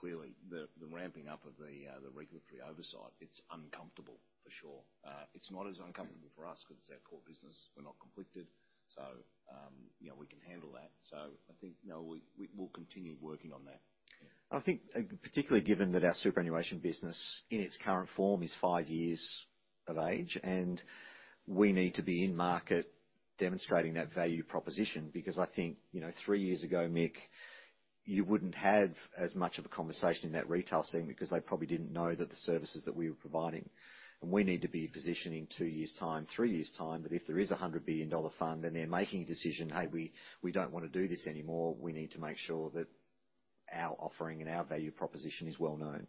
clearly, the ramPhing up of the regulatory oversight, it's uncomfortable, for sure. It's not as uncomfortable for us because it's our core business. We're not conflicted. So, you know, we will continue working on that. I think, particularly given that our superannuation business in its current form is five years of age. We need to be in market demonstrating that value proposition because I think, you know, three years ago, Mick, you wouldn't have as much of a conversation in that retail segment because they probably didn't know that the services that we were providing. We need to be positioning two years' time, three years' time. But if there is a 100 billion dollar fund and they're making a decision, "Hey, we, we don't want to do this anymore," we need to make sure that our offering and our value proposition is well known.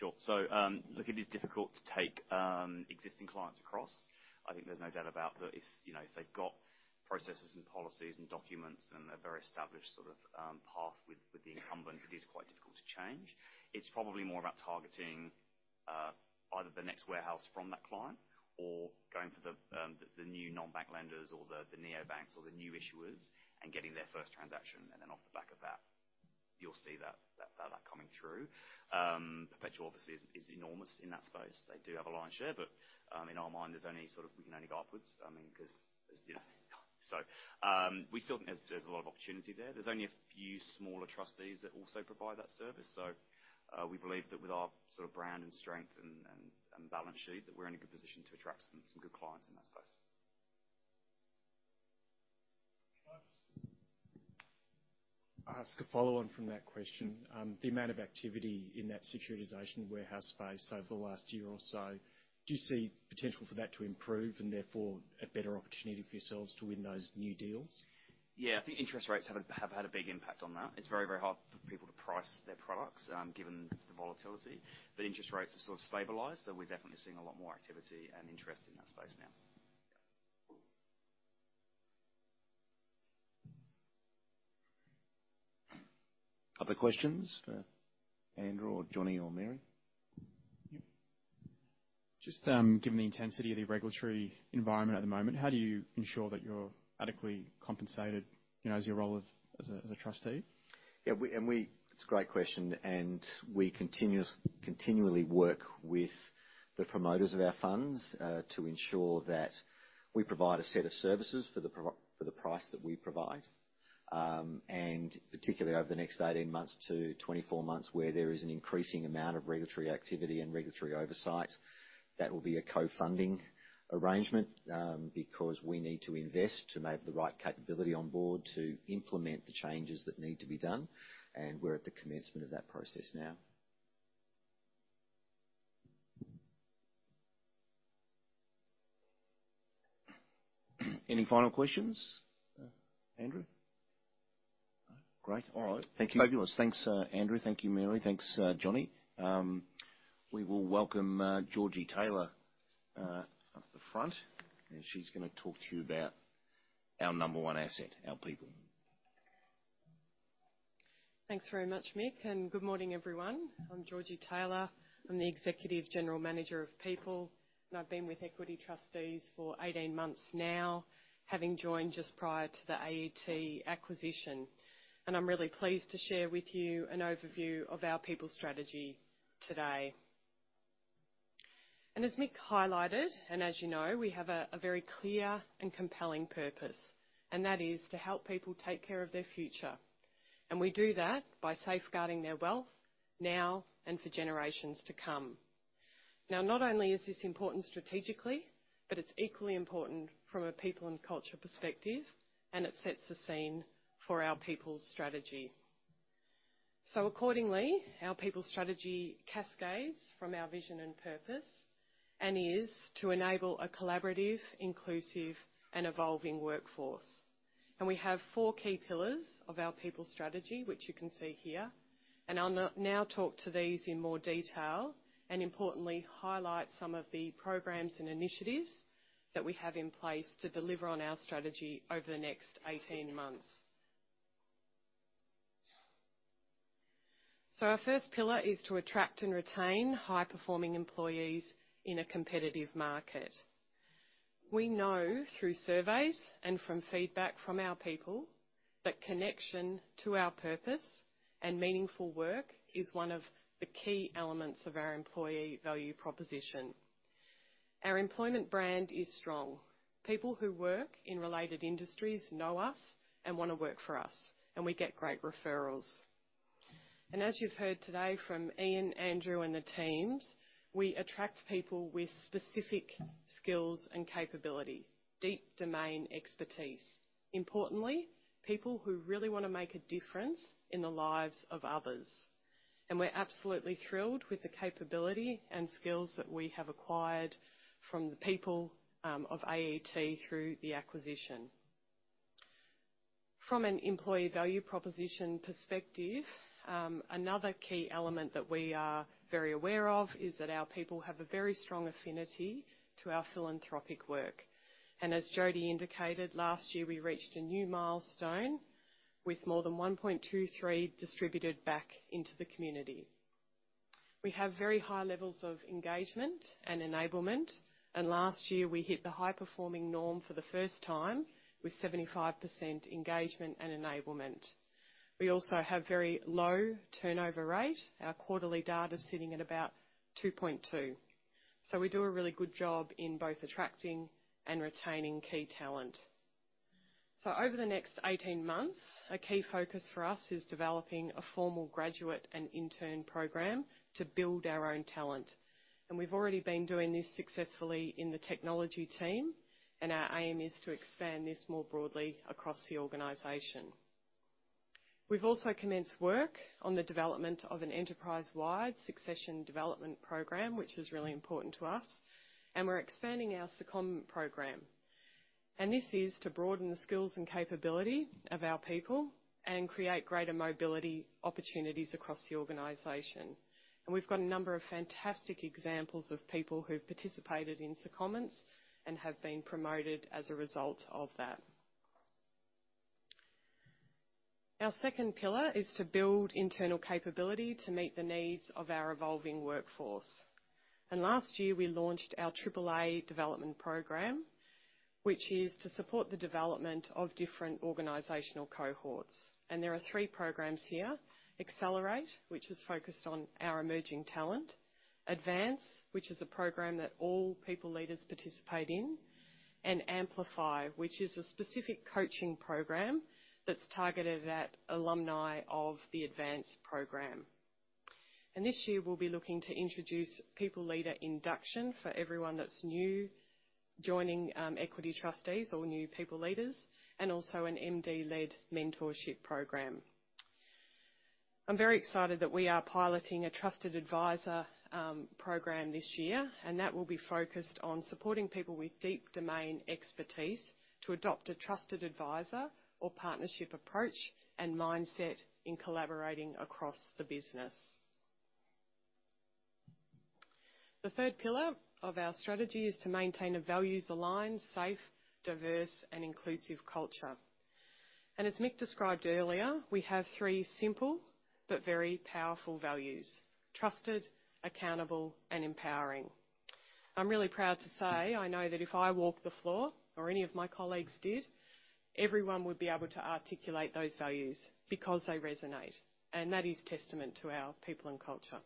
Yep. Any other questions? Okay. Market and conversation on, you know, whether you're part of the RSE or the RE or the. Sure. One of the large supervisors that had his own context. Sure. So, look, it is difficult to take existing clients across. I think there's no doubt about that if, you know, if they've got processes and policies and documents and a very established sort of path with the incumbent. It is quite difficult to change. It's probably more about targeting either the next warehouse from that client or going for the new non-bank lenders or the neobanks or the new issuers and getting their first transaction. And then off the back of that, you'll see that coming through. Perpetual obviously is enormous in that space. They do have a lion's share. But in our mind, there's only sort of we can only go upwards, I mean, because there's, you know, so, we still think there's a lot of opportunity there. There's only a few smaller trustees that also provide that service. So, we believe that with our sort of brand and strength and balance sheet, that we're in a good position to attract some good clients in that space. Can I just. I'll ask a follow-on from that question. The amount of activity in that securitization warehouse space over the last year or so, do you see potential for that to improve and therefore a better opportunity for yourselves to win those new deals? Yeah. I think interest rates have had a big impact on that. It's very, very hard for people to price their products, given the volatility. But interest rates have sort of stabilized. So we're definitely seeing a lot more activity and interest in that space now. Yeah. Other questions for Andrew or Johnny or Mary? Yep. Just, given the intensity of the regulatory environment at the moment, how do you ensure that you're adequately compensated, you know, as your role as a trustee? Yeah. It's a great question. And we continually work with the promoters of our funds, to ensure that we provide a set of services for the value for the price that we provide, and particularly over the next 18 months to 24 months where there is an increasing amount of regulatory activity and regulatory oversight, that will be a co-funding arrangement, because we need to invest to make the right capability on board to implement the changes that need to be done. And we're at the commencement of that process now. Any final questions? Andrew? All right. Great. All right. Thank you. Fabulous. Thanks, Andrew. Thank you, Mary. Thanks, Johnny. We will welcome Georgie Taylor up front. She's going to talk to you about our number one asset, our people. Thanks very much, Mick. Good morning, everyone. I'm Georgie Taylor. I'm the Executive General Manager of People. I've been with Equity Trustees for 18 months now, having joined just prior to the AET acquisition. I'm really pleased to share with you an overview of our people strategy today. As Mick highlighted, and as you know, we have a very clear and compelling purpose. That is to help people take care of their future. We do that by safeguarding their wealth now and for generations to come. Now, not only is this important strategically, but it's equally important from a people and culture perspective. It sets the scene for our people strategy. So accordingly, our people strategy cascades from our vision and purpose and is to enable a collaborative, inclusive, and evolving workforce. We have four key pillars of our people strategy, which you can see here. I'll now talk to these in more detail and importantly, highlight some of the programs and initiatives that we have in place to deliver on our strategy over the next 18 months. Our first pillar is to attract and retain high-performing employees in a competitive market. We know through surveys and from feedback from our people that connection to our purpose and meaningful work is one of the key elements of our employee value proposition. Our employment brand is strong. People who work in related industries know us and want to work for us. And we get great referrals. And as you've heard today from Ian, Andrew, and the teams, we attract people with specific skills and capability, deep domain expertise. Importantly, people who really want to make a difference in the lives of others. We're absolutely thrilled with the capability and skills that we have acquired from the people of AET through the acquisition. From an employee value proposition perspective, another key element that we are very aware of is that our people have a very strong affinity to our philanthropic work. As Jody indicated, last year, we reached a new milestone with more than 1.23 million distributed back into the community. We have very high levels of engagement and enablement. Last year, we hit the high-performing norm for the first time with 75% engagement and enablement. We also have very low turnover rate. Our quarterly data's sitting at about 2.2%. So we do a really good job in both attracting and retaining key talent. Over the next 18 months, a key focus for us is develoPhing a formal graduate and intern program to build our own talent. We've already been doing this successfully in the technology team. Our aim is to expand this more broadly across the organization. We've also commenced work on the development of an enterprise-wide succession development program, which is really important to us. We're expanding our second program. This is to broaden the skills and capability of our people and create greater mobility opportunities across the organization. We've got a number of fantastic examples of people who've participated in secondments and have been promoted as a result of that. Our second pillar is to build internal capability to meet the needs of our evolving workforce. Last year, we launched our AAA development program, which is to support the development of different organizational cohorts. And there are three programs here: Accelerate, which is focused on our emerging talent; Advance, which is a program that all people leaders participate in; and Amplify, which is a specific coaching program that's targeted at alumni of the Advance program. And this year, we'll be looking to introduce people leader induction for everyone that's new joining Equity Trustees or new people leaders and also an MD-led mentorship program. I'm very excited that we are piloting a trusted advisor program this year. And that will be focused on supporting people with deep domain expertise to adopt a trusted advisor or partnership approach and mindset in collaborating across the business. The third pillar of our strategy is to maintain a values-aligned, safe, diverse, and inclusive culture. And as Mick described earlier, we have three simple but very powerful values: trusted, accountable, and empowering. I'm really proud to say I know that if I walk the floor, or any of my colleagues did, everyone would be able to articulate those values because they resonate. That is testament to our people and culture.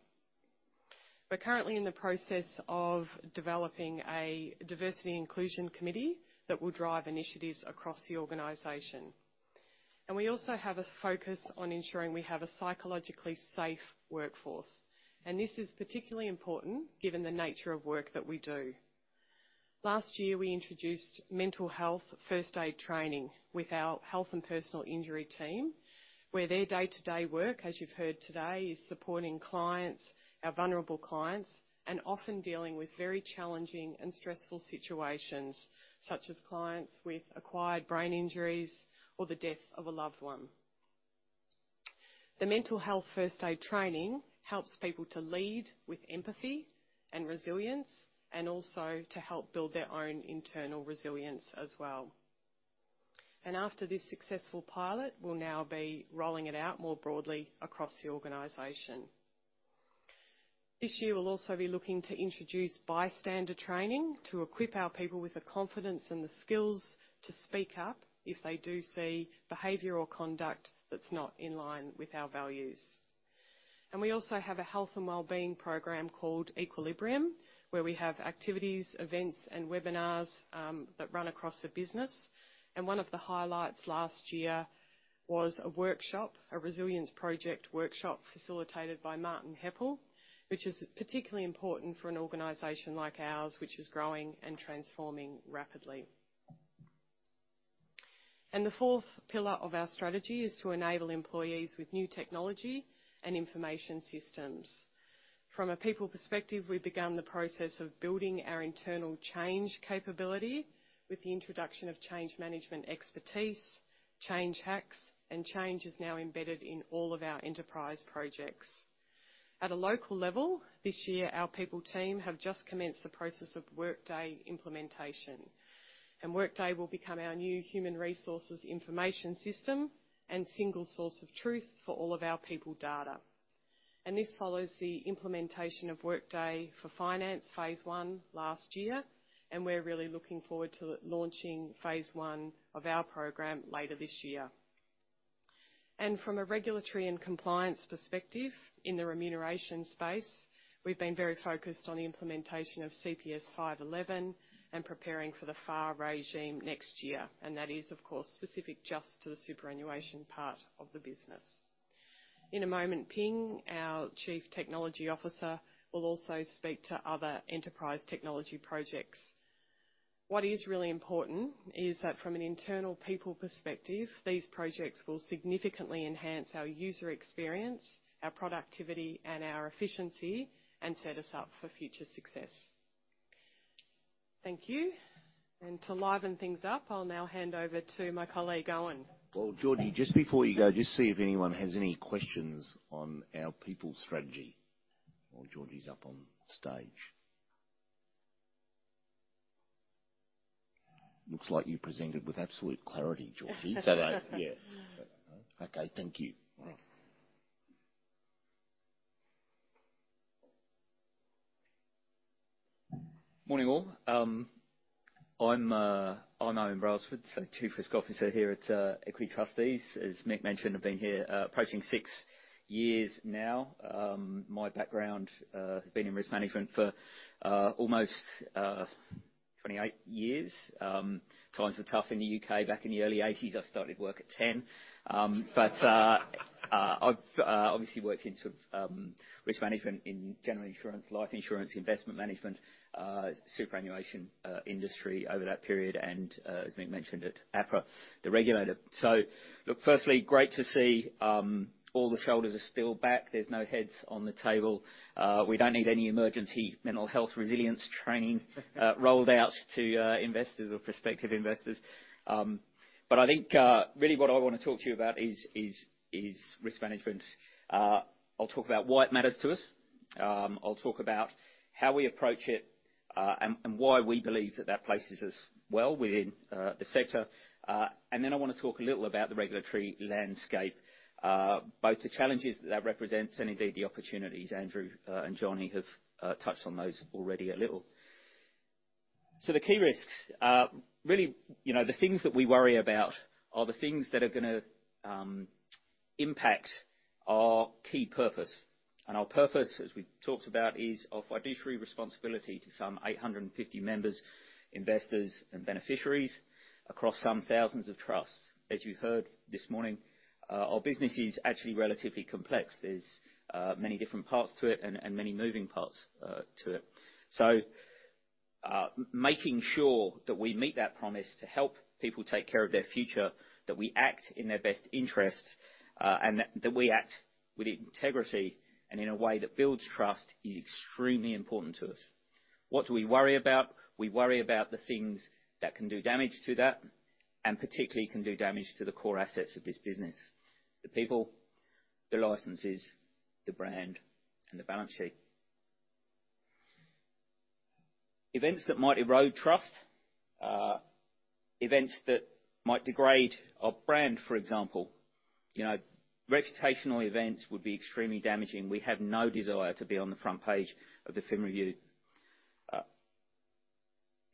We're currently in the process of develoPhing a diversity inclusion committee that will drive initiatives across the organization. We also have a focus on ensuring we have a psychologically safe workforce. This is particularly important given the nature of work that we do. Last year, we introduced mental health first-aid training with our health and personal injury team, where their day-to-day work, as you've heard today, is supporting clients, our vulnerable clients, and often dealing with very challenging and stressful situations such as clients with acquired brain injuries or the death of a loved one. The mental health first-aid training helps people to lead with empathy and resilience and also to help build their own internal resilience as well. After this successful pilot, we'll now be rolling it out more broadly across the organization. This year, we'll also be looking to introduce bystander training to equip our people with the confidence and the skills to speak up if they do see behavior or conduct that's not in line with our values. We also have a health and wellbeing program called Equilibrium, where we have activities, events, and webinars, that run across the business. One of the highlights last year was a workshop, a resilience project workshop facilitated by Martin Heppel, which is particularly important for an organization like ours, which is growing and transforming rapidly. The fourth pillar of our strategy is to enable employees with new technology and information systems. From a people perspective, we began the process of building our internal change capability with the introduction of change management expertise, change hacks, and change is now embedded in all of our enterprise projects. At a local level, this year, our people team have just commenced the process of Workday implementation. And Workday will become our new human resources information system and single source of truth for all of our people data. And this follows the implementation of Workday for finance phase one last year. And we're really looking forward to launching phase one of our program later this year. And from a regulatory and compliance perspective in the remuneration space, we've been very focused on the implementation of CPS 511 and preparing for the FAR regime next year. And that is, of course, specific just to the superannuation part of the business. In a moment, Phing, our Chief Technology Officer, will also speak to other enterprise technology projects. What is really important is that from an internal people perspective, these projects will significantly enhance our user experience, our productivity, and our efficiency and set us up for future success. Thank you. And to liven things up, I'll now hand over to my colleague, Owen. Well, Georgie, just before you go, just see if anyone has any questions on our people strategy. Well, Georgie's up on stage. Looks like you presented with absolute clarity, Georgie. So that yeah. Okay. Thank you. All right. Morning, all. I'm Owen Brailsford, Chief Risk Officer here at Equity Trustees. As Mick mentioned, I've been here approaching six years now. My background has been in risk management for almost 28 years. Times were tough in the U.K. Back in the early '80s, I started work at 10. I've obviously worked in sort of risk management in general insurance, life insurance, investment management, superannuation industry over that period. As Mick mentioned, at APRA, the regulator. So look, firstly, great to see all the shoulders are still back. There's no heads on the table. We don't need any emergency mental health resilience training rolled out to investors or prospective investors. I think really what I want to talk to you about is risk management. I'll talk about why it matters to us. I'll talk about how we approach it, and why we believe that that places us well within the sector. Then I want to talk a little about the regulatory landscape, both the challenges that that represents and indeed the opportunities Andrew and Johnny have touched on those already a little. So the key risks, really, you know, the things that we worry about are the things that are going to impact our key purpose. And our purpose, as we've talked about, is of fiduciary responsibility to some 850 members, investors, and beneficiaries across some thousands of trusts. As you heard this morning, our business is actually relatively complex. There's many different parts to it and many moving parts to it. So, making sure that we meet that promise to help people take care of their future, that we act in their best interests, and that we act with integrity and in a way that builds trust is extremely important to us. What do we worry about? We worry about the things that can do damage to that and particularly can do damage to the core assets of this business: the people, the licenses, the brand, and the balance sheet. Events that might erode trust, events that might degrade our brand, for example, you know, reputational events would be extremely damaging. We have no desire to be on the front page of the FIM review.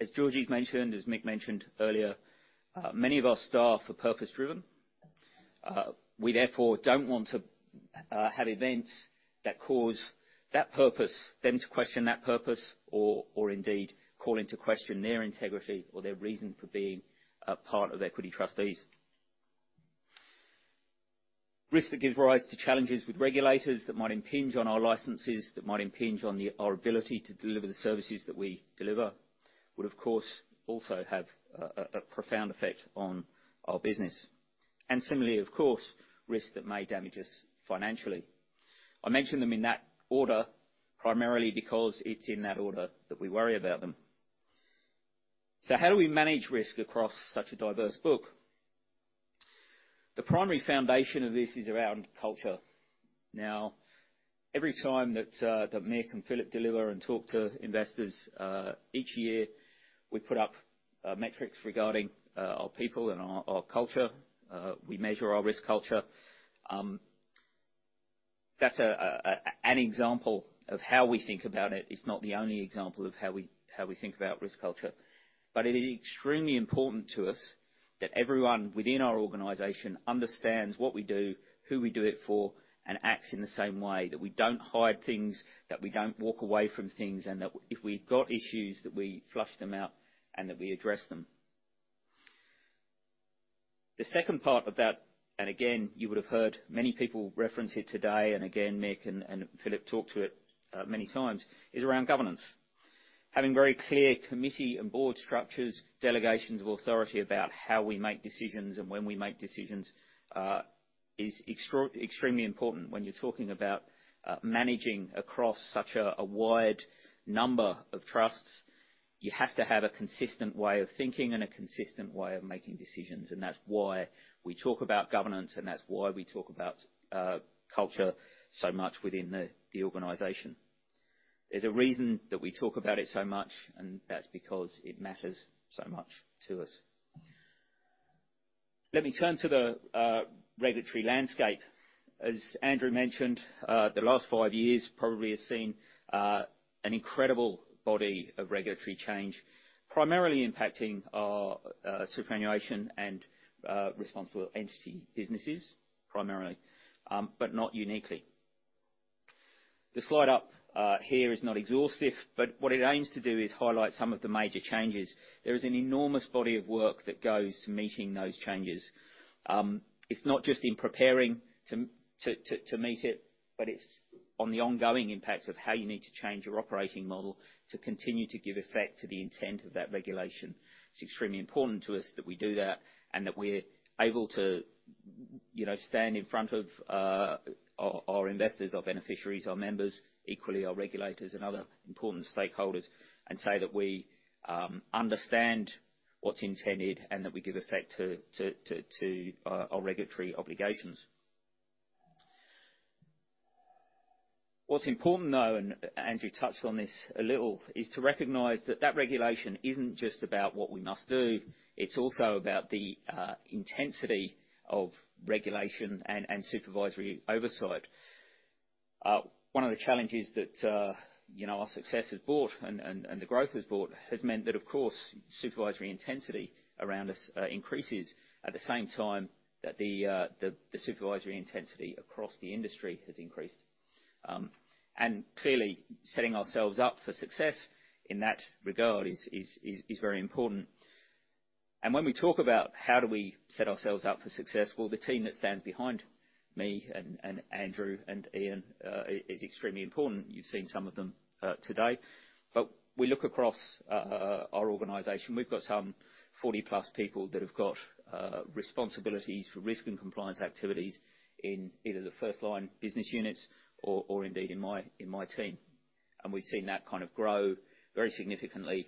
As Georgie's mentioned, as Mick mentioned earlier, many of our staff are purpose-driven. We therefore don't want to have events that cause that purpose, them to question that purpose, or indeed call into question their integrity or their reason for being part of Equity Trustees. Risk that gives rise to challenges with regulators that might imPhinge on our licenses, that might imPhinge on our ability to deliver the services that we deliver would, of course, also have a profound effect on our business. And similarly, of course, risk that may damage us financially. I mention them in that order primarily because it's in that order that we worry about them. So how do we manage risk across such a diverse book? The primary foundation of this is around culture. Now, every time that Mick and Philip deliver and talk to investors each year, we put up metrics regarding our people and our culture. We measure our risk culture. That's an example of how we think about it. It's not the only example of how we think about risk culture. But it is extremely important to us that everyone within our organization understands what we do, who we do it for, and acts in the same way, that we don't hide things, that we don't walk away from things, and that if we've got issues, that we flush them out and that we address them. The second part of that, and again, you would have heard many people reference it today, and again, Mick and Philip talked to it many times, is around governance. Having very clear committee and board structures, delegations of authority about how we make decisions and when we make decisions, is extremely important when you're talking about managing across such a wide number of trusts. You have to have a consistent way of thinking and a consistent way of making decisions. That's why we talk about governance. That's why we talk about culture so much within the organization. There's a reason that we talk about it so much, and that's because it matters so much to us. Let me turn to the regulatory landscape. As Andrew mentioned, the last five years probably have seen an incredible body of regulatory change primarily impacting our superannuation and responsible entity businesses primarily, but not uniquely. The slide up here is not exhaustive, but what it aims to do is highlight some of the major changes. There is an enormous body of work that goes to meeting those changes. It's not just in preparing to meet it, but it's on the ongoing impacts of how you need to change your operating model to continue to give effect to the intent of that regulation. It's extremely important to us that we do that and that we're able to, you know, stand in front of our investors, our beneficiaries, our members, equally our regulators and other important stakeholders, and say that we understand what's intended and that we give effect to our regulatory obligations. What's important, though, and Andrew touched on this a little, is to recognize that that regulation isn't just about what we must do. It's also about the intensity of regulation and supervisory oversight. One of the challenges that, you know, our success has brought and the growth has brought has meant that, of course, supervisory intensity around us increases at the same time that the supervisory intensity across the industry has increased. Clearly, setting ourselves up for success in that regard is very important. When we talk about how do we set ourselves up for success, well, the team that stands behind me and Andrew and Ian is extremely important. You've seen some of them today. We look across our organization. We've got some 40+ people that have got responsibilities for risk and compliance activities in either the first-line business units or indeed in my team. We've seen that kind of grow very significantly,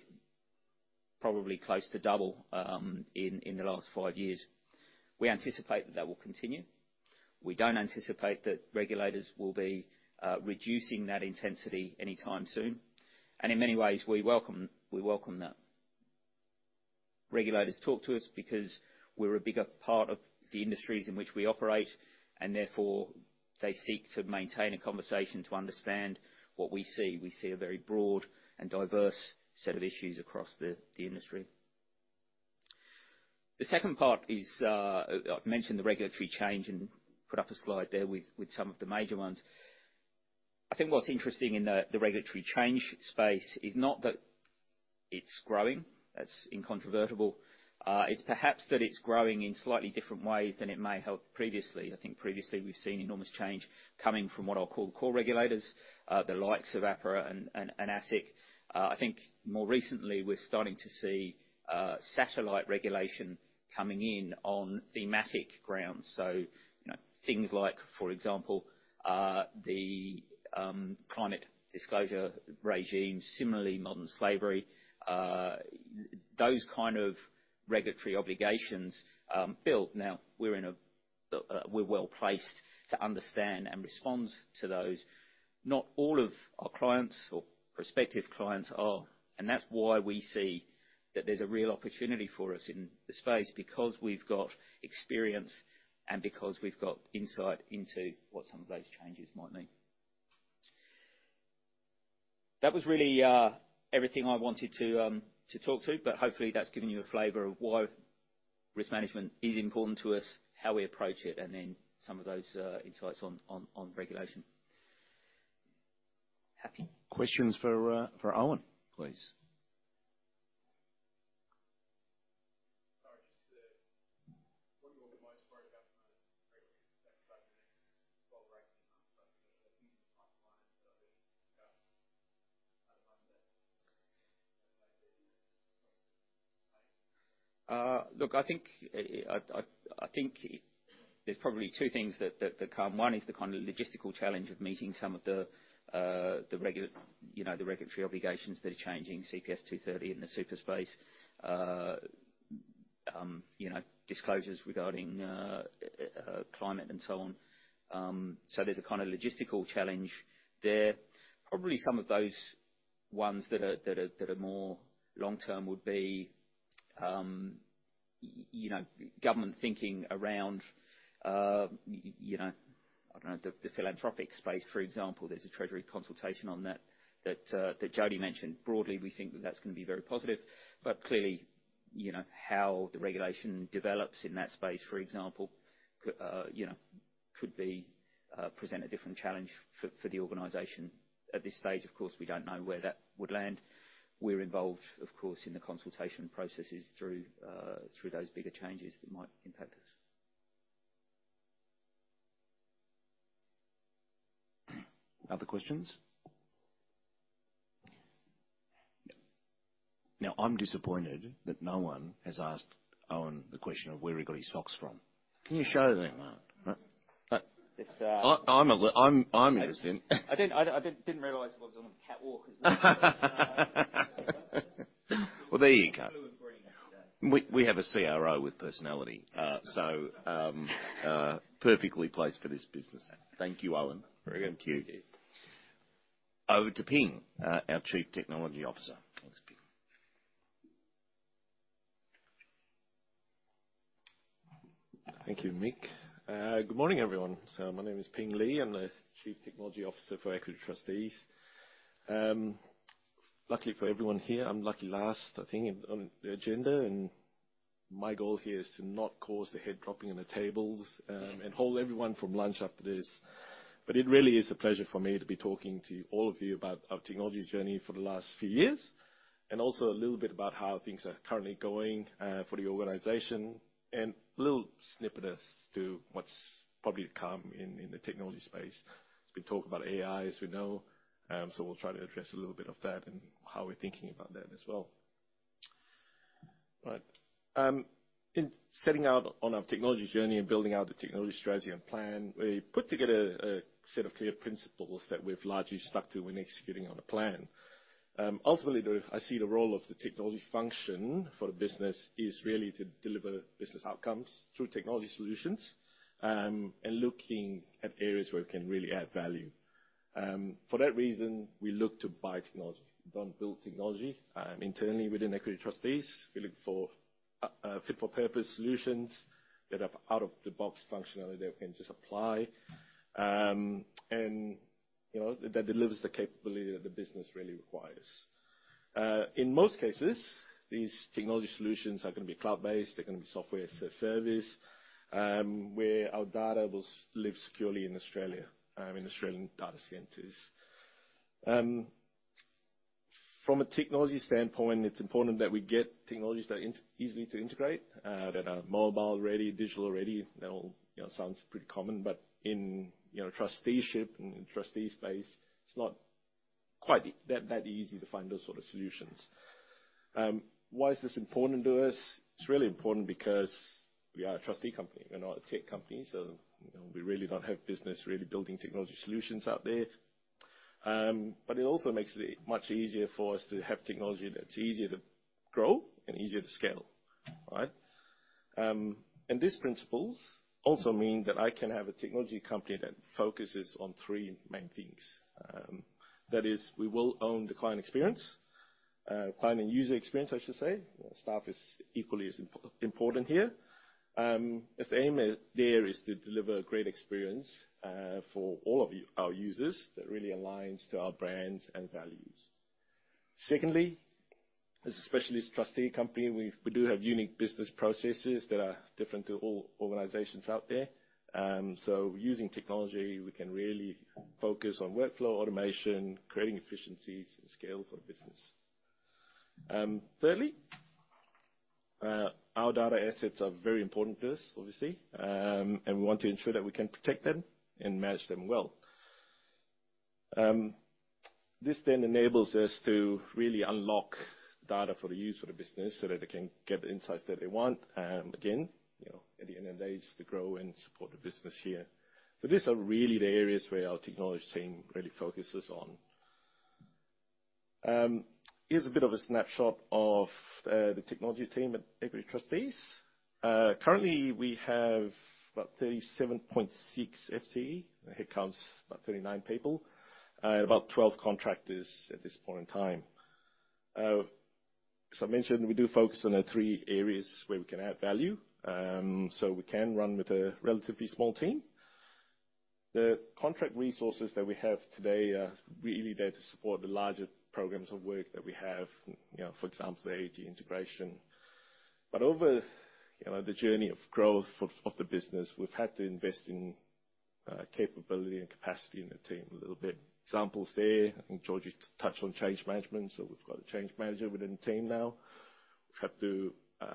probably close to double, in the last five years. We anticipate that will continue. We don't anticipate that regulators will be reducing that intensity anytime soon. In many ways, we welcome that. Regulators talk to us because we're a bigger part of the industries in which we operate, and therefore, they seek to maintain a conversation to understand what we see. We see a very broad and diverse set of issues across the industry. The second part is, I've mentioned the regulatory change and put up a slide there with some of the major ones. I think what's interesting in the regulatory change space is not that it's growing. That's incontrovertible. It's perhaps that it's growing in slightly different ways than it may have previously. I think previously, we've seen enormous change coming from what I'll call the core regulators, the likes of APRA and ASIC. I think more recently, we're starting to see satellite regulation coming in on thematic grounds. So, you know, things like, for example, the climate disclosure regime, similarly modern slavery, those kind of regulatory obligations, built. Now, we're well-placed to understand and respond to those. Not all of our clients or prospective clients are. And that's why we see that there's a real opportunity for us in the space because we've got experience and because we've got insight into what some of those changes might mean. That was really everything I wanted to talk to, but hopefully, that's given you a flavor of why risk management is important to us, how we approach it, and then some of those insights on regulation. Happy? Questions for Owen, please. Sorry, just to what you're most worried about from a regulatory perspective over the next 12 or 18 months, I think there's a huge pipeline that I've heard you discuss at the moment that. Look, I think there's probably two things that come. One is the kind of logistical challenge of meeting some of the regulatory obligations that are changing, CPS 230 in the super space, you know, disclosures regarding climate and so on. So there's a kind of logistical challenge there. Probably some of those ones that are more long-term would be, you know, government thinking around, you know, I don't know, the philanthropic space, for example. There's a treasury consultation on that that Jody mentioned. Broadly, we think that that's going to be very positive. But clearly, you know, how the regulation develops in that space, for example, could present a different challenge for the organization. At this stage, of course, we don't know where that would land. We're involved, of course, in the consultation processes through those bigger changes that might impact us. Other questions? No. Now, I'm disappointed that no one has asked Owen the question of where he got his socks from. Can you show them that? This, I'm interested. I didn't realize it was on Catwalk as well. Well, there you go. We have a CRO with personality, so perfectly placed for this business. Thank you, Owen. Very good. Thank you. Thank you. Over to Phing, our Chief Technology Officer. Thanks, Phing. Thank you, Mick. Good morning, everyone. So my name is Phing Lee. I'm the Chief Technology Officer for Equity Trustees. Luckily for everyone here, I'm lucky last, I think, on the agenda. And my goal here is to not cause the head-dropPhing and the tables, and hold everyone from lunch after this. But it really is a pleasure for me to be talking to all of you about our technology journey for the last few years and also a little bit about how things are currently going, for the organization and a little snippets to what's probably to come in, in the technology space. We've been talking about AI, as we know, so we'll try to address a little bit of that and how we're thinking about that as well. All right. In setting out on our technology journey and building out the technology strategy and plan, we put together a set of clear principles that we've largely stuck to when executing on a plan. Ultimately, I see the role of the technology function for the business is really to deliver business outcomes through technology solutions, and looking at areas where we can really add value. For that reason, we look to buy technology, don't build technology. Internally within Equity Trustees, we look for fit-for-purpose solutions that are out-of-the-box functionality that we can just apply, and, you know, that delivers the capability that the business really requires. In most cases, these technology solutions are going to be cloud-based. They're going to be software as a service, where our data will live securely in Australia, in Australian data centers. From a technology standpoint, it's important that we get technologies that are easy to integrate, that are mobile-ready, digital-ready. That all, you know, sounds pretty common. But in, you know, trusteeship and trustee space, it's not quite that, that easy to find those sort of solutions. Why is this important to us? It's really important because we are a trustee company. We're not a tech company, so, you know, we really don't have business really building technology solutions out there. But it also makes it much easier for us to have technology that's easier to grow and easier to scale, right? These principles also mean that I can have a technology company that focuses on three main things. That is, we will own the client experience, client and user experience, I should say. Staff is equally as important here. If the aim is there is to deliver a great experience, for all of you our users that really aligns to our brands and values. Secondly, as a specialist trustee company, we, we do have unique business processes that are different to all organizations out there. So using technology, we can really focus on workflow automation, creating efficiencies and scale for the business. Thirdly, our data assets are very important to us, obviously, and we want to ensure that we can protect them and manage them well. This then enables us to really unlock data for the use for the business so that they can get the insights that they want, again, you know, at the end of the day, is to grow and support the business here. So these are really the areas where our technology team really focuses on. Here's a bit of a snapshot of the technology team at Equity Trustees. Currently, we have about 37.6 FTE. That counts about 39 people, and about 12 contractors at this point in time. As I mentioned, we do focus on the three areas where we can add value. So we can run with a relatively small team. The contract resources that we have today are really there to support the larger programs of work that we have, you know, for example, the AET integration. But over, you know, the journey of growth of the business, we've had to invest in capability and capacity in the team a little bit. Examples there, I think Georgie just touched on change management, so we've got a change manager within the team now. We've had to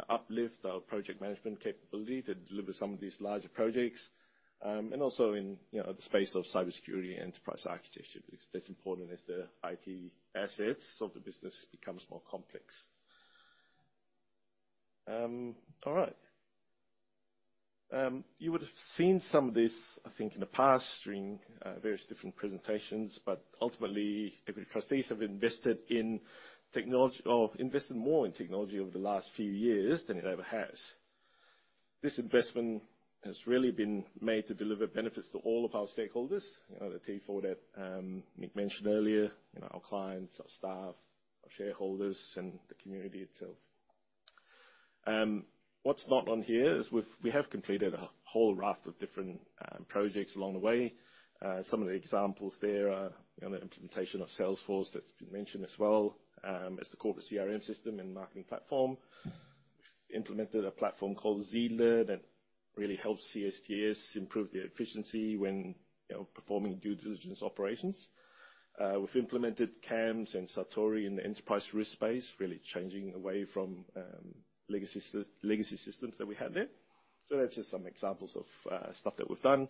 uplift our project management capability to deliver some of these larger projects, and also in, you know, the space of cybersecurity and enterprise architecture because that's important as the IT assets of the business becomes more complex. All right. You would have seen some of this, I think, in the past during, various different presentations, but ultimately, Equity Trustees have invested in technology or invested more in technology over the last few years than it ever has. This investment has really been made to deliver benefits to all of our stakeholders, you know, the T4 that, Mick mentioned earlier, you know, our clients, our staff, our shareholders, and the community itself. What's not on here is we have completed a whole raft of different projects along the way. Some of the examples there are, you know, the implementation of Salesforce that's been mentioned as well, as the corporate CRM system and marketing platform. We've implemented a platform called ZLIR that really helps CSTS improve their efficiency when, you know, performing due diligence operations. We've implemented CAMMS and Satori in the enterprise risk space, really changing away from legacy legacy systems that we had there. So that's just some examples of stuff that we've done.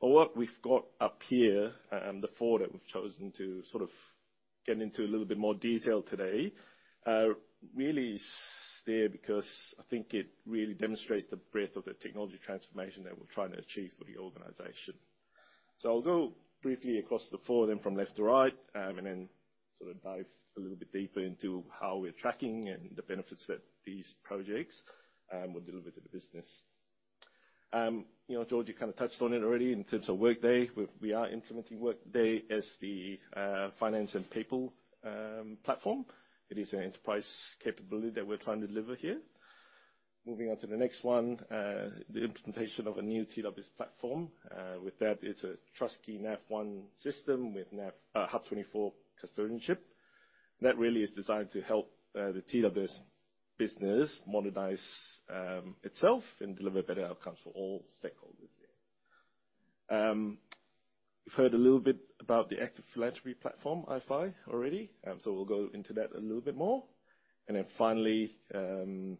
But what we've got up here, the four that we've chosen to sort of get into a little bit more detail today, really is there because I think it really demonstrates the breadth of the technology transformation that we're trying to achieve for the organization. So I'll go briefly across the four then from left to right, and then sort of dive a little bit deeper into how we're tracking and the benefits that these projects will deliver to the business. You know, George, you kind of touched on it already in terms of Workday. We're implementing Workday as the finance and people platform. It is an enterprise capability that we're trying to deliver here. Moving on to the next one, the implementation of a new TWS platform. With that, it's a TrustQuay NavOne system with HUB24 custodianship. That really is designed to help the TWS business modernize itself and deliver better outcomes for all stakeholders there. We've heard a little bit about the Active Philanthropy Platform, iFi, already, so we'll go into that a little bit more. And then finally, you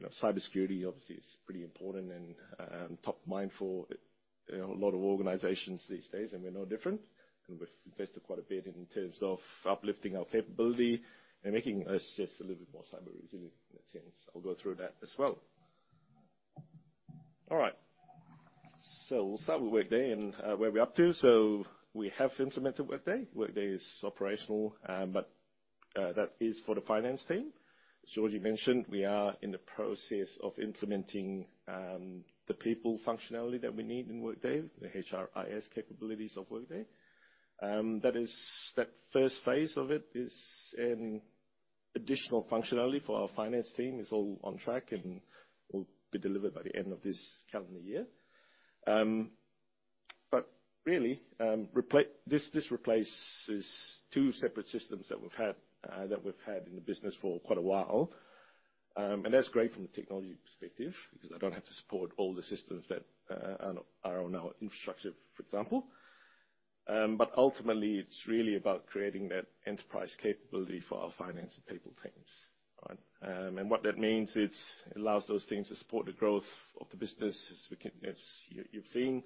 know, cybersecurity, obviously, is pretty important and top of mind for, you know, a lot of organizations these days, and we're no different. And we've invested quite a bit in terms of uplifting our capability and making us just a little bit more cyber-resilient in a sense. I'll go through that as well. All right. So we'll start with Workday and where we're up to. So we have implemented Workday. Workday is operational, but that is for the finance team. As Georgie you mentioned, we are in the process of implementing the people functionality that we need in Workday, the HRIS capabilities of Workday. That is, that first phase of it is an additional functionality for our finance team. It's all on track and will be delivered by the end of this calendar year. But really, this replaces two separate systems that we've had, that we've had in the business for quite a while. That's great from the technology perspective because I don't have to support all the systems that are on our infrastructure, for example. Ultimately, it's really about creating that enterprise capability for our finance and people teams, right? What that means is it allows those teams to support the growth of the business as we can, as you've seen.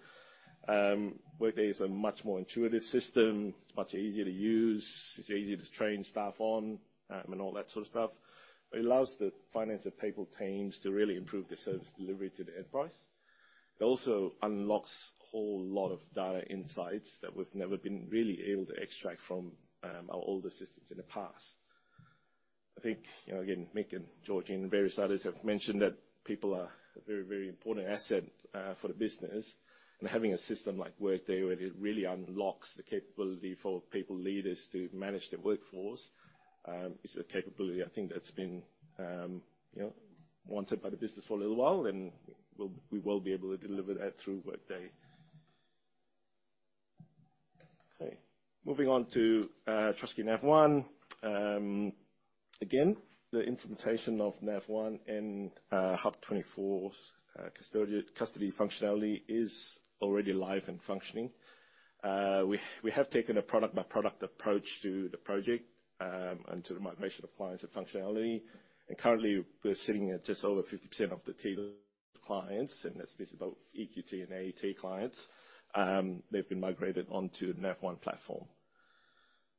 Workday is a much more intuitive system. It's much easier to use. It's easier to train staff on, and all that sort of stuff. It allows the finance and people teams to really improve their service delivery to the enterprise. It also unlocks a whole lot of data insights that we've never been really able to extract from our older systems in the past. I think, you know, again, Mick and Georgie and various others have mentioned that people are a very, very important asset for the business. Having a system like Workday where it really unlocks the capability for people leaders to manage their workforce is a capability, I think, that's been, you know, wanted by the business for a little while, and we will be able to deliver that through Workday. Okay. Moving on to TrustKey NavOne. Again, the implementation of NavOne and HUB24's custody functionality is already alive and functioning. We have taken a product-by-product approach to the project, and to the migration of clients and functionality. Currently, we're sitting at just over 50% of the TWS clients, and that's just about EQT and AET clients. They've been migrated onto the NavOne platform.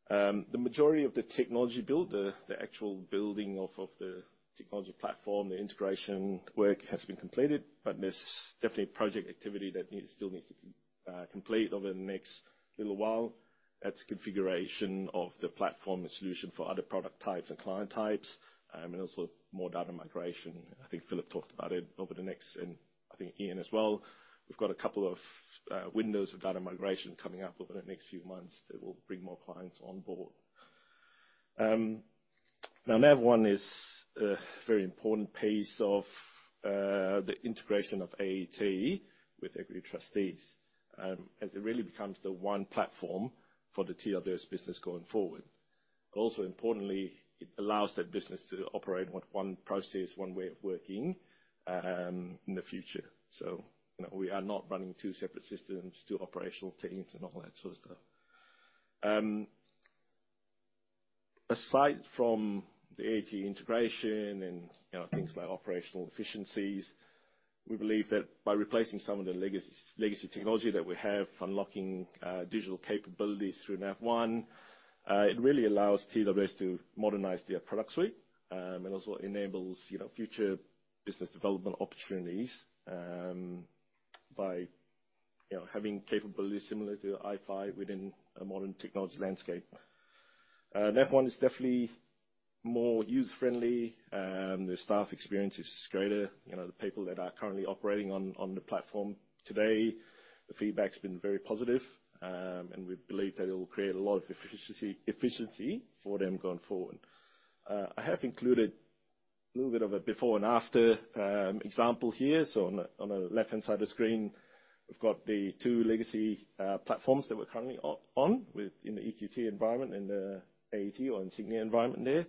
The majority of the technology build, the actual building of the technology platform, the integration work has been completed, but there's definitely project activity that still needs to complete over the next little while. That's configuration of the platform and solution for other product types and client types, and also more data migration. I think Philip talked about it over the next, and I think Ian as well. We've got a couple of windows of data migration coming up over the next few months that will bring more clients on board. Now, NavOne is a very important piece of the integration of AET with Equity Trustees, as it really becomes the one platform for the TWS business going forward. But also importantly, it allows that business to operate with one process, one way of working, in the future. So, you know, we are not running two separate systems, two operational teams, and all that sort of stuff. Aside from the AET integration and, you know, things like operational efficiencies, we believe that by replacing some of the legacy legacy technology that we have, unlocking digital capabilities through NavOne, it really allows TWS to modernize their product suite, and also enables, you know, future business development opportunities, by, you know, having capabilities similar to iFi within a modern technology landscape. NavOne is definitely more user-friendly. The staff experience is greater. You know, the people that are currently operating on, on the platform today, the feedback's been very positive, and we believe that it'll create a lot of efficiency efficiency for them going forward. I have included a little bit of a before and after example here. So on the left-hand side of the screen, we've got the two legacy platforms that we're currently on with in the EQT environment and the AET or Insignia environment there.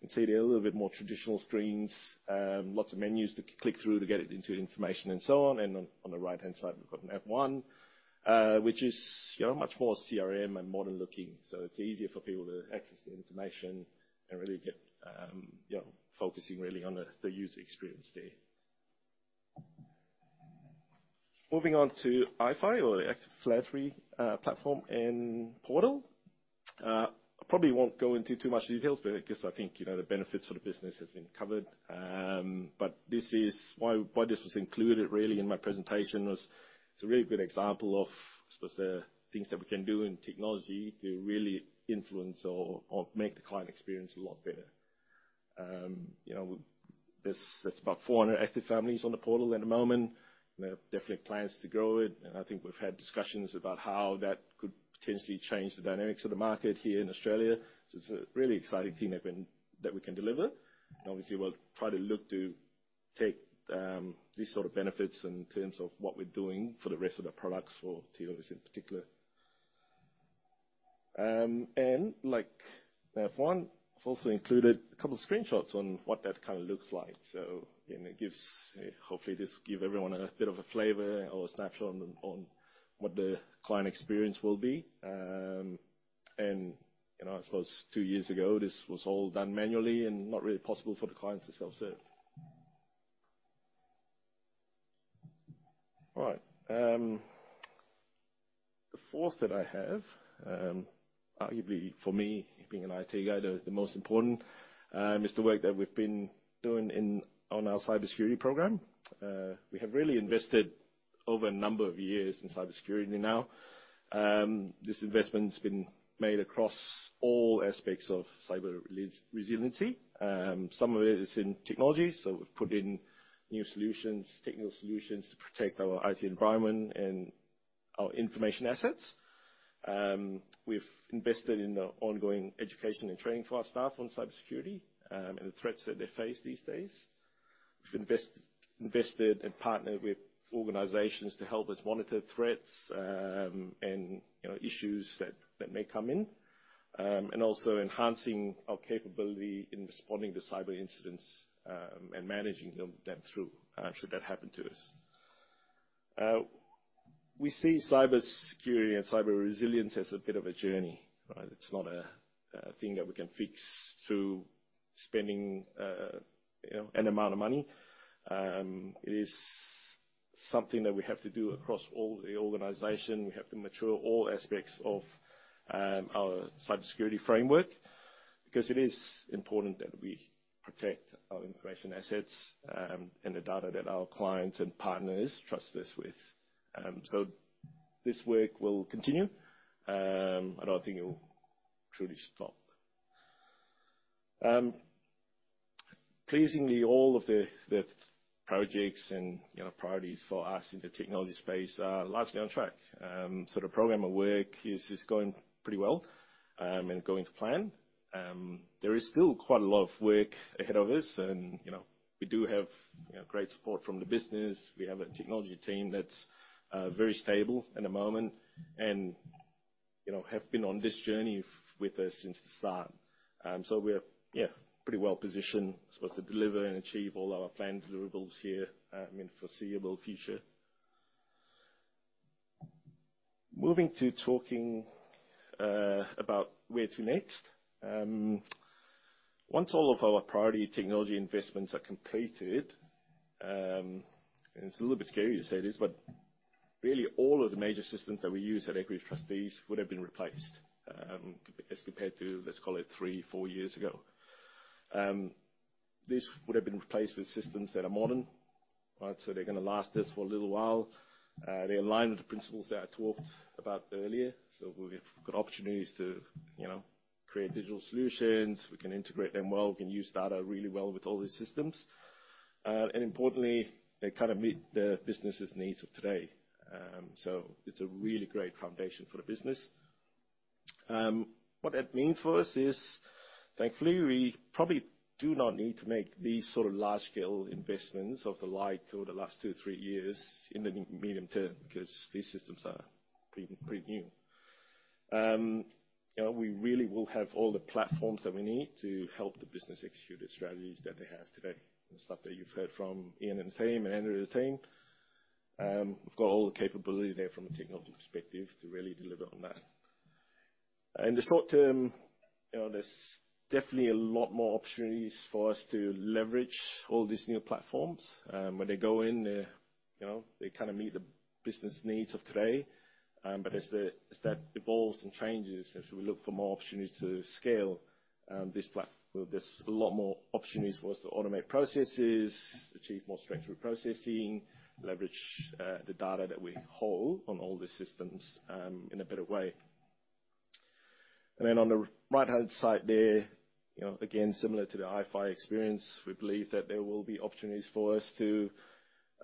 You can see they're a little bit more traditional screens, lots of menus to click through to get to the information and so on. And on the right-hand side, we've got NavOne, which is, you know, much more CRM and modern-looking. So it's easier for people to access the information and really get, you know, focusing really on the user experience there. Moving on to iFi or the Active Philanthropy Platform and Portal. I probably won't go into too much details because I think, you know, the benefits for the business have been covered. But this is why, why this was included really in my presentation was it's a really good example of, I suppose, the things that we can do in technology to really influence or, or make the client experience a lot better. You know, there's, there's about 400 active families on the portal at the moment. There are definitely plans to grow it. And I think we've had discussions about how that could potentially change the dynamics of the market here in Australia. So it's a really exciting thing that we can that we can deliver. And obviously, we'll try to look to take, these sort of benefits in terms of what we're doing for the rest of the products for TWS in particular. And like NavOne, I've also included a couple of screenshots on what that kind of looks like. So again, it gives hopefully, this will give everyone a bit of a flavor or a snapshot on, on what the client experience will be. And, you know, I suppose two years ago, this was all done manually and not really possible for the clients to self-serve. All right. The fourth that I have, arguably for me, being an IT guy, the most important, is the work that we've been doing in our cybersecurity program. We have really invested over a number of years in cybersecurity now. This investment's been made across all aspects of cyber-resilient resiliency. Some of it is in technology. So we've put in new solutions, technical solutions to protect our IT environment and our information assets. We've invested in the ongoing education and training for our staff on cybersecurity, and the threats that they face these days. We've invested and partnered with organizations to help us monitor threats, and, you know, issues that may come in, and also enhancing our capability in responding to cyber incidents, and managing them that through, should that happen to us. We see cybersecurity and cyber-resilience as a bit of a journey, right? It's not a thing that we can fix through spending, you know, an amount of money. It is something that we have to do across all the organization. We have to mature all aspects of our cybersecurity framework because it is important that we protect our information assets, and the data that our clients and partners trust us with. So this work will continue. I don't think it'll truly stop. Pleasingly, all of the projects and, you know, priorities for us in the technology space are largely on track. The program of work is going pretty well and going to plan. There is still quite a lot of work ahead of us. You know, we do have, you know, great support from the business. We have a technology team that's very stable at the moment and, you know, have been on this journey with us since the start. We're, yeah, pretty well positioned, I suppose, to deliver and achieve all our planned deliverables here, in the foreseeable future. Moving to talking about where to next. Once all of our priority technology investments are completed, and it's a little bit scary to say this, but really, all of the major systems that we use at Equity Trustees would have been replaced, as compared to, let's call it, 3, 4 years ago. This would have been replaced with systems that are modern, right? So they're gonna last us for a little while. They align with the principles that I talked about earlier. So we've got opportunities to, you know, create digital solutions. We can integrate them well. We can use data really well with all these systems. And importantly, they kind of meet the business's needs of today. So it's a really great foundation for the business. What that means for us is, thankfully, we probably do not need to make these sort of large-scale investments of the like over the last two, three years in the medium term because these systems are pretty, pretty new. You know, we really will have all the platforms that we need to help the business execute the strategies that they have today, the stuff that you've heard from Ian and Tame and Andrew and Tame. We've got all the capability there from a technology perspective to really deliver on that. In the short term, you know, there's definitely a lot more opportunities for us to leverage all these new platforms. When they go in, they, you know, they kind of meet the business needs of today. But as that evolves and changes, as we look for more opportunities to scale, this plat there's a lot more opportunities for us to automate processes, achieve more structured processing, leverage the data that we hold on all these systems, in a better way. And then on the right-hand side there, you know, again, similar to the iFi experience, we believe that there will be opportunities for us to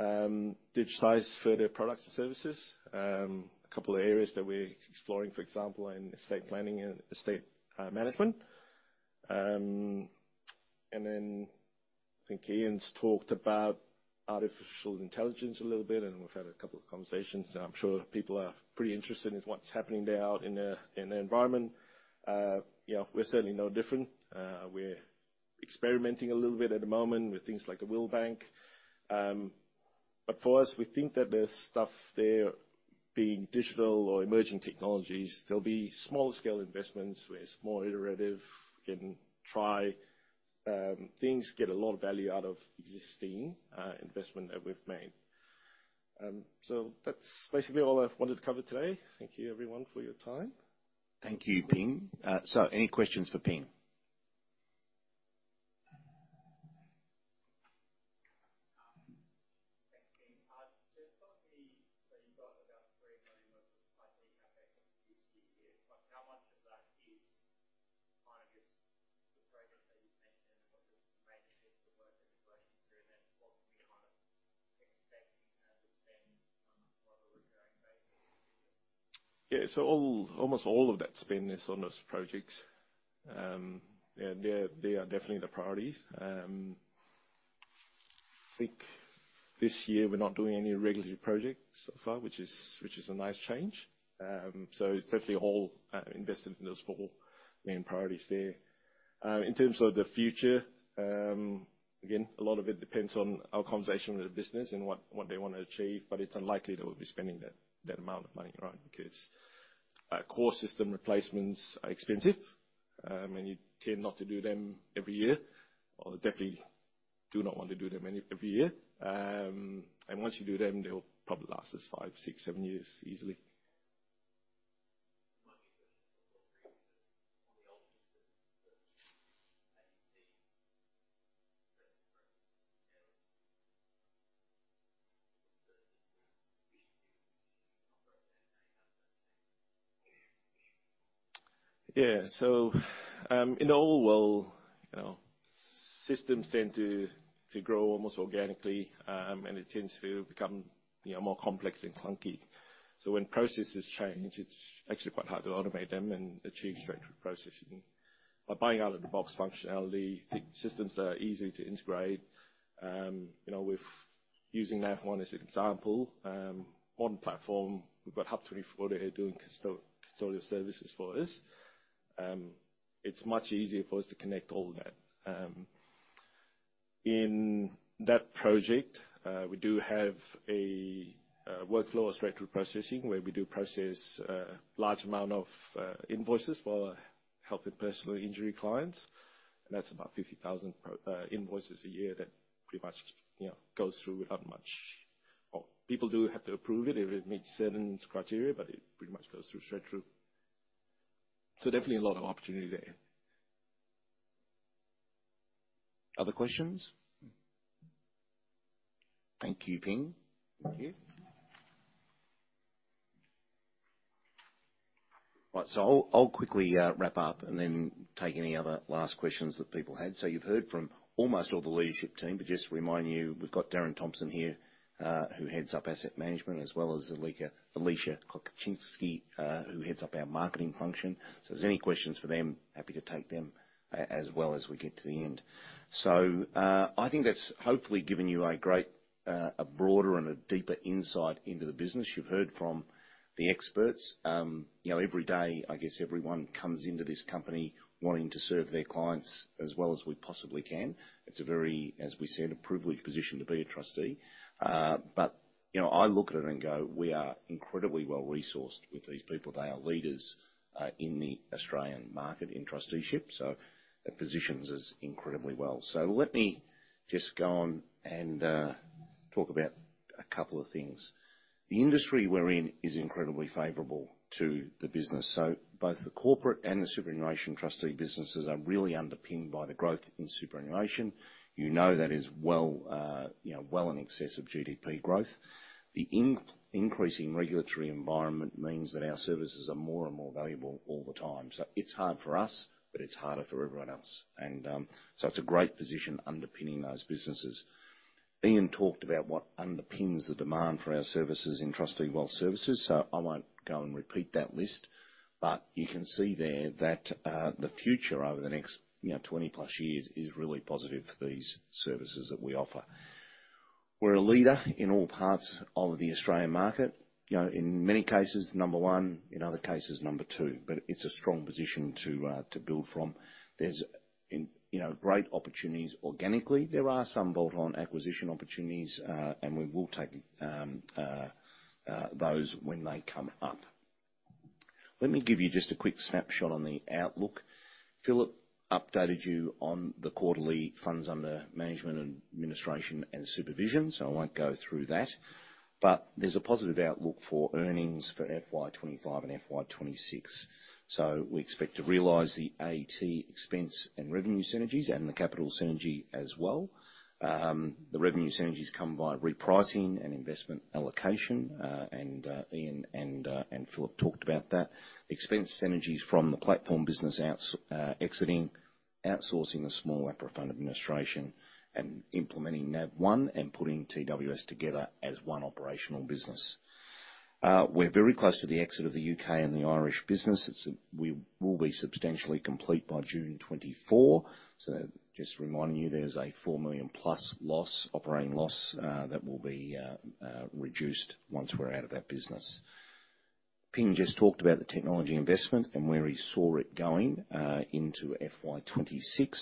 digitize further products and services, a couple of areas that we're exploring, for example, in estate planning and estate management. And then I think Ian's talked about artificial intelligence a little bit, and we've had a couple of conversations. And I'm sure people are pretty interested in what's happening there out in the environment. You know, we're certainly no different. We're experimenting a little bit at the moment with things like a Will Bank. But for us, we think that the stuff there being digital or emerging technologies, there'll be smaller-scale investments where it's more iterative. We can try things, get a lot of value out of existing investment that we've made. So that's basically all I wanted to cover today. Thank you, everyone, for your time. Thank you, Phing. Any questions for Phing? Thank you. Just let me so you've got about AUD 3 million worth of IT CapEx each year. But how much of that is kind of just the projects that you've mentioned and what the major bits of work that you're working through, and then what can we kind of expect in terms of spend on a more of a recurring basis in the business? Yeah. So all almost all of that spend is on those projects. Yeah, they're, they are definitely the priorities. I think this year, we're not doing any regulatory projects so far, which is a nice change. So it's definitely all invested in those four main priorities there. In terms of the future, again, a lot of it depends on our conversation with the business and what they wanna achieve. But it's unlikely that we'll be spending that amount of money, right, because core system replacements are expensive. And you tend not to do them every year, or definitely do not want to do them every year. And once you do them, they'll probably last us 5, 6, 7 years easily. One more question for both of you. On the old systems that you see threats to growth, we should do issue operation, and how does that change? Yeah. So, in the old world, you know, systems tend to grow almost organically, and it tends to become, you know, more complex and clunky. So when processes change, it's actually quite hard to automate them and achieve structured processing. By buying out-of-the-box functionality, the systems that are easy to integrate, you know, with using NavOne as an example, modern platform, we've got HUB24 that are doing custodial services for us. It's much easier for us to connect all that. In that project, we do have a workflow of structured processing where we do process large amount of invoices for health and personal injury clients. And that's about 50,000 pro invoices a year that pretty much, you know, goes through without much or people do have to approve it if it meets certain criteria, but it pretty much goes through straight through. So definitely a lot of opportunity there. Other questions? Thank you, Phing. Thank you. All right. So I'll quickly wrap up and then take any other last questions that people had. So you've heard from almost all the leadership team, but just remind you, we've got Darren Thompson here, who heads up asset management, as well as Alicia Kokocinski, who heads up our marketing function. So if there's any questions for them, happy to take them as well as we get to the end. So, I think that's hopefully given you a great broader and a deeper insight into the business. You've heard from the experts. You know, every day, I guess, everyone comes into this company wanting to serve their clients as well as we possibly can. It's a very, as we said, privileged position to be a trustee. But, you know, I look at it and go, "We are incredibly well-resourced with these people. They are leaders in the Australian market in trusteeship." So it positions us incredibly well. So let me just go on and talk about a couple of things. The industry we're in is incredibly favorable to the business. So both the corporate and the superannuation trustee businesses are really underpinned by the growth in superannuation. You know that is well, you know, well in excess of GDP growth. The increasing regulatory environment means that our services are more and more valuable all the time. So it's hard for us, but it's harder for everyone else. And so it's a great position underpinning those businesses. Ian talked about what underpins the demand for our services in trustee wealth services. So I won't go and repeat that list. But you can see there that the future over the next, you know, 20+ years is really positive for these services that we offer. We're a leader in all parts of the Australian market, you know, in many cases, number one. In other cases, number two. But it's a strong position to build from. There's, you know, great opportunities organically. There are some bolt-on acquisition opportunities, and we will take those when they come up. Let me give you just a quick snapshot on the outlook. Philip updated you on the quarterly funds under management, administration, and supervision. So I won't go through that. But there's a positive outlook for earnings for FY25 and FY26. So we expect to realize the AET expense and revenue synergies and the capital synergy as well. The revenue synergies come by repricing and investment allocation, and Ian and Philip talked about that. Expense synergies from the platform business outsourcing, exiting, outsourcing a small APRA fund administration, and implementing NavOne and putting TWS together as one operational business. We're very close to the exit of the UK and Irish business. It's. We will be substantially complete by June 2024. So just reminding you, there's an 4 million+ operating loss that will be reduced once we're out of that business. Phing just talked about the technology investment and where he saw it going into FY26.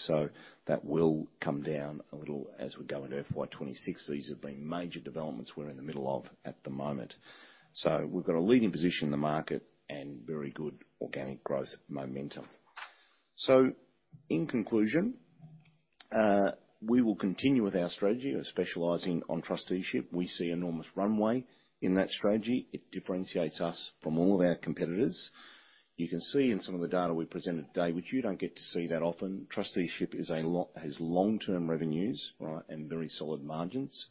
So that will come down a little as we go into FY26. These have been major developments we're in the middle of at the moment. So we've got a leading position in the market and very good organic growth momentum. So in conclusion, we will continue with our strategy of specializing on trusteeship. We see enormous runway in that strategy. It differentiates us from all of our competitors. You can see in some of the data we presented today, which you don't get to see that often, trusteeship is a lot has long-term revenues, right, and very solid margins.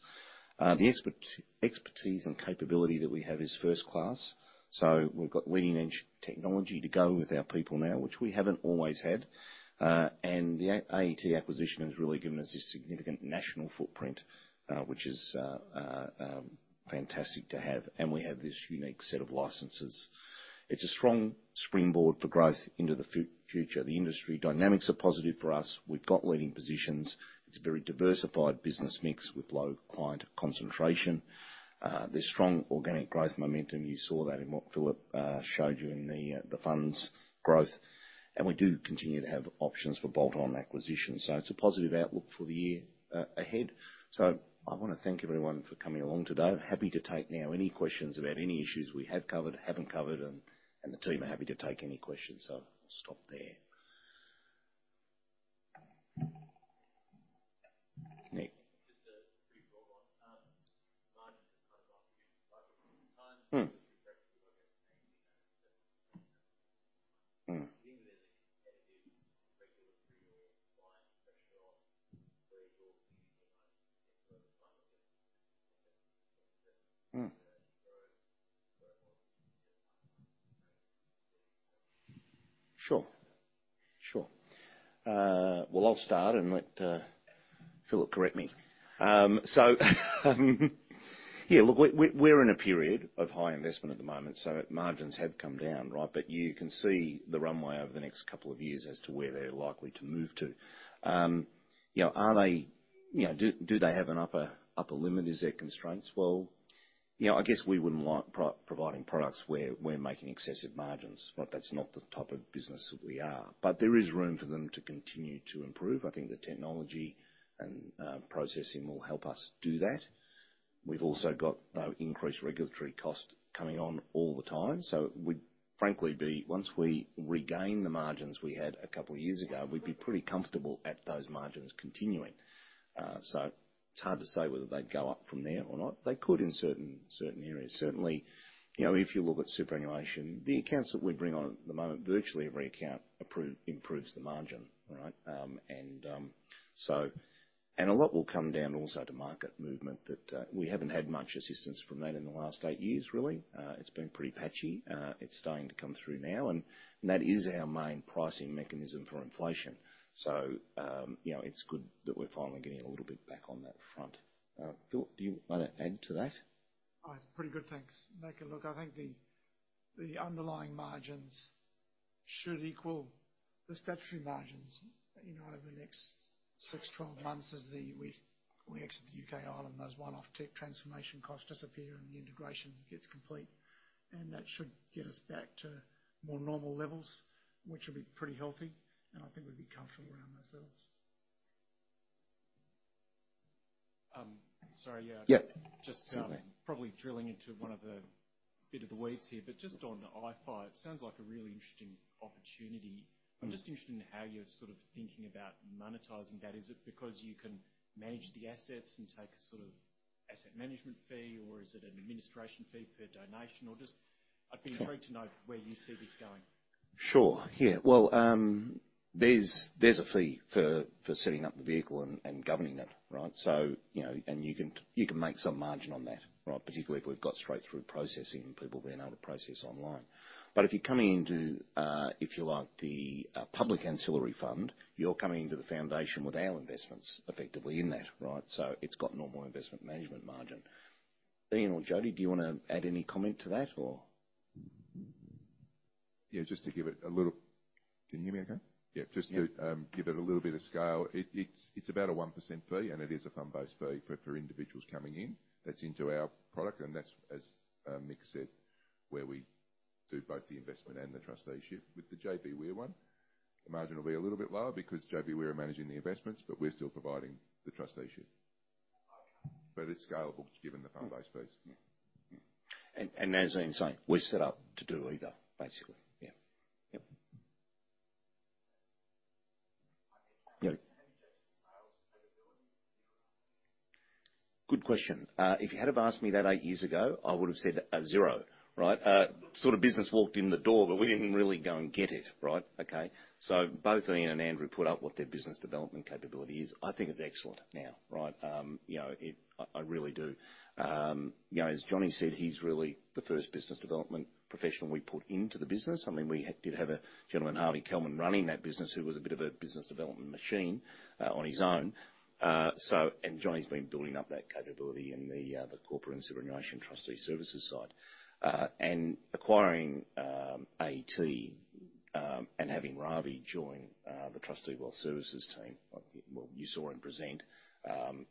The expert expertise and capability that we have is first-class. So we've got leading-edge technology to go with our people now, which we haven't always had. And the AET acquisition has really given us this significant national footprint, which is fantastic to have. And we have this unique set of licenses. It's a strong springboard for growth into the future. The industry dynamics are positive for us. We've got leading positions. It's a very diversified business mix with low client concentration. There's strong organic growth momentum. You saw that in what Philip showed you in the funds growth. We do continue to have options for bolt-on acquisitions. So it's a positive outlook for the year ahead. So I wanna thank everyone for coming along today. Happy to take now any questions about any issues we have covered, haven't covered, and the team are happy to take any questions. So I'll stop there. Mick. Just a brief follow-on. Margins have kind of gone through a cycle over time. Just refreshing your focus on AET and investment. Do you think that there's a competitive, regulatory, or client pressure on where your equity and margins can get to a point where just investment can invest in the growth, growth model, just kind of like strengths to be? Sure. Sure. Well, I'll start and let Philip correct me. So, yeah, look, we're in a period of high investment at the moment. So margins have come down, right? But you can see the runway over the next couple of years as to where they're likely to move to. You know, are they, you know, do they have an upper limit? Is there constraints? Well, you know, I guess we wouldn't like providing products where making excessive margins, right? That's not the type of business that we are. But there is room for them to continue to improve. I think the technology and processing will help us do that. We've also got, though, increased regulatory cost coming on all the time. So we'd frankly be, once we regain the margins we had a couple of years ago, we'd be pretty comfortable at those margins continuing. So it's hard to say whether they'd go up from there or not. They could in certain, certain areas. Certainly, you know, if you look at superannuation, the accounts that we bring on at the moment, virtually every account approved improves the margin, right? And, so and a lot will come down also to market movement that, we haven't had much assistance from that in the last eight years, really. It's been pretty patchy. It's starting to come through now. And, and that is our main pricing mechanism for inflation. So, you know, it's good that we're finally getting a little bit back on that front. Philip, do you wanna add to that? Oh, it's pretty good. Thanks, Mick. And look, I think the underlying margins should equal the statutory margins, you know, over the next 6, 12 months as we exit the U.K. and Ireland. Those one-off tech transformation costs disappear, and the integration gets complete. And that should get us back to more normal levels, which will be pretty healthy. And I think we'd be comfortable around those levels. sorry. Yeah. Yeah. Just, That's fine. Probably drilling into one of the bits of the weeds here, but just on the iFi, it sounds like a really interesting opportunity. I'm just interested in how you're sort of thinking about monetizing that. Is it because you can manage the assets and take a sort of asset management fee, or is it an administration fee per donation, or just, I'd be intrigued to know where you see this going? Sure. Yeah. Well, there's a fee for setting up the vehicle and governing it, right? So, you know, and you can make some margin on that, right, particularly if we've got straight-through processing and people being able to process online. But if you're coming into, if you're like the public ancillary fund, you're coming into the foundation with our investments effectively in that, right? So it's got normal investment management margin. Ian or Jody, do you wanna add any comment to that, or? Yeah. Can you hear me okay? Yeah. Yeah. Give it a little bit of scale. It's about a 1% fee, and it is a fund-based fee for individuals coming in that's into our product. And that's, as Mick said, where we do both the investment and the trusteeship. With the JB Were one, the margin will be a little bit lower because JB Were are managing the investments, but we're still providing the trusteeship. Okay. But it's scalable given the fund-based fees. Yeah. Yeah. And, and as Ian's saying, we're set up to do either, basically. Yeah. Yep. Yep. Have you checked the sales capability? Good question. If you had have asked me that eight years ago, I would have said, zero, right? Sort of business walked in the door, but we didn't really go and get it, right? Okay? So both Ian and Andrew put up what their business development capability is. I think it's excellent now, right? You know, it. I really do. You know, as Johnny said, he's really the first business development professional we put into the business. I mean, we had a gentleman, Harvey Kalman, running that business who was a bit of a business development machine, on his own. So and Johnny's been building up that capability in the, the corporate and superannuation trustee services side. And acquiring AET, and having Ravi join, the trustee wealth services team, well, you saw him present,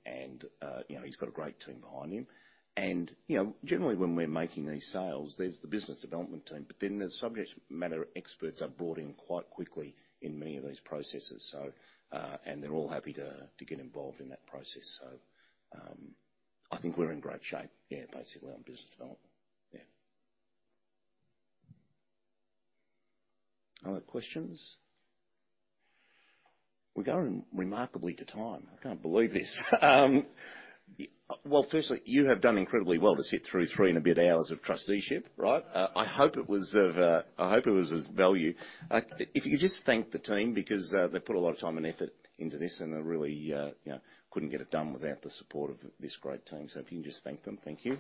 and, you know, he's got a great team behind him. You know, generally, when we're making these sales, there's the business development team, but then the subject matter experts are brought in quite quickly in many of these processes. So, they're all happy to get involved in that process. So, I think we're in great shape, yeah, basically, on business development. Yeah. Other questions? We're going remarkably to time. I can't believe this. Well, firstly, you have done incredibly well to sit through three and a bit hours of trusteeship, right? I hope it was of value. If you could just thank the team because they put a lot of time and effort into this, and they really, you know, couldn't get it done without the support of this great team. So if you can just thank them, thank you.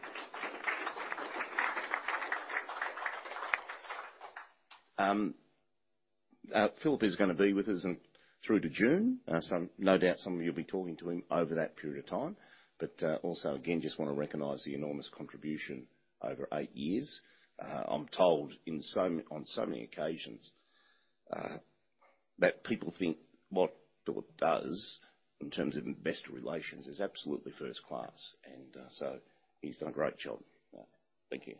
Philip is gonna be with us through to June. So no doubt some of you'll be talking to him over that period of time. But also, again, just wanna recognize the enormous contribution over eight years. I'm told on so many occasions that people think what Philip does in terms of investor relations is absolutely first-class. And so he's done a great job. Thank you.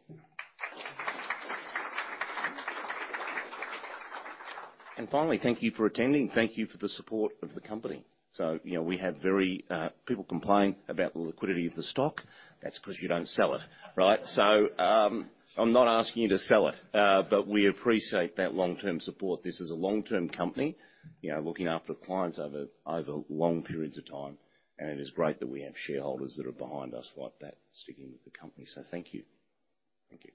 And finally, thank you for attending. Thank you for the support of the company. So, you know, we have very, people complain about the liquidity of the stock. That's 'cause you don't sell it, right? So, I'm not asking you to sell it, but we appreciate that long-term support. This is a long-term company, you know, looking after clients over long periods of time. And it is great that we have shareholders that are behind us like that sticking with the company. So thank you. Thank you.